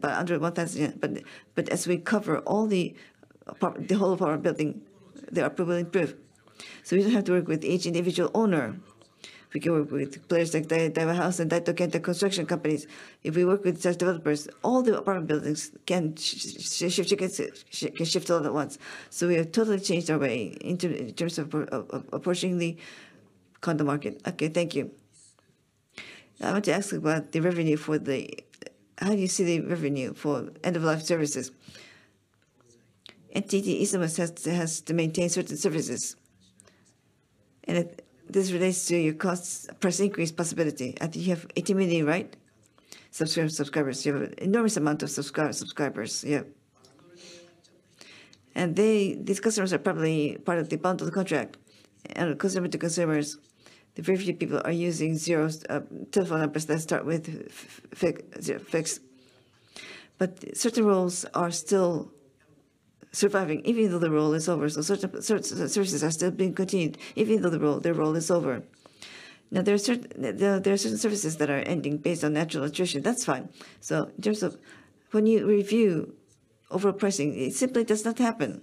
under one thousand yen. But as we cover all the whole apartment building, the approval improve. So we don't have to work with each individual owner. We can work with players like Daiwa House and Daito Trust Construction. If we work with such developers, all the apartment buildings can shift together, can shift all at once. So we have totally changed our way in terms of approaching the condo market. Okay, thank you. I want to ask you about the revenue for the end-of-life services. How do you see the revenue for end-of-life services? NTT East has to maintain certain services, and this relates to your costs, price increase possibility. I think you have eighty million subscribers, right? You have an enormous amount of subscribers. Yeah. And these customers are probably part of the bundle of the contract. And consumer to consumers, very few people are using zero telephone numbers that start with fixed. But certain roles are still surviving, even though the role is over. Certain services are still being continued, even though the role, their role is over. Now, there are certain services that are ending based on natural attrition. That's fine. So in terms of when you review overpricing, it simply does not happen.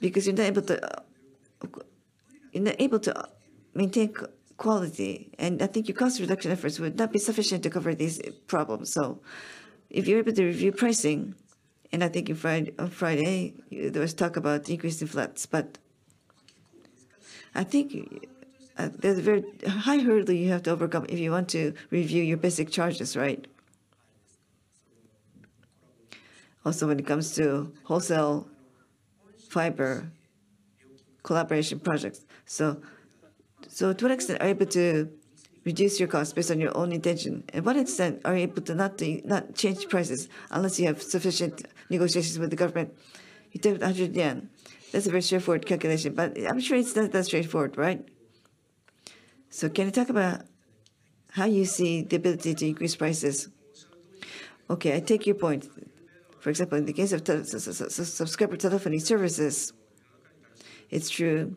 Because you're not able to maintain quality, and I think your cost reduction efforts would not be sufficient to cover these problems. So if you're able to review pricing, and I think on Friday, there was talk about decrease in flats. But I think there's a very high hurdle you have to overcome if you want to review your basic charges, right? Also, when it comes to wholesale fiber collaboration projects. So to what extent are you able to reduce your costs based on your own intention, and what extent are you able to not change prices unless you have sufficient negotiations with the government? You take 100 yen. That's a very straightforward calculation, but I'm sure it's not that straightforward, right? So can you talk about how you see the ability to increase prices? Okay, I take your point. For example, in the case of subscriber telephony services, it's true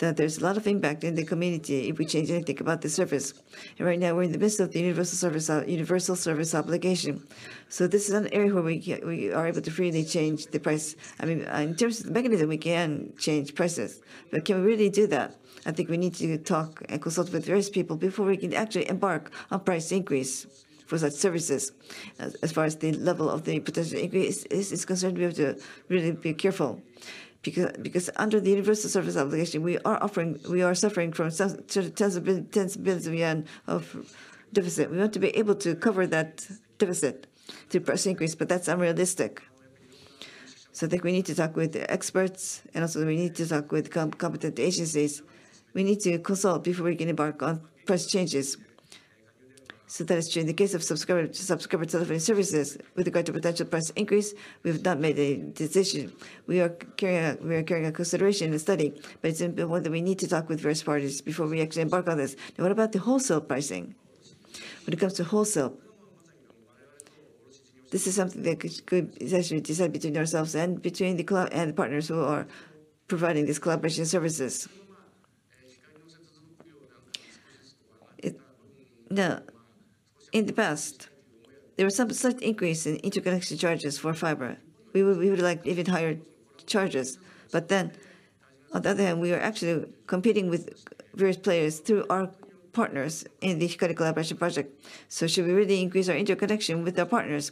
that there's a lot of impact in the community if we change anything about the service. And right now, we're in the midst of the universal service obligation. So this is an area where we are able to freely change the price. I mean, in terms of the mechanism, we can change prices, but can we really do that? I think we need to talk and consult with various people before we can actually embark on price increase for such services. As far as the level of the potential increase is concerned, we have to really be careful. Because under the universal service obligation, we are suffering from some tens of billions of JPY of deficit. We want to be able to cover that deficit through price increase, but that's unrealistic. So I think we need to talk with experts, and also we need to talk with competent agencies. We need to consult before we can embark on price changes. So that is true in the case of subscriber telephone services. With regard to potential price increase, we've not made a decision. We are carrying out consideration and study, but it's one that we need to talk with various parties before we actually embark on this. Now, what about the wholesale pricing? When it comes to wholesale, this is something that could essentially decide between ourselves and the partners who are providing these collaboration services. Now, in the past, there was some slight increase in interconnection charges for fiber. We would like even higher charges, but then on the other hand, we are actually competing with various players through our partners in the Hikari Collaboration project. So should we really increase our interconnection with our partners?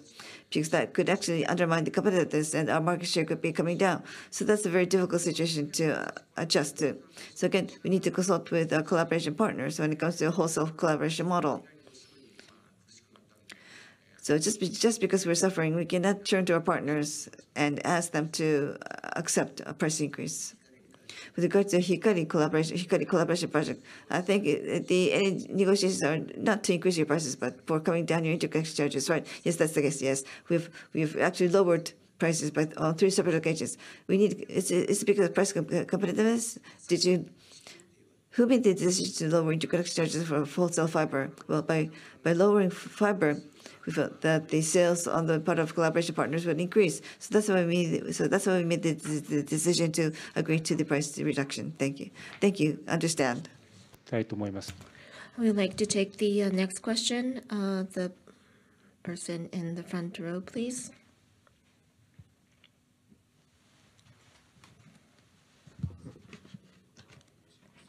Because that could actually undermine the competitiveness, and our market share could be coming down. That's a very difficult situation to adjust to. Again, we need to consult with our collaboration partners when it comes to a wholesale collaboration model. Just because we're suffering, we cannot turn to our partners and ask them to accept a price increase. With regard to Hikari Collaboration, Hikari Collaboration project, I think the negotiations are not to increase your prices, but for coming down your interconnection charges, right? Yes, that's the case, yes. We've actually lowered prices by... on three separate occasions. It's because of price competitiveness. Who made the decision to lower interconnection charges for wholesale fiber? Well, by lowering fiber, we felt that the sales on the part of collaboration partners would increase. So that's why we made the decision to agree to the price reduction. Thank you. Thank you. Understand. We would like to take the next question. The person in the front row, please.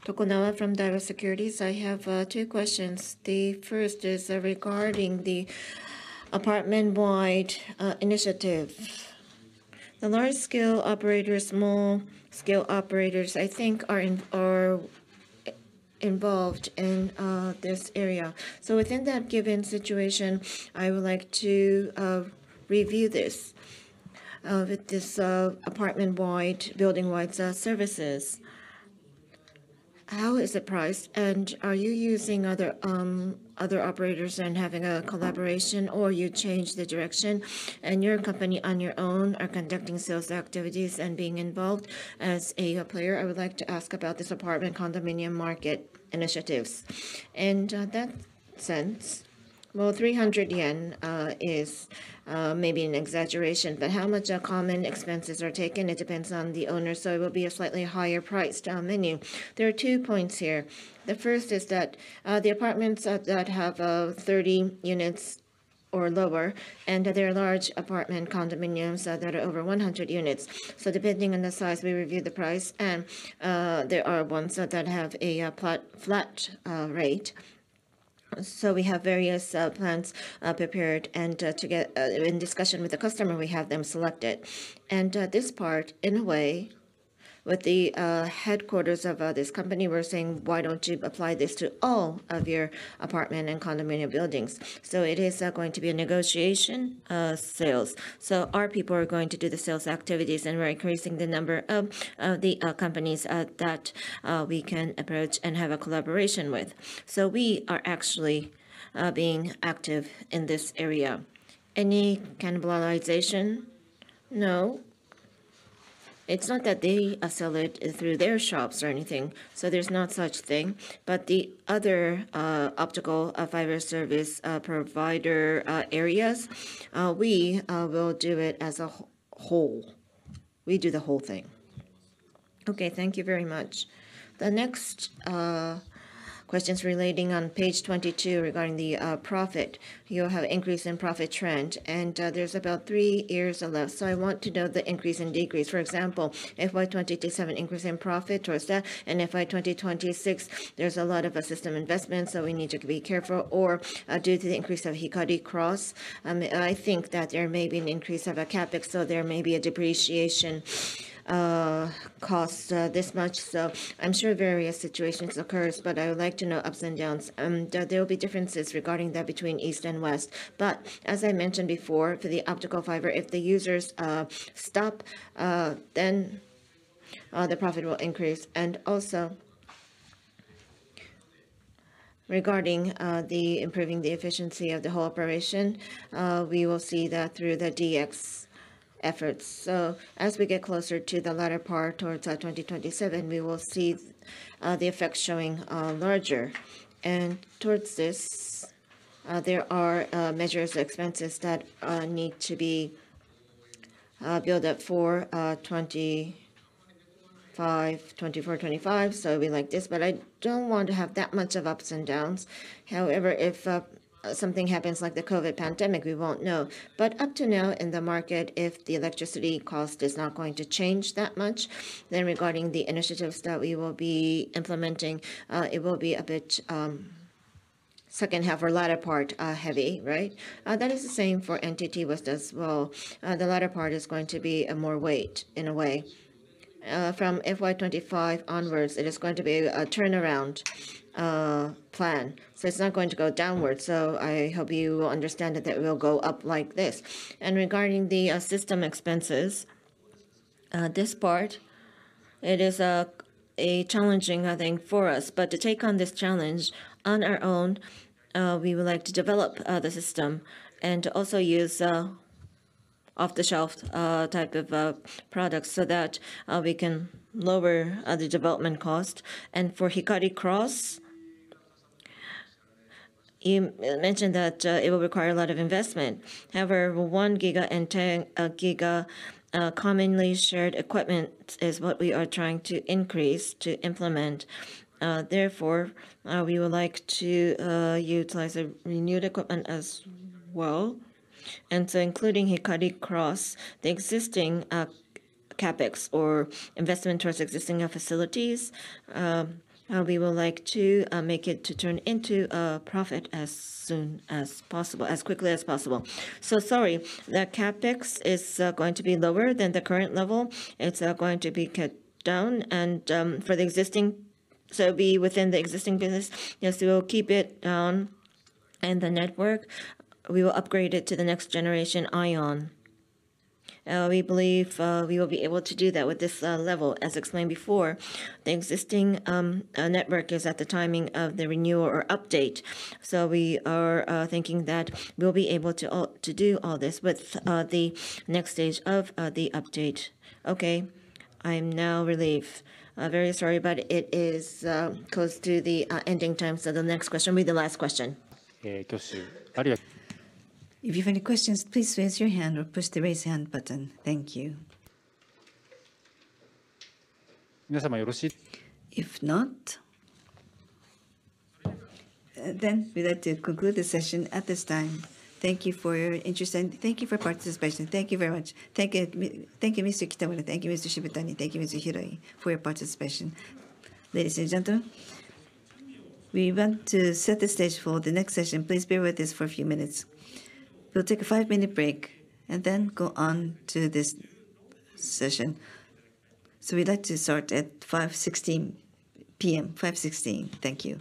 Tokunaga from Daiwa Securities. I have two questions. The first is regarding the apartment-wide initiative. The large-scale operators, small-scale operators, I think are involved in this area. So within that given situation, I would like to review this with this apartment-wide, building-wide services. How is the price, and are you using other operators and having a collaboration, or you change the direction, and your company on your own are conducting sales activities and being involved as a player? I would like to ask about this apartment condominium market initiatives. In that sense, well, 300 yen is maybe an exaggeration, but how much common expenses are taken? It depends on the owner, so it will be a slightly higher price down menu. There are two points here. The first is that the apartments that have 30 units or lower, and there are large apartment condominiums that are over 100 units, so depending on the size, we review the price, and there are ones that have a flat rate, so we have various plans prepared, and to get in discussion with the customer, we have them selected, and this part, in a way, with the headquarters of this company, we're saying: "Why don't you apply this to all of your apartment and condominium buildings?", so it is going to be a negotiation sales, so our people are going to do the sales activities, and we're increasing the number of the companies that we can approach and have a collaboration with. So we are actually being active in this area. Any cannibalization? No. It's not that they sell it through their shops or anything, so there's no such thing. But the other optical fiber service provider areas we will do it as a whole. We do the whole thing. Okay, thank you very much. The next question is relating to page 22 regarding the profit. You have an increase in profit trend, and there's about three years of that. So I want to know the increase and decrease. For example, FY 2022 has an increase in profit towards that, and FY 2026, there's a lot of capital investment, so we need to be careful, or due to the increase of Hikari Cross. I think that there may be an increase of a CapEx, so there may be a depreciation cost this much. So I'm sure various situations occurs, but I would like to know ups and downs. There will be differences regarding that between east and west. But as I mentioned before, for the optical fiber, if the users stop, then the profit will increase. And also, regarding the improving the efficiency of the whole operation, we will see that through the DX efforts. So as we get closer to the latter part, towards 2027, we will see the effects showing larger. And towards this, there are measures or expenses that need to be... Go up for twenty-five, twenty-four, twenty-five, so it'll be like this, but I don't want to have that much of ups and downs. However, if something happens like the COVID pandemic, we won't know. But up to now, in the market, if the electricity cost is not going to change that much, then regarding the initiatives that we will be implementing, it will be a bit second half or latter part heavy, right? That is the same for NTT West as well. The latter part is going to be a more weight in a way. From FY 2025 onwards, it is going to be a turnaround plan, so it's not going to go downwards. I hope you will understand that it will go up like this. Regarding the system expenses, this part, it is a challenging, I think, for us. To take on this challenge on our own, we would like to develop the system and to also use off-the-shelf type of products so that we can lower the development cost. For Hikari Cross, you mentioned that it will require a lot of investment. However, one giga and ten giga commonly shared equipment is what we are trying to increase to implement. Therefore, we would like to utilize a renewed equipment as well. So including Hikari Cross, the existing CapEx or investment towards existing facilities, we would like to make it to turn into profit as soon as possible, as quickly as possible. So sorry, the CapEx is going to be lower than the current level. It's going to be cut down and for the existing. So it'll be within the existing business. Yes, we will keep it, and the network, we will upgrade it to the next generation IOWN. We believe we will be able to do that with this level. As explained before, the existing network is at the timing of the renewal or update, so we are thinking that we'll be able to do all this with the next stage of the update. Okay, I am now relieved. Very sorry, but it is close to the ending time, so the next question will be the last question. If you have any questions, please raise your hand or push the Raise Hand button. Thank you. If not, then we'd like to conclude the session at this time. Thank you for your interest, and thank you for your participation. Thank you very much. Thank you, Mr. Kitamura. Thank you, Mr. Shibutani. Thank you, Mr. Hiroi, for your participation. Ladies and gentlemen, we want to set the stage for the next session. Please bear with us for a few minutes. We'll take a five-minute break and then go on to this session. So we'd like to start at 5:16 P.M., 5:16. Thank you.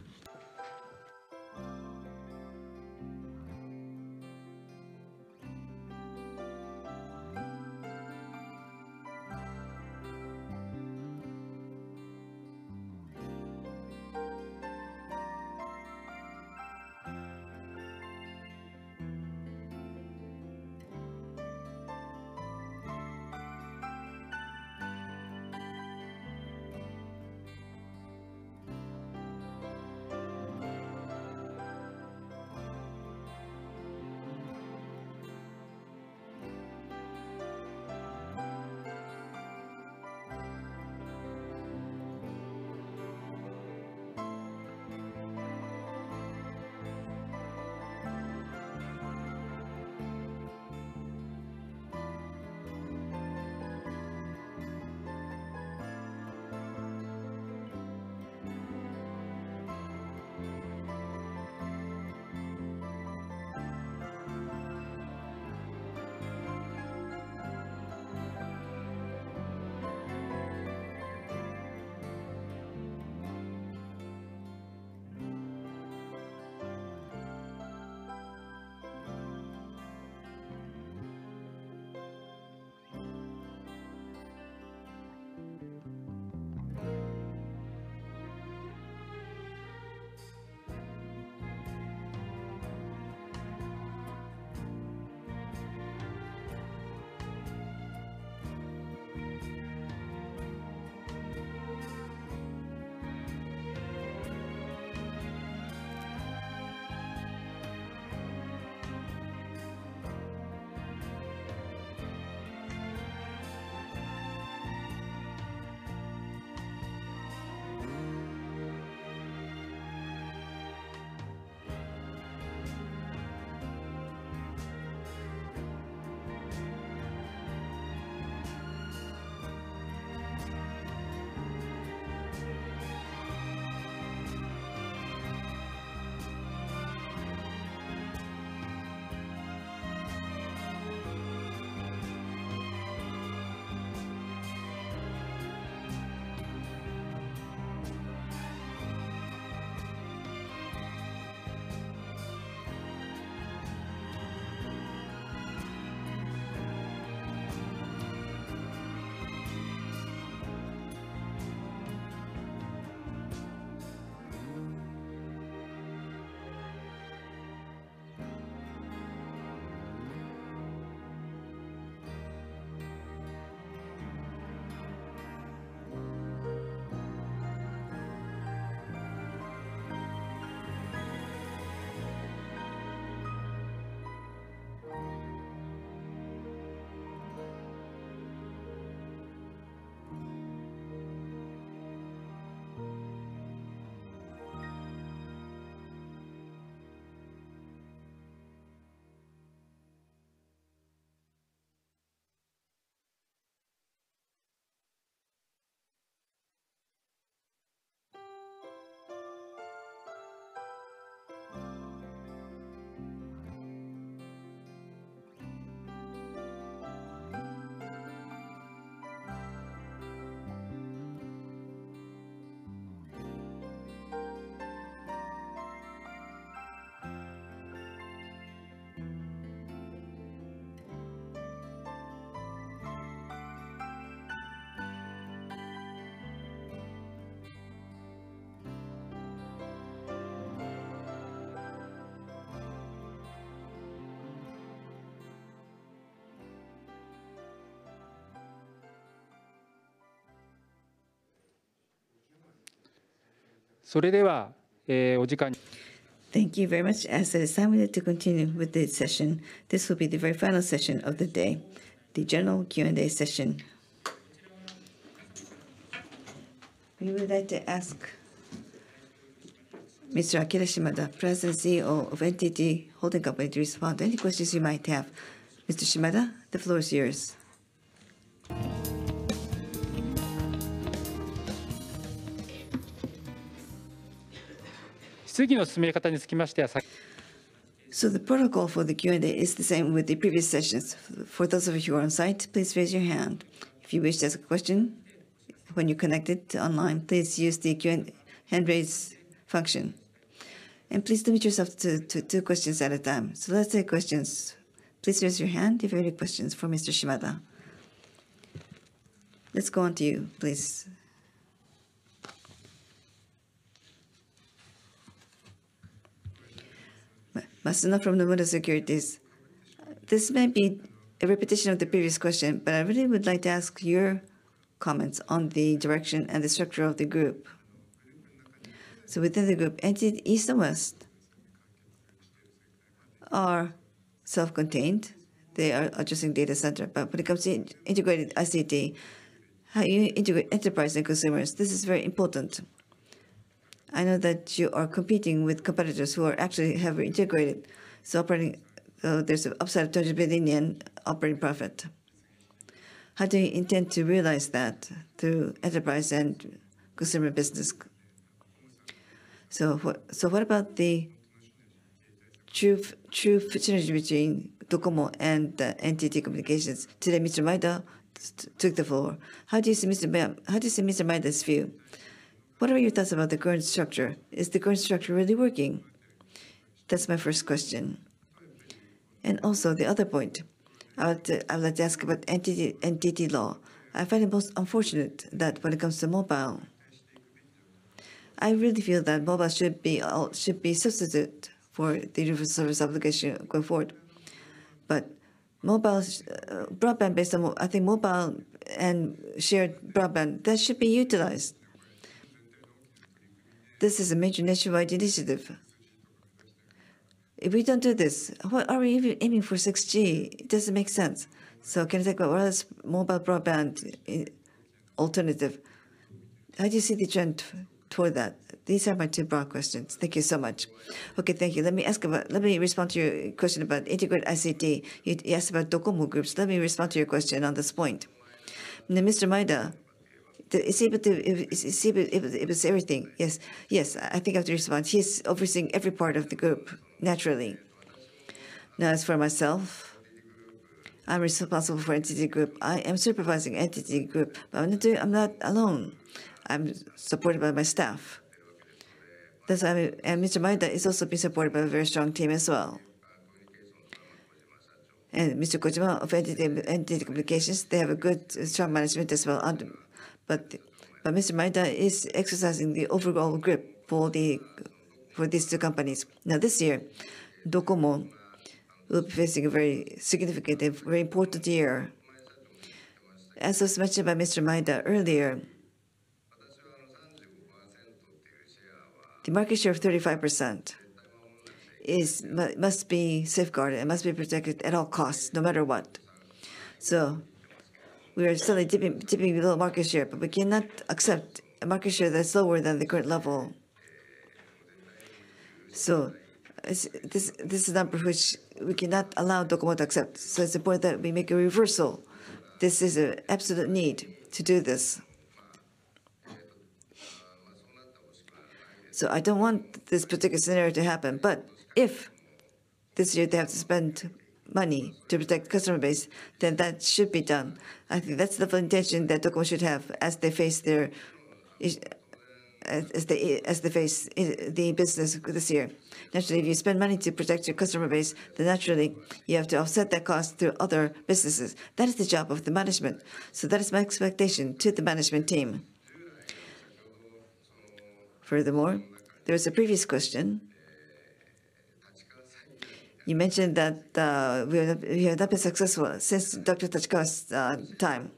Thank you very much. As I decided to continue with this session, this will be the very final session of the day, the general Q&A session. We would like to ask Mr. Akira Shimada, President and CEO of NTT, to respond to any questions you might have. Mr. Shimada, the floor is yours. The protocol for the Q&A is the same with the previous sessions. For those of you who are on site, please raise your hand if you wish to ask a question. When you are connected to online, please use the Q&A hand raise function. Please limit yourself to two questions at a time. Let's take questions. Please raise your hand if you have any questions for Mr. Shimada. Let's go on to you, please. Masuno from Nomura Securities. This may be a repetition of the previous question, but I really would like to ask your comments on the direction and the structure of the group. Within the group, NTT East and West are self-contained. They are addressing data center, but when it comes to integrated ICT, how you integrate enterprise and consumers, this is very important. I know that you are competing with competitors who actually have integrated, so operating. There's an upside of 20 billion in operating profit. How do you intend to realize that through enterprise and consumer business? So what, so what about the true, true synergy between DOCOMO and the NTT Communications? Today, Mr. Maeda took the floor. How do you see Mr. Maeda's view? What are your thoughts about the current structure? Is the current structure really working? That's my first question. And also, the other point, I would, I would like to ask about NTT, NTT law. I find it most unfortunate that when it comes to mobile, I really feel that mobile should be all, should be substitute for the universal service obligation going forward. But mobile, broadband-based on, I think, mobile and shared broadband, that should be utilized. This is a major nationwide initiative. If we don't do this, what are we even aiming for 6G? It doesn't make sense. So can you take over as mobile broadband alternative? How do you see the trend toward that? These are my two broad questions. Thank you so much. Okay, thank you. Let me respond to your question about integrated ICT. You'd asked about DOCOMO groups. Let me respond to your question on this point. Now, Mr. Maeda, does it seem to. It seems, it was everything? Yes. I think I have to respond. He's overseeing every part of the group, naturally. Now, as for myself, I'm responsible for NTT Group. I am supervising NTT Group, but I'm not alone. I'm supported by my staff. That's why, and Mr. Maeda is also being supported by a very strong team as well. And Mr. Kojima of NTT Communications, they have a good, strong management as well. But Mr. Maeda is exercising the overall grip for these two companies. Now, this year, DOCOMO will be facing a very significant and very important year. As was mentioned by Mr. Maeda earlier, the market share of 35% must be safeguarded and must be protected at all costs, no matter what. So we are slowly dipping below market share, but we cannot accept a market share that's lower than the current level. So this, this is a number which we cannot allow DOCOMO to accept. So it's important that we make a reversal. This is an absolute need to do this. So I don't want this particular scenario to happen, but if this year they have to spend money to protect customer base, then that should be done. I think that's the full intention that DOCOMO should have as they face the business this year. Naturally, if you spend money to protect your customer base, then naturally you have to offset that cost through other businesses. That is the job of the management. So that is my expectation to the management team. Furthermore, there is a previous question. You mentioned that we have not been successful since Dr. Tachikawa's time.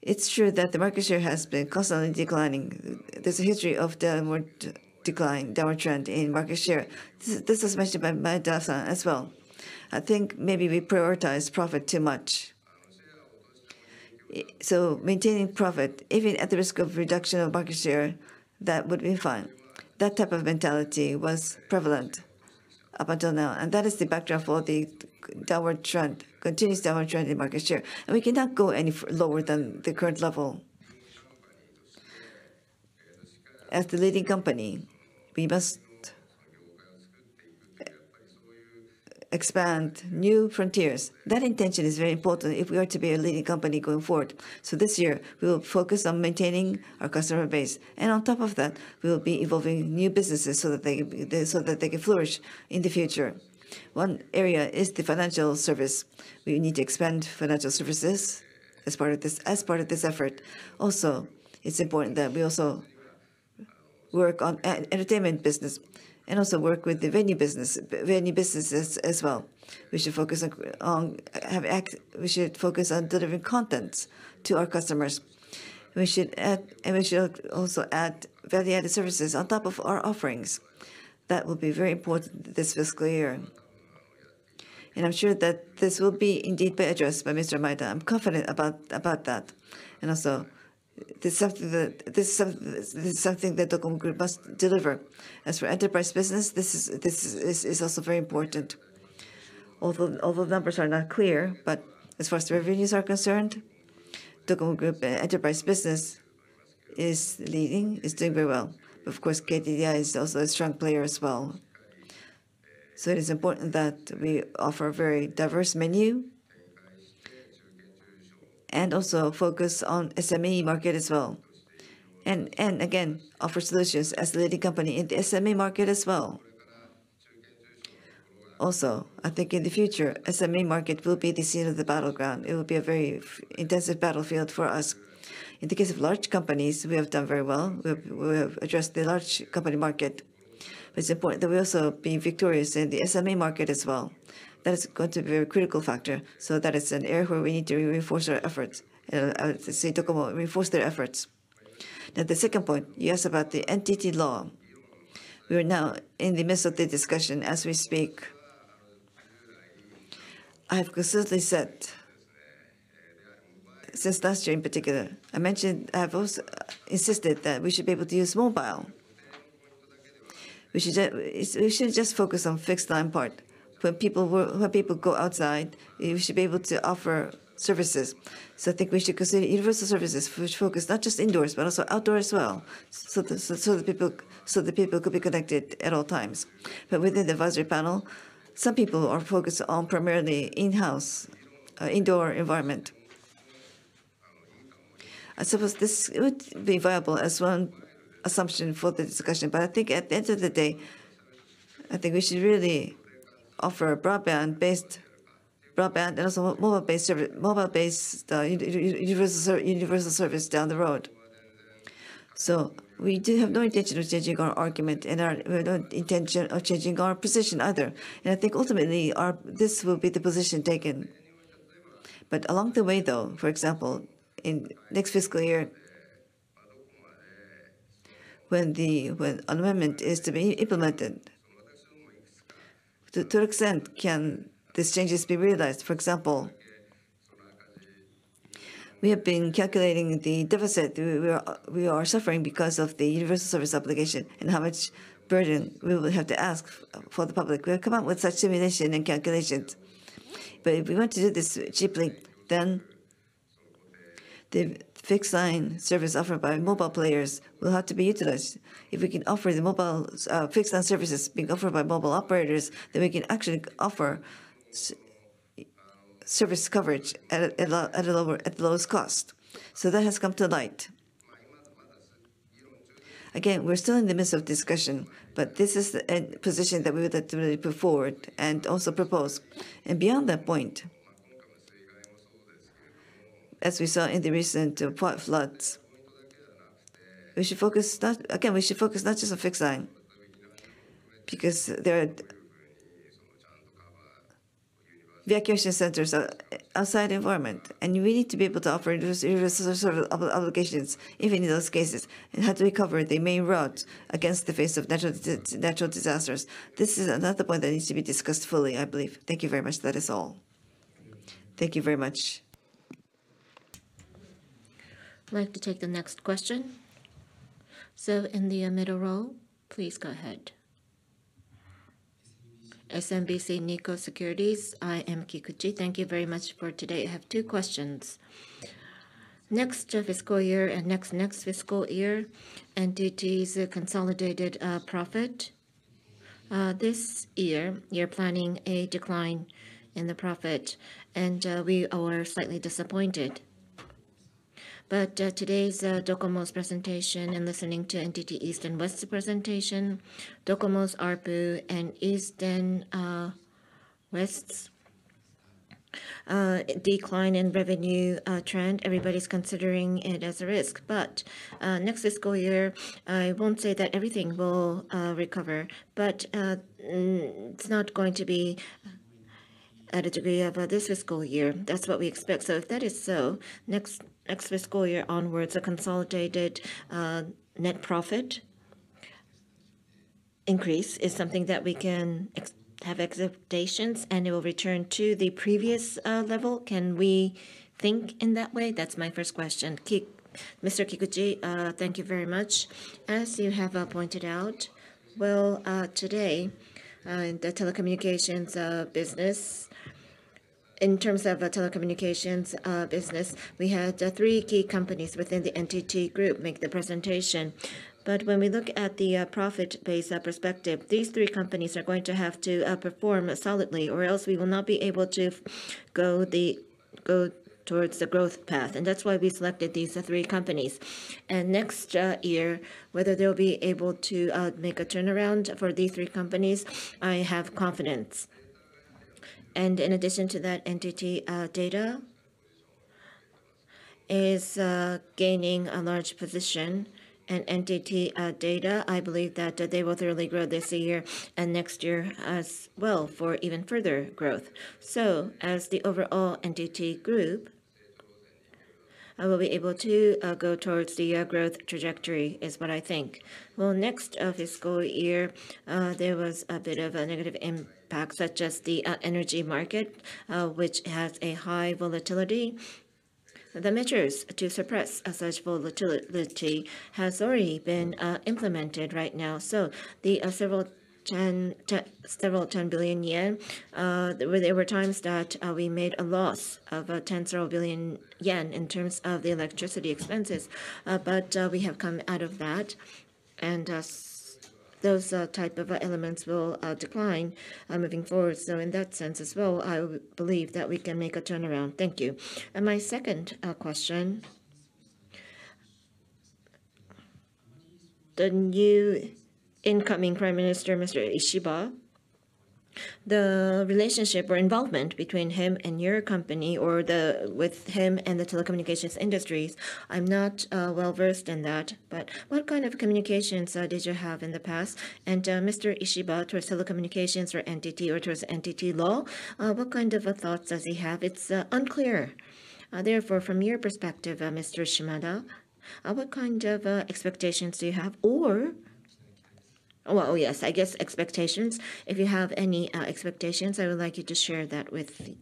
It's true that the market share has been constantly declining. There's a history of downward declining, downward trend in market share. This was mentioned by Maeda-san as well. I think maybe we prioritize profit too much. So maintaining profit, even at the risk of reduction of market share, that would be fine. That type of mentality was prevalent up until now, and that is the backdrop for the downward trend, continuous downward trend in market share. We cannot go any lower than the current level. As the leading company, we must expand new frontiers. That intention is very important if we are to be a leading company going forward. This year, we will focus on maintaining our customer base, and on top of that, we will be evolving new businesses so that they can flourish in the future. One area is the financial service. We need to expand financial services as part of this, as part of this effort. Also, it's important that we also work on entertainment business, and also work with the venue business, venue businesses as well. We should focus on delivering content to our customers. We should add, and we should also add value-added services on top of our offerings. That will be very important this fiscal year, and I'm sure that this will indeed be addressed by Mr. Maeda. I'm confident about that. Also, this is something that DOCOMO group must deliver. As for enterprise business, this is also very important. Although numbers are not clear, but as far as revenues are concerned, DOCOMO group enterprise business is leading, is doing very well. Of course, KDDI is also a strong player as well, so it is important that we offer a very diverse menu, and also focus on SME market as well, and again, offer solutions as the leading company in the SME market as well. Also, I think in the future, SME market will be the scene of the battleground. It will be a very intensive battlefield for us. In the case of large companies, we have done very well. We have addressed the large company market, but it's important that we also be victorious in the SME market as well. That is going to be a very critical factor, so that is an area where we need to reinforce our efforts, as the DOCOMO reinforce their efforts. Now, the second point, you asked about the NTT law. We are now in the midst of the discussion as we speak. I have consistently said, since last year in particular, I mentioned, I have also insisted that we should be able to use mobile. We should just, we shouldn't just focus on fixed-line part. When people work... When people go outside, we should be able to offer services. So I think we should consider universal services, which focus not just indoors, but also outdoor as well, so the people could be connected at all times. But within the advisory panel, some people are focused on primarily in-house, indoor environment. I suppose this would be viable as one assumption for the discussion, but I think at the end of the day, I think we should really offer broadband-based, broadband and also mobile-based service, mobile-based universal service down the road. We do have no intention of changing our argument, and we have no intention of changing our position either. I think ultimately, our this will be the position taken. Along the way, though, for example, in next fiscal year, when the amendment is to be implemented, to what extent can these changes be realized? For example, we have been calculating the deficit we are suffering because of the universal service obligation and how much burden we will have to ask for the public. We have come up with such simulation and calculations. If we want to do this cheaply, then the fixed-line service offered by mobile players will have to be utilized. If we can offer the mobile, fixed-line services being offered by mobile operators, then we can actually offer service coverage at the lowest cost. So that has come to light. Again, we're still in the midst of discussion, but this is the end position that we would like to really put forward and also propose. And beyond that point, as we saw in the recent floods, we should focus not just on fixed line, because there are evacuation centers are outside environment, and we need to be able to offer universal service obligations, even in those cases, and have to recover the main routes against the face of natural disasters. This is another point that needs to be discussed fully, I believe. Thank you very much. That is all. Thank you very much. I'd like to take the next question. So in the middle row, please go ahead. SMBC Nikko Securities, I am Kikuchi. Thank you very much for today. I have two questions. Next fiscal year and next fiscal year, NTT's consolidated profit. This year, you're planning a decline in the profit, and we are slightly disappointed. But today's DOCOMO's presentation and listening to NTT East and West's presentation, DOCOMO's ARPU and East and West's decline in revenue trend, everybody's considering it as a risk. But next fiscal year, I won't say that everything will recover, but it's not going to be at a degree of this fiscal year, that's what we expect. So if that is so, next next fiscal year onwards, a consolidated net profit increase is something that we can have expectations, and it will return to the previous level. Can we think in that way? That's my first question. Mr. Kikuchi, thank you very much. As you have pointed out, well, today in the telecommunications business, in terms of telecommunications business, we had three key companies within the NTT Group make the presentation, but when we look at the profit-based perspective, these three companies are going to have to perform solidly or else we will not be able to go towards the growth path, and that's why we selected these three companies, and next year, whether they'll be able to make a turnaround for these three companies, I have confidence, and in addition to that, NTT DATA is gaining a large position, and NTT DATA, I believe that they will thoroughly grow this year and next year as well for even further growth. As the overall NTT Group, I will be able to go towards the growth trajectory, is what I think. Next fiscal year, there was a bit of a negative impact, such as the energy market, which has a high volatility. The measures to suppress such volatility has already been implemented right now. So the several tens of billion JPY, there were times that we made a loss of tens of billion JPY in terms of the electricity expenses, but we have come out of that, and those type of elements will decline moving forward. So in that sense as well, I believe that we can make a turnaround. Thank you. My second question: the new incoming Prime Minister, Mr. Ishiba, the relationship or involvement between him and your company or the with him and the telecommunications industries, I'm not well-versed in that, but what kind of communications did you have in the past? Mr. Ishiba, towards telecommunications or NTT or towards NTT law, what kind of thoughts does he have? It's unclear. Therefore, from your perspective, Mr. Shimada, what kind of expectations do you have? Or, yes, I guess expectations. If you have any expectations, I would like you to share that with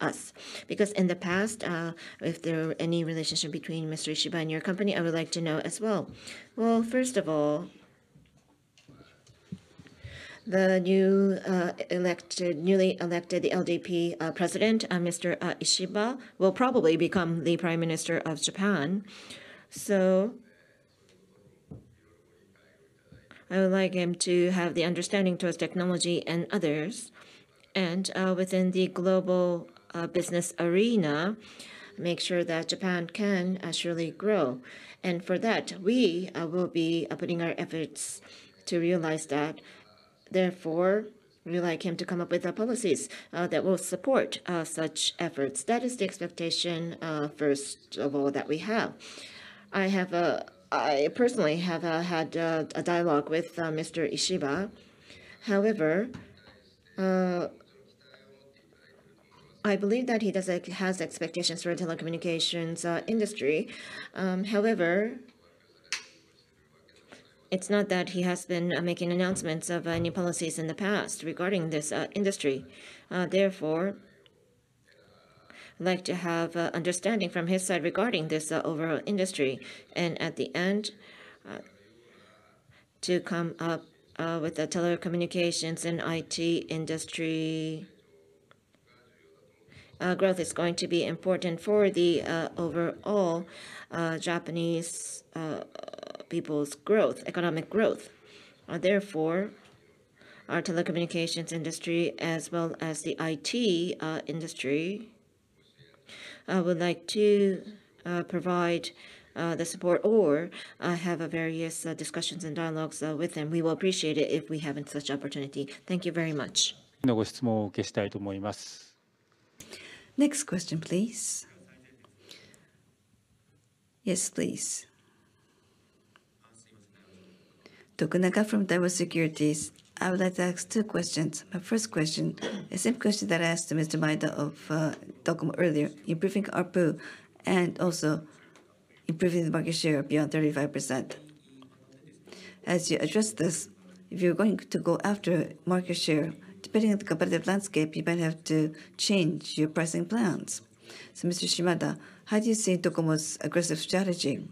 us. Because in the past, if there were any relationship between Mr. Ishiba and your company, I would like to know as well. First of all, the newly elected LDP President, Mr. Ishiba, will probably become the Prime Minister of Japan. So I would like him to have the understanding towards technology and others, and within the global business arena, make sure that Japan can actually grow. And for that, we will be putting our efforts to realize that. Therefore, we'd like him to come up with policies that will support such efforts. That is the expectation, first of all, that we have. I personally have had a dialogue with Mr. Ishiba. However, I believe that he has expectations for telecommunications industry. However, it's not that he has been making announcements of new policies in the past regarding this industry. Therefore, I'd like to have understanding from his side regarding this overall industry, and at the end, to come up with the telecommunications and IT industry. Growth is going to be important for the overall Japanese people's growth, economic growth. Therefore, our telecommunications industry as well as the IT industry, I would like to provide the support or have a various discussions and dialogues with him. We will appreciate it if we have such opportunity. Thank you very much. Next question, please. Yes, please. Tokunaga from Daiwa Securities. I would like to ask two questions. My first question, the same question that I asked Mr. Maeda of DOCOMO earlier. Improving ARPU and also improving the market share beyond 35%. As you address this, if you're going to go after market share, depending on the competitive landscape, you might have to change your pricing plans. So Mr. Shimada, how do you see DOCOMO's aggressive strategy? Do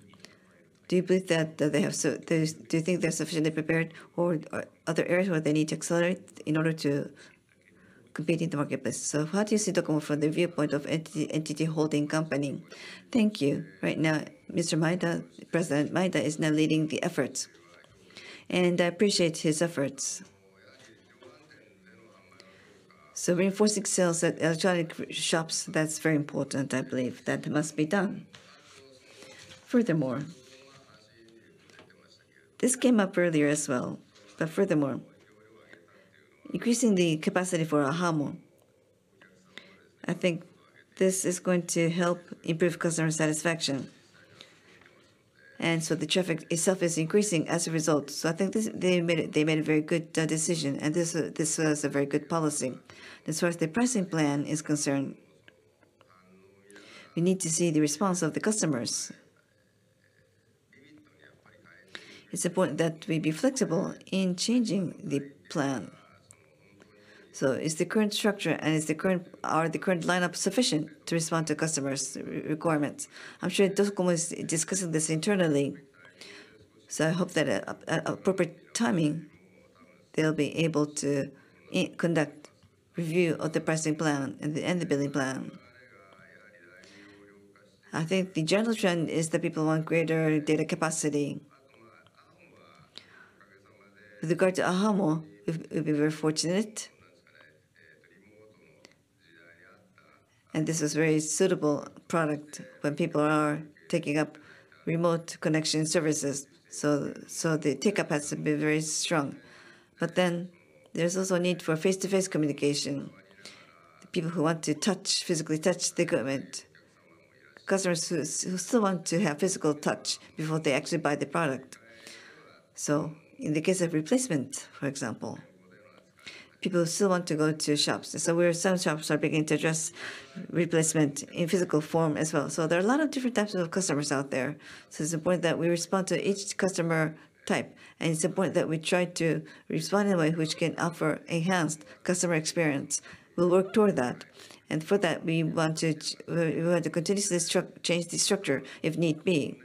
you believe that they have Do you think they're sufficiently prepared or other areas where they need to accelerate in order to compete in the marketplace? So how do you see DOCOMO from the viewpoint of NTT Holding Company? Thank you. Right now, Mr. Maeda, President Maeda, is now leading the efforts, and I appreciate his efforts, so reinforcing sales at electronic shops, that's very important. I believe that must be done. Furthermore, this came up earlier as well, increasing the capacity for ahamo. I think this is going to help improve customer satisfaction.... and so the traffic itself is increasing as a result. I think they made a very good decision, and this was a very good policy. As far as the pricing plan is concerned, we need to see the response of the customers. It's important that we be flexible in changing the plan. Is the current structure and are the current lineups sufficient to respond to customers' requirements? I'm sure DOCOMO is discussing this internally, so I hope that at appropriate timing, they'll be able to conduct review of the pricing plan and the billing plan. I think the general trend is that people want greater data capacity. With regard to ahamo, we've been very fortunate. This is very suitable product when people are taking up remote connection services. So the take-up has been very strong. But then, there's also a need for face-to-face communication. The people who want to touch, physically touch the equipment, customers who still want to have physical touch before they actually buy the product. So in the case of replacement, for example, people still want to go to shops. So some shops are beginning to address replacement in physical form as well. So there are a lot of different types of customers out there. So it's important that we respond to each customer type, and it's important that we try to respond in a way which can offer enhanced customer experience. We'll work toward that, and for that, we want to continuously change the structure if need be.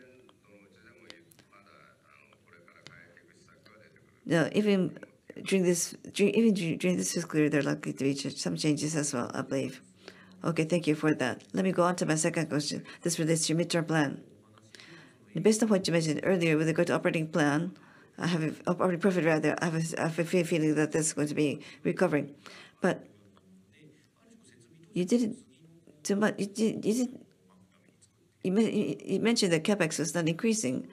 Now, even during this fiscal year, there are likely to be some changes as well, I believe. Okay, thank you for that. Let me go on to my second question. This relates to your midterm plan. Based on what you mentioned earlier, with regard to operating plan, I have a feeling that this is going to be recovering. But you didn't too much. You mentioned that CapEx was not increasing.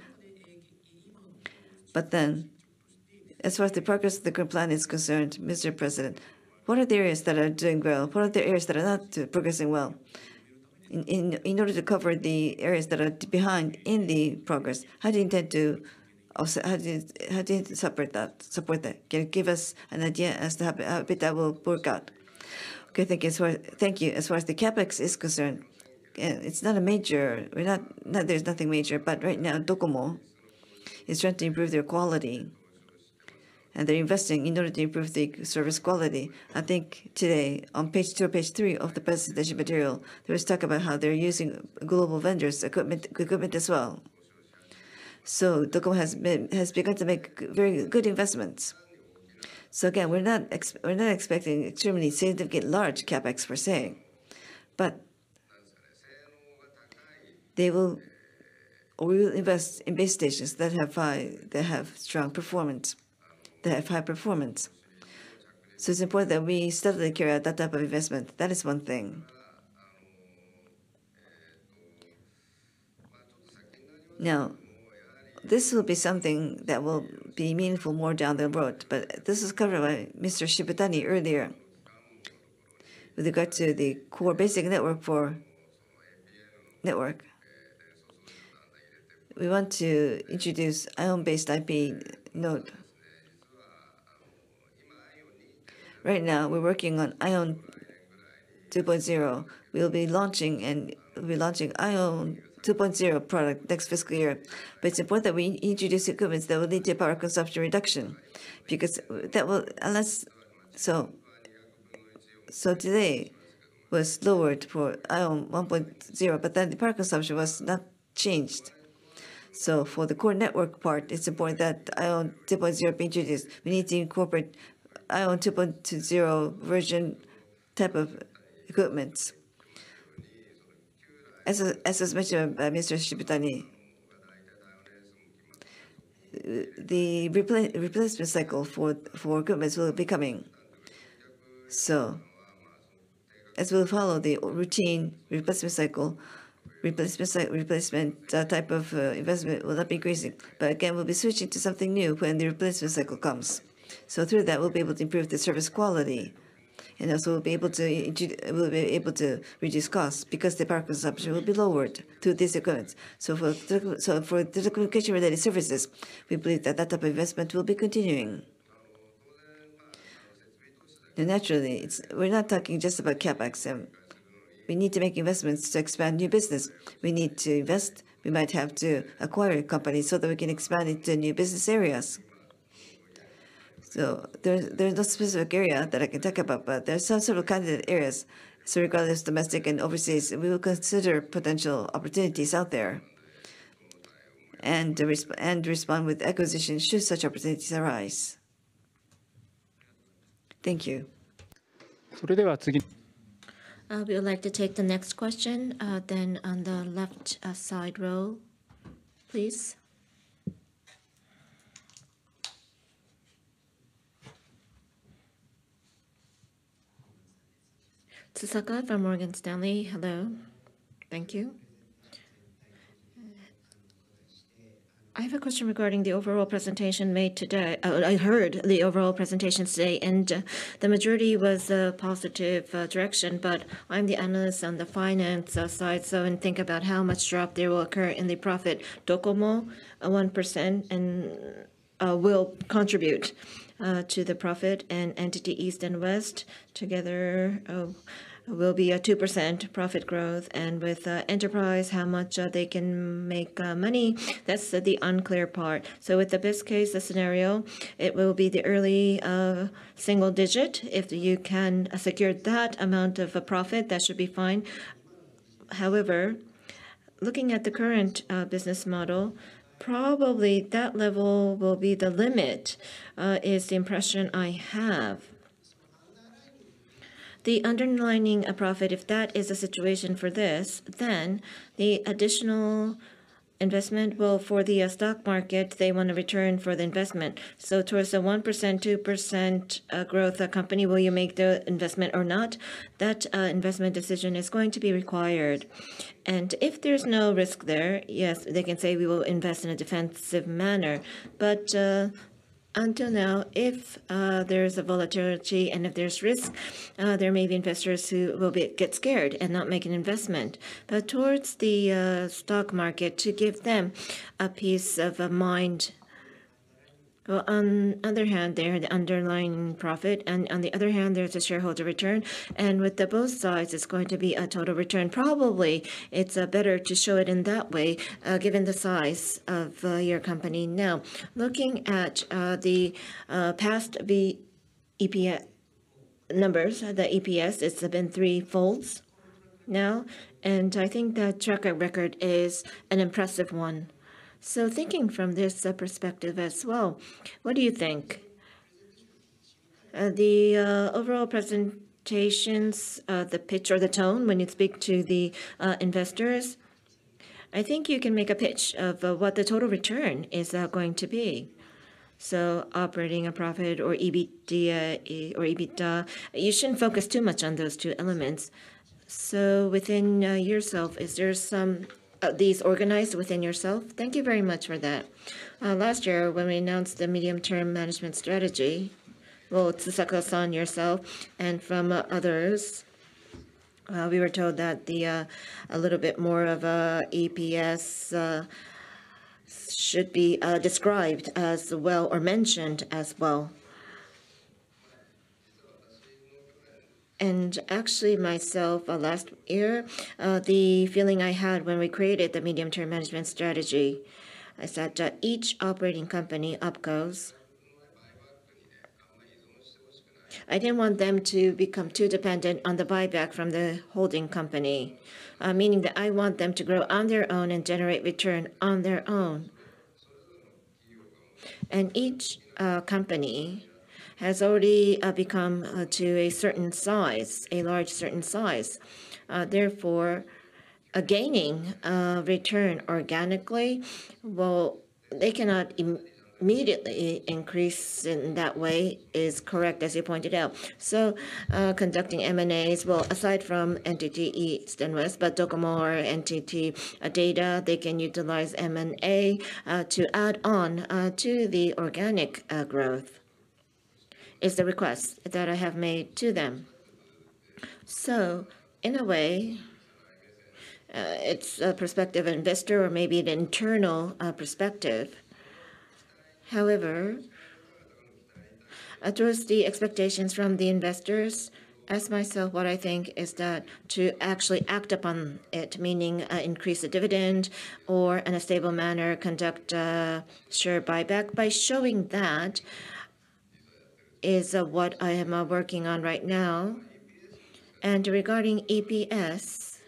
But then, as far as the progress of the current plan is concerned, Mr. President, what are the areas that are doing well? What are the areas that are not progressing well? In order to cover the areas that are behind in the progress, how do you intend to also support that? Can you give us an idea as to how that will work out? Okay, thank you as far... Thank you. As far as the CapEx is concerned, it's not a major. We're not, there's nothing major, but right now, DOCOMO is trying to improve their quality, and they're investing in order to improve the service quality. I think today, on page two or page three of the presentation material, there was talk about how they're using global vendors' equipment as well. So DOCOMO has begun to make very good investments. So again, we're not expecting extremely significant large CapEx, per se, but they will... We will invest in base stations that have high, that have strong performance, that have high performance. So it's important that we steadily carry out that type of investment. That is one thing. Now, this will be something that will be meaningful more down the road, but this was covered by Mr. Shibutani earlier. With regard to the core basic network for network, we want to introduce IOWN-based IP node. Right now, we're working on IOWN 2.0. We'll be launching IOWN 2.0 product next fiscal year. But it's important that we introduce equipment that will lead to power consumption reduction, because that will so latency was lowered for IOWN 1.0, but then the power consumption was not changed. So for the core network part, it's important that IOWN 2.0 be introduced. We need to incorporate IOWN 2.0 version type of equipments. As was mentioned by Mr. Shibutani, the replacement cycle for equipments will be coming. So as we'll follow the routine replacement cycle, replacement type of investment will not be increasing. But again, we'll be switching to something new when the replacement cycle comes. So through that, we'll be able to improve the service quality, and also we'll be able to reduce costs because the power consumption will be lowered through these equipments. So for telecommunication-related services, we believe that that type of investment will be continuing. And naturally, it's. We're not talking just about CapEx. We need to make investments to expand new business. We need to invest. We might have to acquire companies so that we can expand into new business areas. So there, there's no specific area that I can talk about, but there are some sort of candidate areas. So regardless, domestic and overseas, we will consider potential opportunities out there, and respond with acquisitions should such opportunities arise. Thank you. We would like to take the next question, then on the left side row, please. Susaka from Morgan Stanley. Hello. Thank you.... I have a question regarding the overall presentation made today. I heard the overall presentation today, and the majority was a positive direction, but I'm the analyst on the finance side, so when think about how much drop there will occur in the profit, DOCOMO 1%, and will contribute to the profit and NTT East and West together will be a 2% profit growth. And with Enterprise, how much they can make money, that's the unclear part. So with the best case scenario, it will be the early single digit. If you can secure that amount of a profit, that should be fine. However, looking at the current business model, probably that level will be the limit is the impression I have. The underlying profit, if that is the situation for this, then the additional investment will. For the stock market, they want a return for the investment. So towards the 1%, 2% growth company, will you make the investment or not? That investment decision is going to be required. If there's no risk there, yes, they can say we will invest in a defensive manner. But until now, if there's a volatility and if there's risk, there may be investors who will get scared and not make an investment. But towards the stock market, to give them a peace of mind, well, on other hand, there, the underlying profit, and on the other hand, there's a shareholder return, and with the both sides, it's going to be a total return. Probably, it's better to show it in that way, given the size of your company. Now, looking at the past BPS numbers, the EPS, it's been threefolds now, and I think that track record is an impressive one. So thinking from this perspective as well, what do you think? The overall presentations, the pitch or the tone when you speak to the investors, I think you can make a pitch of what the total return is going to be. So operating a profit or EBITDA, you shouldn't focus too much on those two elements. So within yourself, is there some these organized within yourself? Thank you very much for that. Last year, when we announced the medium-term management strategy, well, Tsukasa-san, yourself, and from others, we were told that the, a little bit more of a EPS, should be described as well or mentioned as well. And actually, myself, last year, the feeling I had when we created the medium-term management strategy, I said, each operating company grows. I didn't want them to become too dependent on the buyback from the holding company, meaning that I want them to grow on their own and generate return on their own. And each company has already become to a certain size, a large certain size. Therefore, gaining return organically, well, they cannot immediately increase in that way, is correct, as you pointed out. Conducting M&As, well, aside from NTT East and West, but DOCOMO or NTT Data, they can utilize M&A to add on to the organic growth, is the request that I have made to them. In a way, it's a perspective investor or maybe an internal perspective. However, towards the expectations from the investors, ask myself what I think is that to actually act upon it, meaning increase the dividend or in a stable manner conduct a share buyback. By showing that is what I am working on right now. Regarding EPS,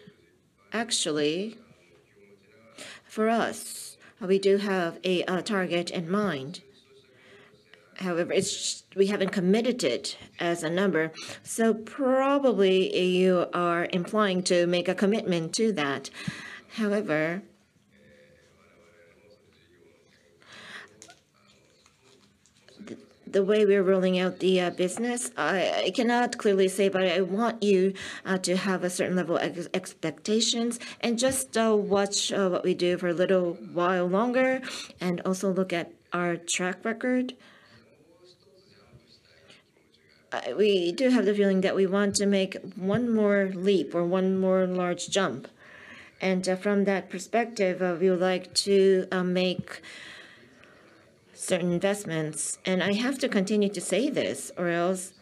actually, for us, we do have a target in mind. However, it's we haven't committed it as a number, so probably you are implying to make a commitment to that. However, the way we are rolling out the business, I cannot clearly say, but I want you to have a certain level expectations and just watch what we do for a little while longer and also look at our track record. We do have the feeling that we want to make one more leap or one more large jump, and from that perspective, we would like to make certain investments. And I have to continue to say this, or else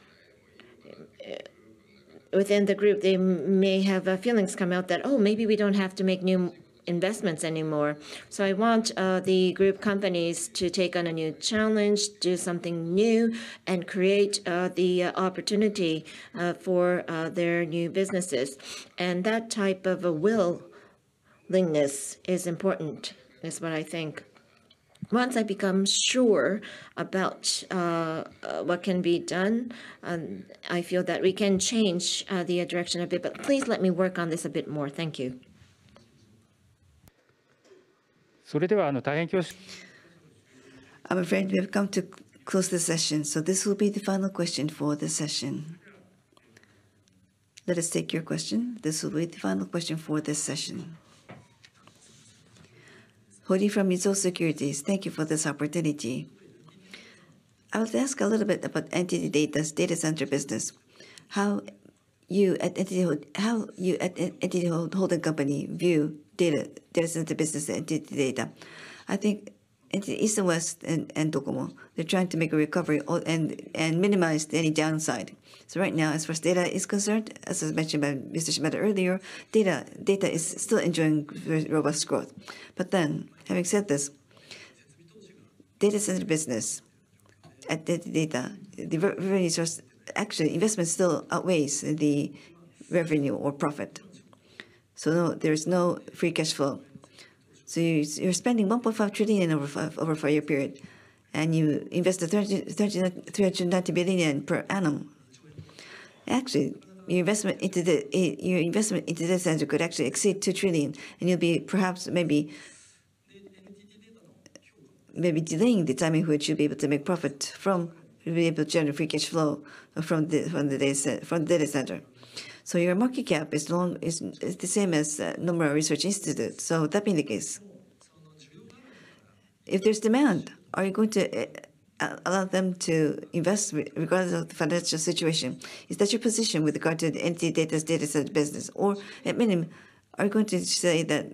within the group, they may have feelings come out that, "Oh, maybe we don't have to make new investments anymore." So I want the group companies to take on a new challenge, do something new, and create the opportunity for their new businesses. That type of a willingness is important, is what I think. Once I become sure about what can be done, I feel that we can change the direction a bit, but please let me work on this a bit more. Thank you. I'm afraid we have come to close the session, so this will be the final question for the session. Let us take your question. This will be the final question for this session. Hori from Mizuho Securities. Thank you for this opportunity. I would ask a little bit about NTT Data's data center business. How you at NTT Holding Company view data center business at NTT Data? I think NTT East and West and DOCOMO, they're trying to make a recovery all and minimize any downside. So right now, as far as data is concerned, as was mentioned by Mr. Shimada earlier, data is still enjoying very robust growth. But then, having said this, data center business at NTT Data, actually, investment still outweighs the revenue or profit, so no, there is no free cash flow. You're spending 1.5 trillion over a five-year period, and you invest three hundred and ninety billion yen per annum. Actually, your investment into the, your investment into data center could actually exceed two trillion, and you'll be perhaps maybe delaying the timing at which you'll be able to make profit from, be able to generate free cash flow from the, from the data center. Your market cap is the same as Nomura Research Institute. That being the case, if there's demand, are you going to allow them to invest regardless of the financial situation? Is that your position with regard to NTT Data's data center business, or at minimum, are you going to say that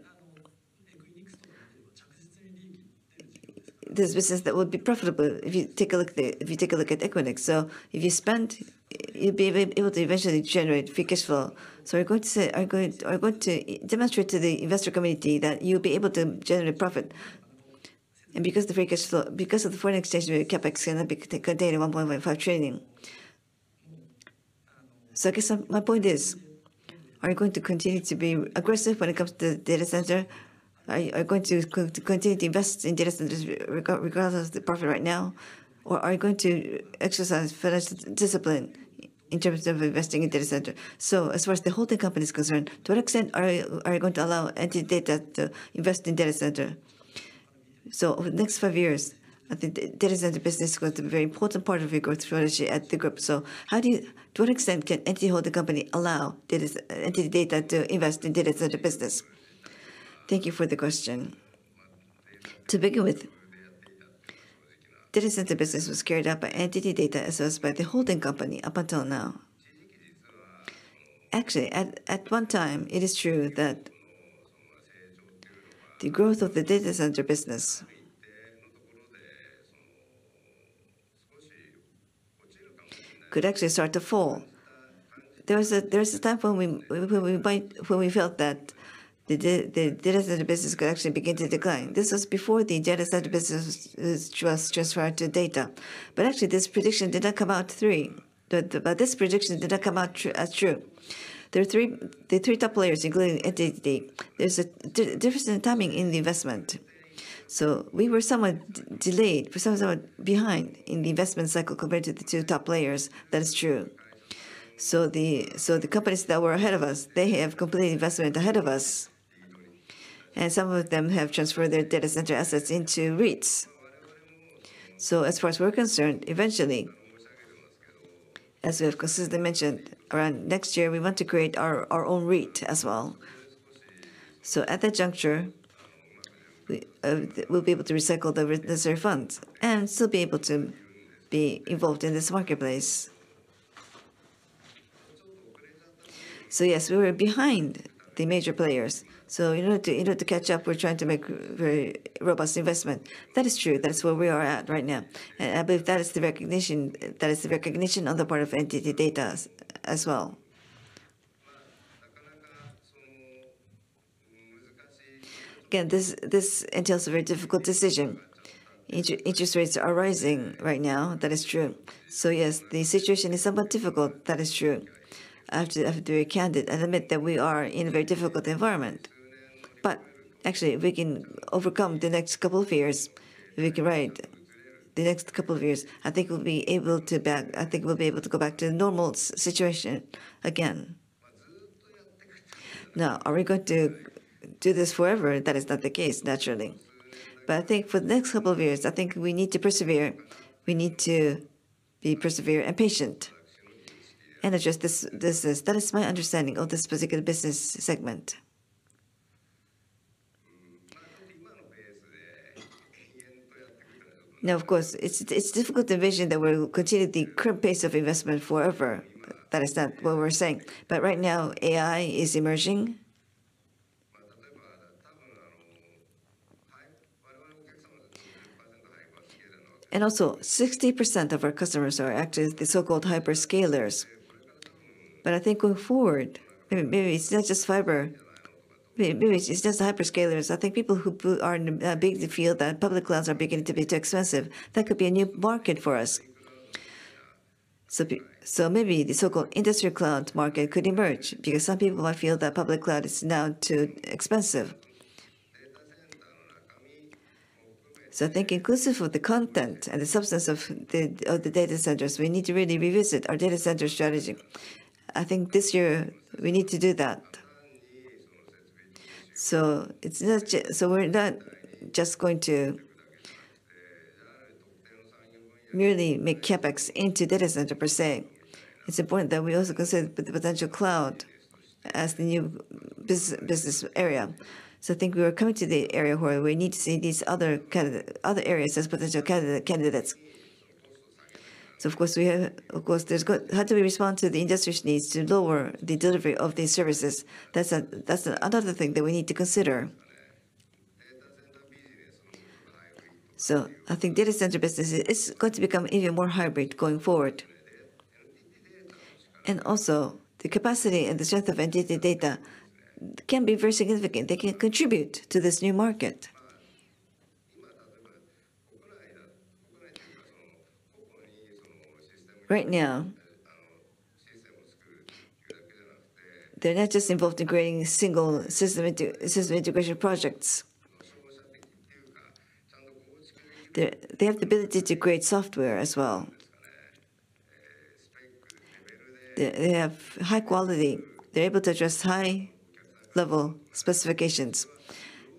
there's business that would be profitable if you take a look there, if you take a look at Equinix? So if you spend, you'll be able to eventually generate free cash flow. So are you going to say... Are you going to demonstrate to the investor community that you'll be able to generate profit? And because of the free cash flow, because of the foreign exchange, your CapEx is gonna be contained at 1.5 trillion JPY. So I guess my point is, are you going to continue to be aggressive when it comes to data center? Are you going to continue to invest in data centers regardless of the profit right now, or are you going to exercise financial discipline in terms of investing in data center? So as far as the holding company is concerned, to what extent are you going to allow NTT Data to invest in data center? So over the next five years, I think the data center business is going to be a very important part of your growth strategy at the group. So how do you to what extent can NTT, the holding company allow NTT Data to invest in data center business? Thank you for the question. To begin with, data center business was carried out by NTT Data, as was by the holding company up until now. Actually, at one time, it is true that the growth of the data center business could actually start to fall. There was a time when we felt that the data center business could actually begin to decline. This was before the data center business was transferred to Data. But actually, this prediction did not come out true. There are the three top players, including NTT DATA. There is a difference in timing in the investment. So we were somewhat delayed, for some time behind in the investment cycle compared to the two top players. That is true. So the companies that were ahead of us, they have completed investment ahead of us, and some of them have transferred their data center assets into REITs. As far as we're concerned, eventually, as we have consistently mentioned, around next year, we want to create our, our own REIT as well. So at that juncture, we, we'll be able to recycle the necessary funds and still be able to be involved in this marketplace. So yes, we were behind the major players. So in order to, in order to catch up, we're trying to make very robust investment. That is true. That's where we are at right now, and I believe that is the recognition, that is the recognition on the part of NTT DATA as, as well. Again, this, this entails a very difficult decision. Interest rates are rising right now. That is true. So yes, the situation is somewhat difficult. That is true. I have to, I have to be very candid and admit that we are in a very difficult environment. But actually, if we can overcome the next couple of years, we can ride the next couple of years. I think we'll be able to go back to normal situation again. Now, are we going to do this forever? That is not the case, naturally. But I think for the next couple of years, I think we need to persevere. We need to be persevere and patient, and address this. That is my understanding of this particular business segment. Now, of course, it's difficult to envision that we'll continue the current pace of investment forever. That is not what we're saying. But right now, AI is emerging. And also, 60% of our customers are actually the so-called hyperscalers. But I think going forward, maybe it's not just fiber, maybe it's just hyperscalers. I think people who are in big feel that public clouds are beginning to be too expensive. That could be a new market for us. So maybe the so-called industry cloud market could emerge, because some people might feel that public cloud is now too expensive. So I think inclusive of the content and the substance of the data centers, we need to really revisit our data center strategy. I think this year, we need to do that. So we're not just going to merely make CapEx into data center per se. It's important that we also consider the potential cloud as the new business area. So I think we are coming to the area where we need to see these other areas as potential candidates. How do we respond to the industry's needs to lower the delivery of these services? That's another thing that we need to consider. So I think data center business is going to become even more hybrid going forward. And also, the capacity and the strength of NTT DATA can be very significant. They can contribute to this new market. Right now, they're not just involved in creating single system integration projects. They have the ability to create software as well. They have high quality. They're able to address high-level specifications.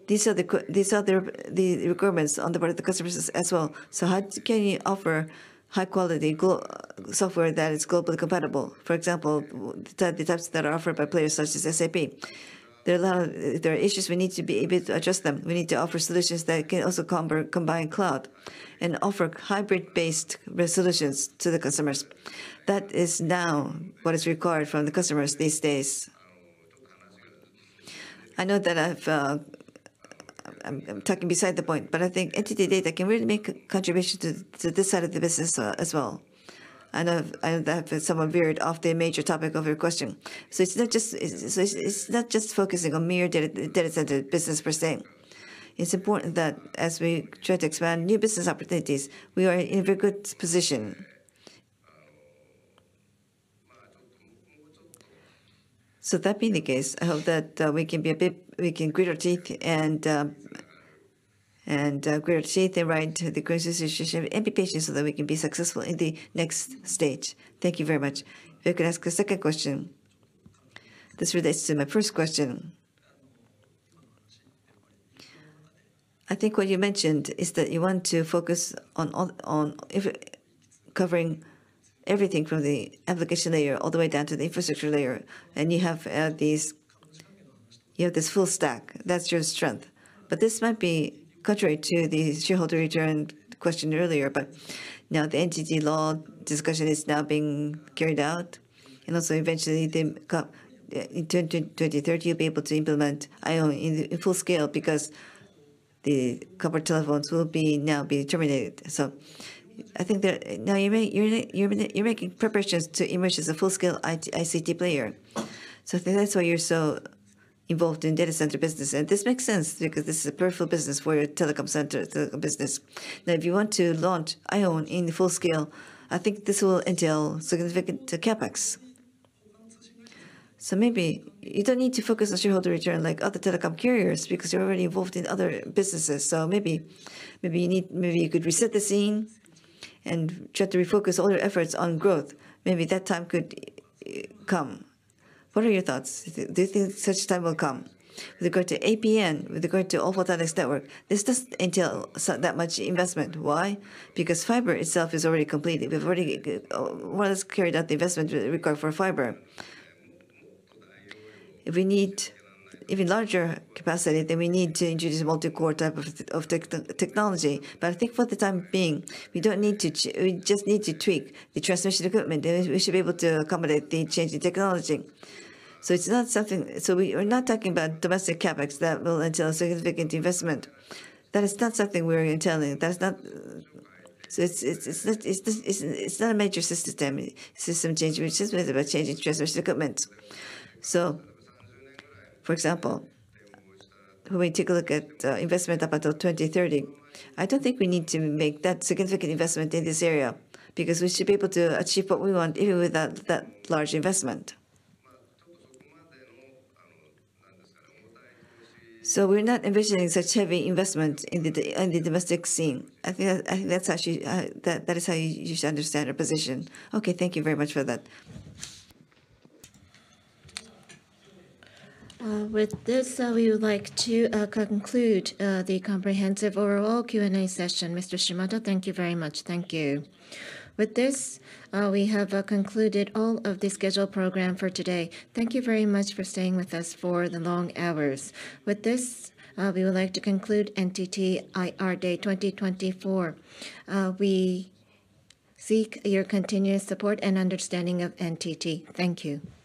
These are the requirements on the part of the customers as well. So how can you offer high-quality global software that is globally compatible? For example, the types that are offered by players such as SAP. There are issues we need to be able to address them. We need to offer solutions that can also combine cloud and offer hybrid-based solutions to the customers. That is now what is required from the customers these days. I know that I've, I'm talking beside the point, but I think NTT Data can really make a contribution to this side of the business, as well. I know that someone veered off the major topic of your question. So it's not just focusing on mere data center business per se. It's important that as we try to expand new business opportunities, we are in a very good position. So that being the case, I hope that we can grit our teeth and write the greatest decision of ambition so that we can be successful in the next stage. Thank you very much. If you could ask a second question. This relates to my first question. I think what you mentioned is that you want to focus on covering everything from the application layer all the way down to the infrastructure layer, and you have this full stack. That's your strength. But this might be contrary to the shareholder return question earlier. Now the NTT law discussion is being carried out, and also eventually, the copper, in 2030, you'll be able to implement IOWN in full scale because the copper telephones will be now being terminated. So I think that now you're making preparations to emerge as a full-scale IT, ICT player. So I think that's why you're so involved in data center business, and this makes sense because this is a powerful business for your telecom center, telecom business. Now, if you want to launch IOWN in full scale, I think this will entail significant CapEx. So maybe you don't need to focus on shareholder return like other telecom carriers because you're already involved in other businesses. So maybe, maybe you need... Maybe you could reset the scene and try to refocus all your efforts on growth. Maybe that time could come. What are your thoughts? Do you think such time will come? With regard to APN, with regard to all photonic network, this doesn't entail so much investment. Why? Because fiber itself is already completed. We've already carried out the investment required for fiber. If we need even larger capacity, then we need to introduce multi-core type of technology. But I think for the time being, we just need to tweak the transmission equipment, and we should be able to accommodate the changing technology. So it's not something. So we are not talking about domestic CapEx that will entail a significant investment. That is not something we're intending. That's not. It's not a major system change. It's just about changing transmission equipment. For example, when we take a look at investment up until 2030, I don't think we need to make that significant investment in this area because we should be able to achieve what we want even without that large investment. We're not envisioning such heavy investment in the domestic scene. I think that's actually how you should understand our position. Okay, thank you very much for that. With this, we would like to conclude the comprehensive overall Q&A session. Mr. Shimada, thank you very much. Thank you. With this, we have concluded all of the scheduled program for today. Thank you very much for staying with us for the long hours. With this, we would like to conclude NTT IR Day 2024. We seek your continuous support and understanding of NTT. Thank you.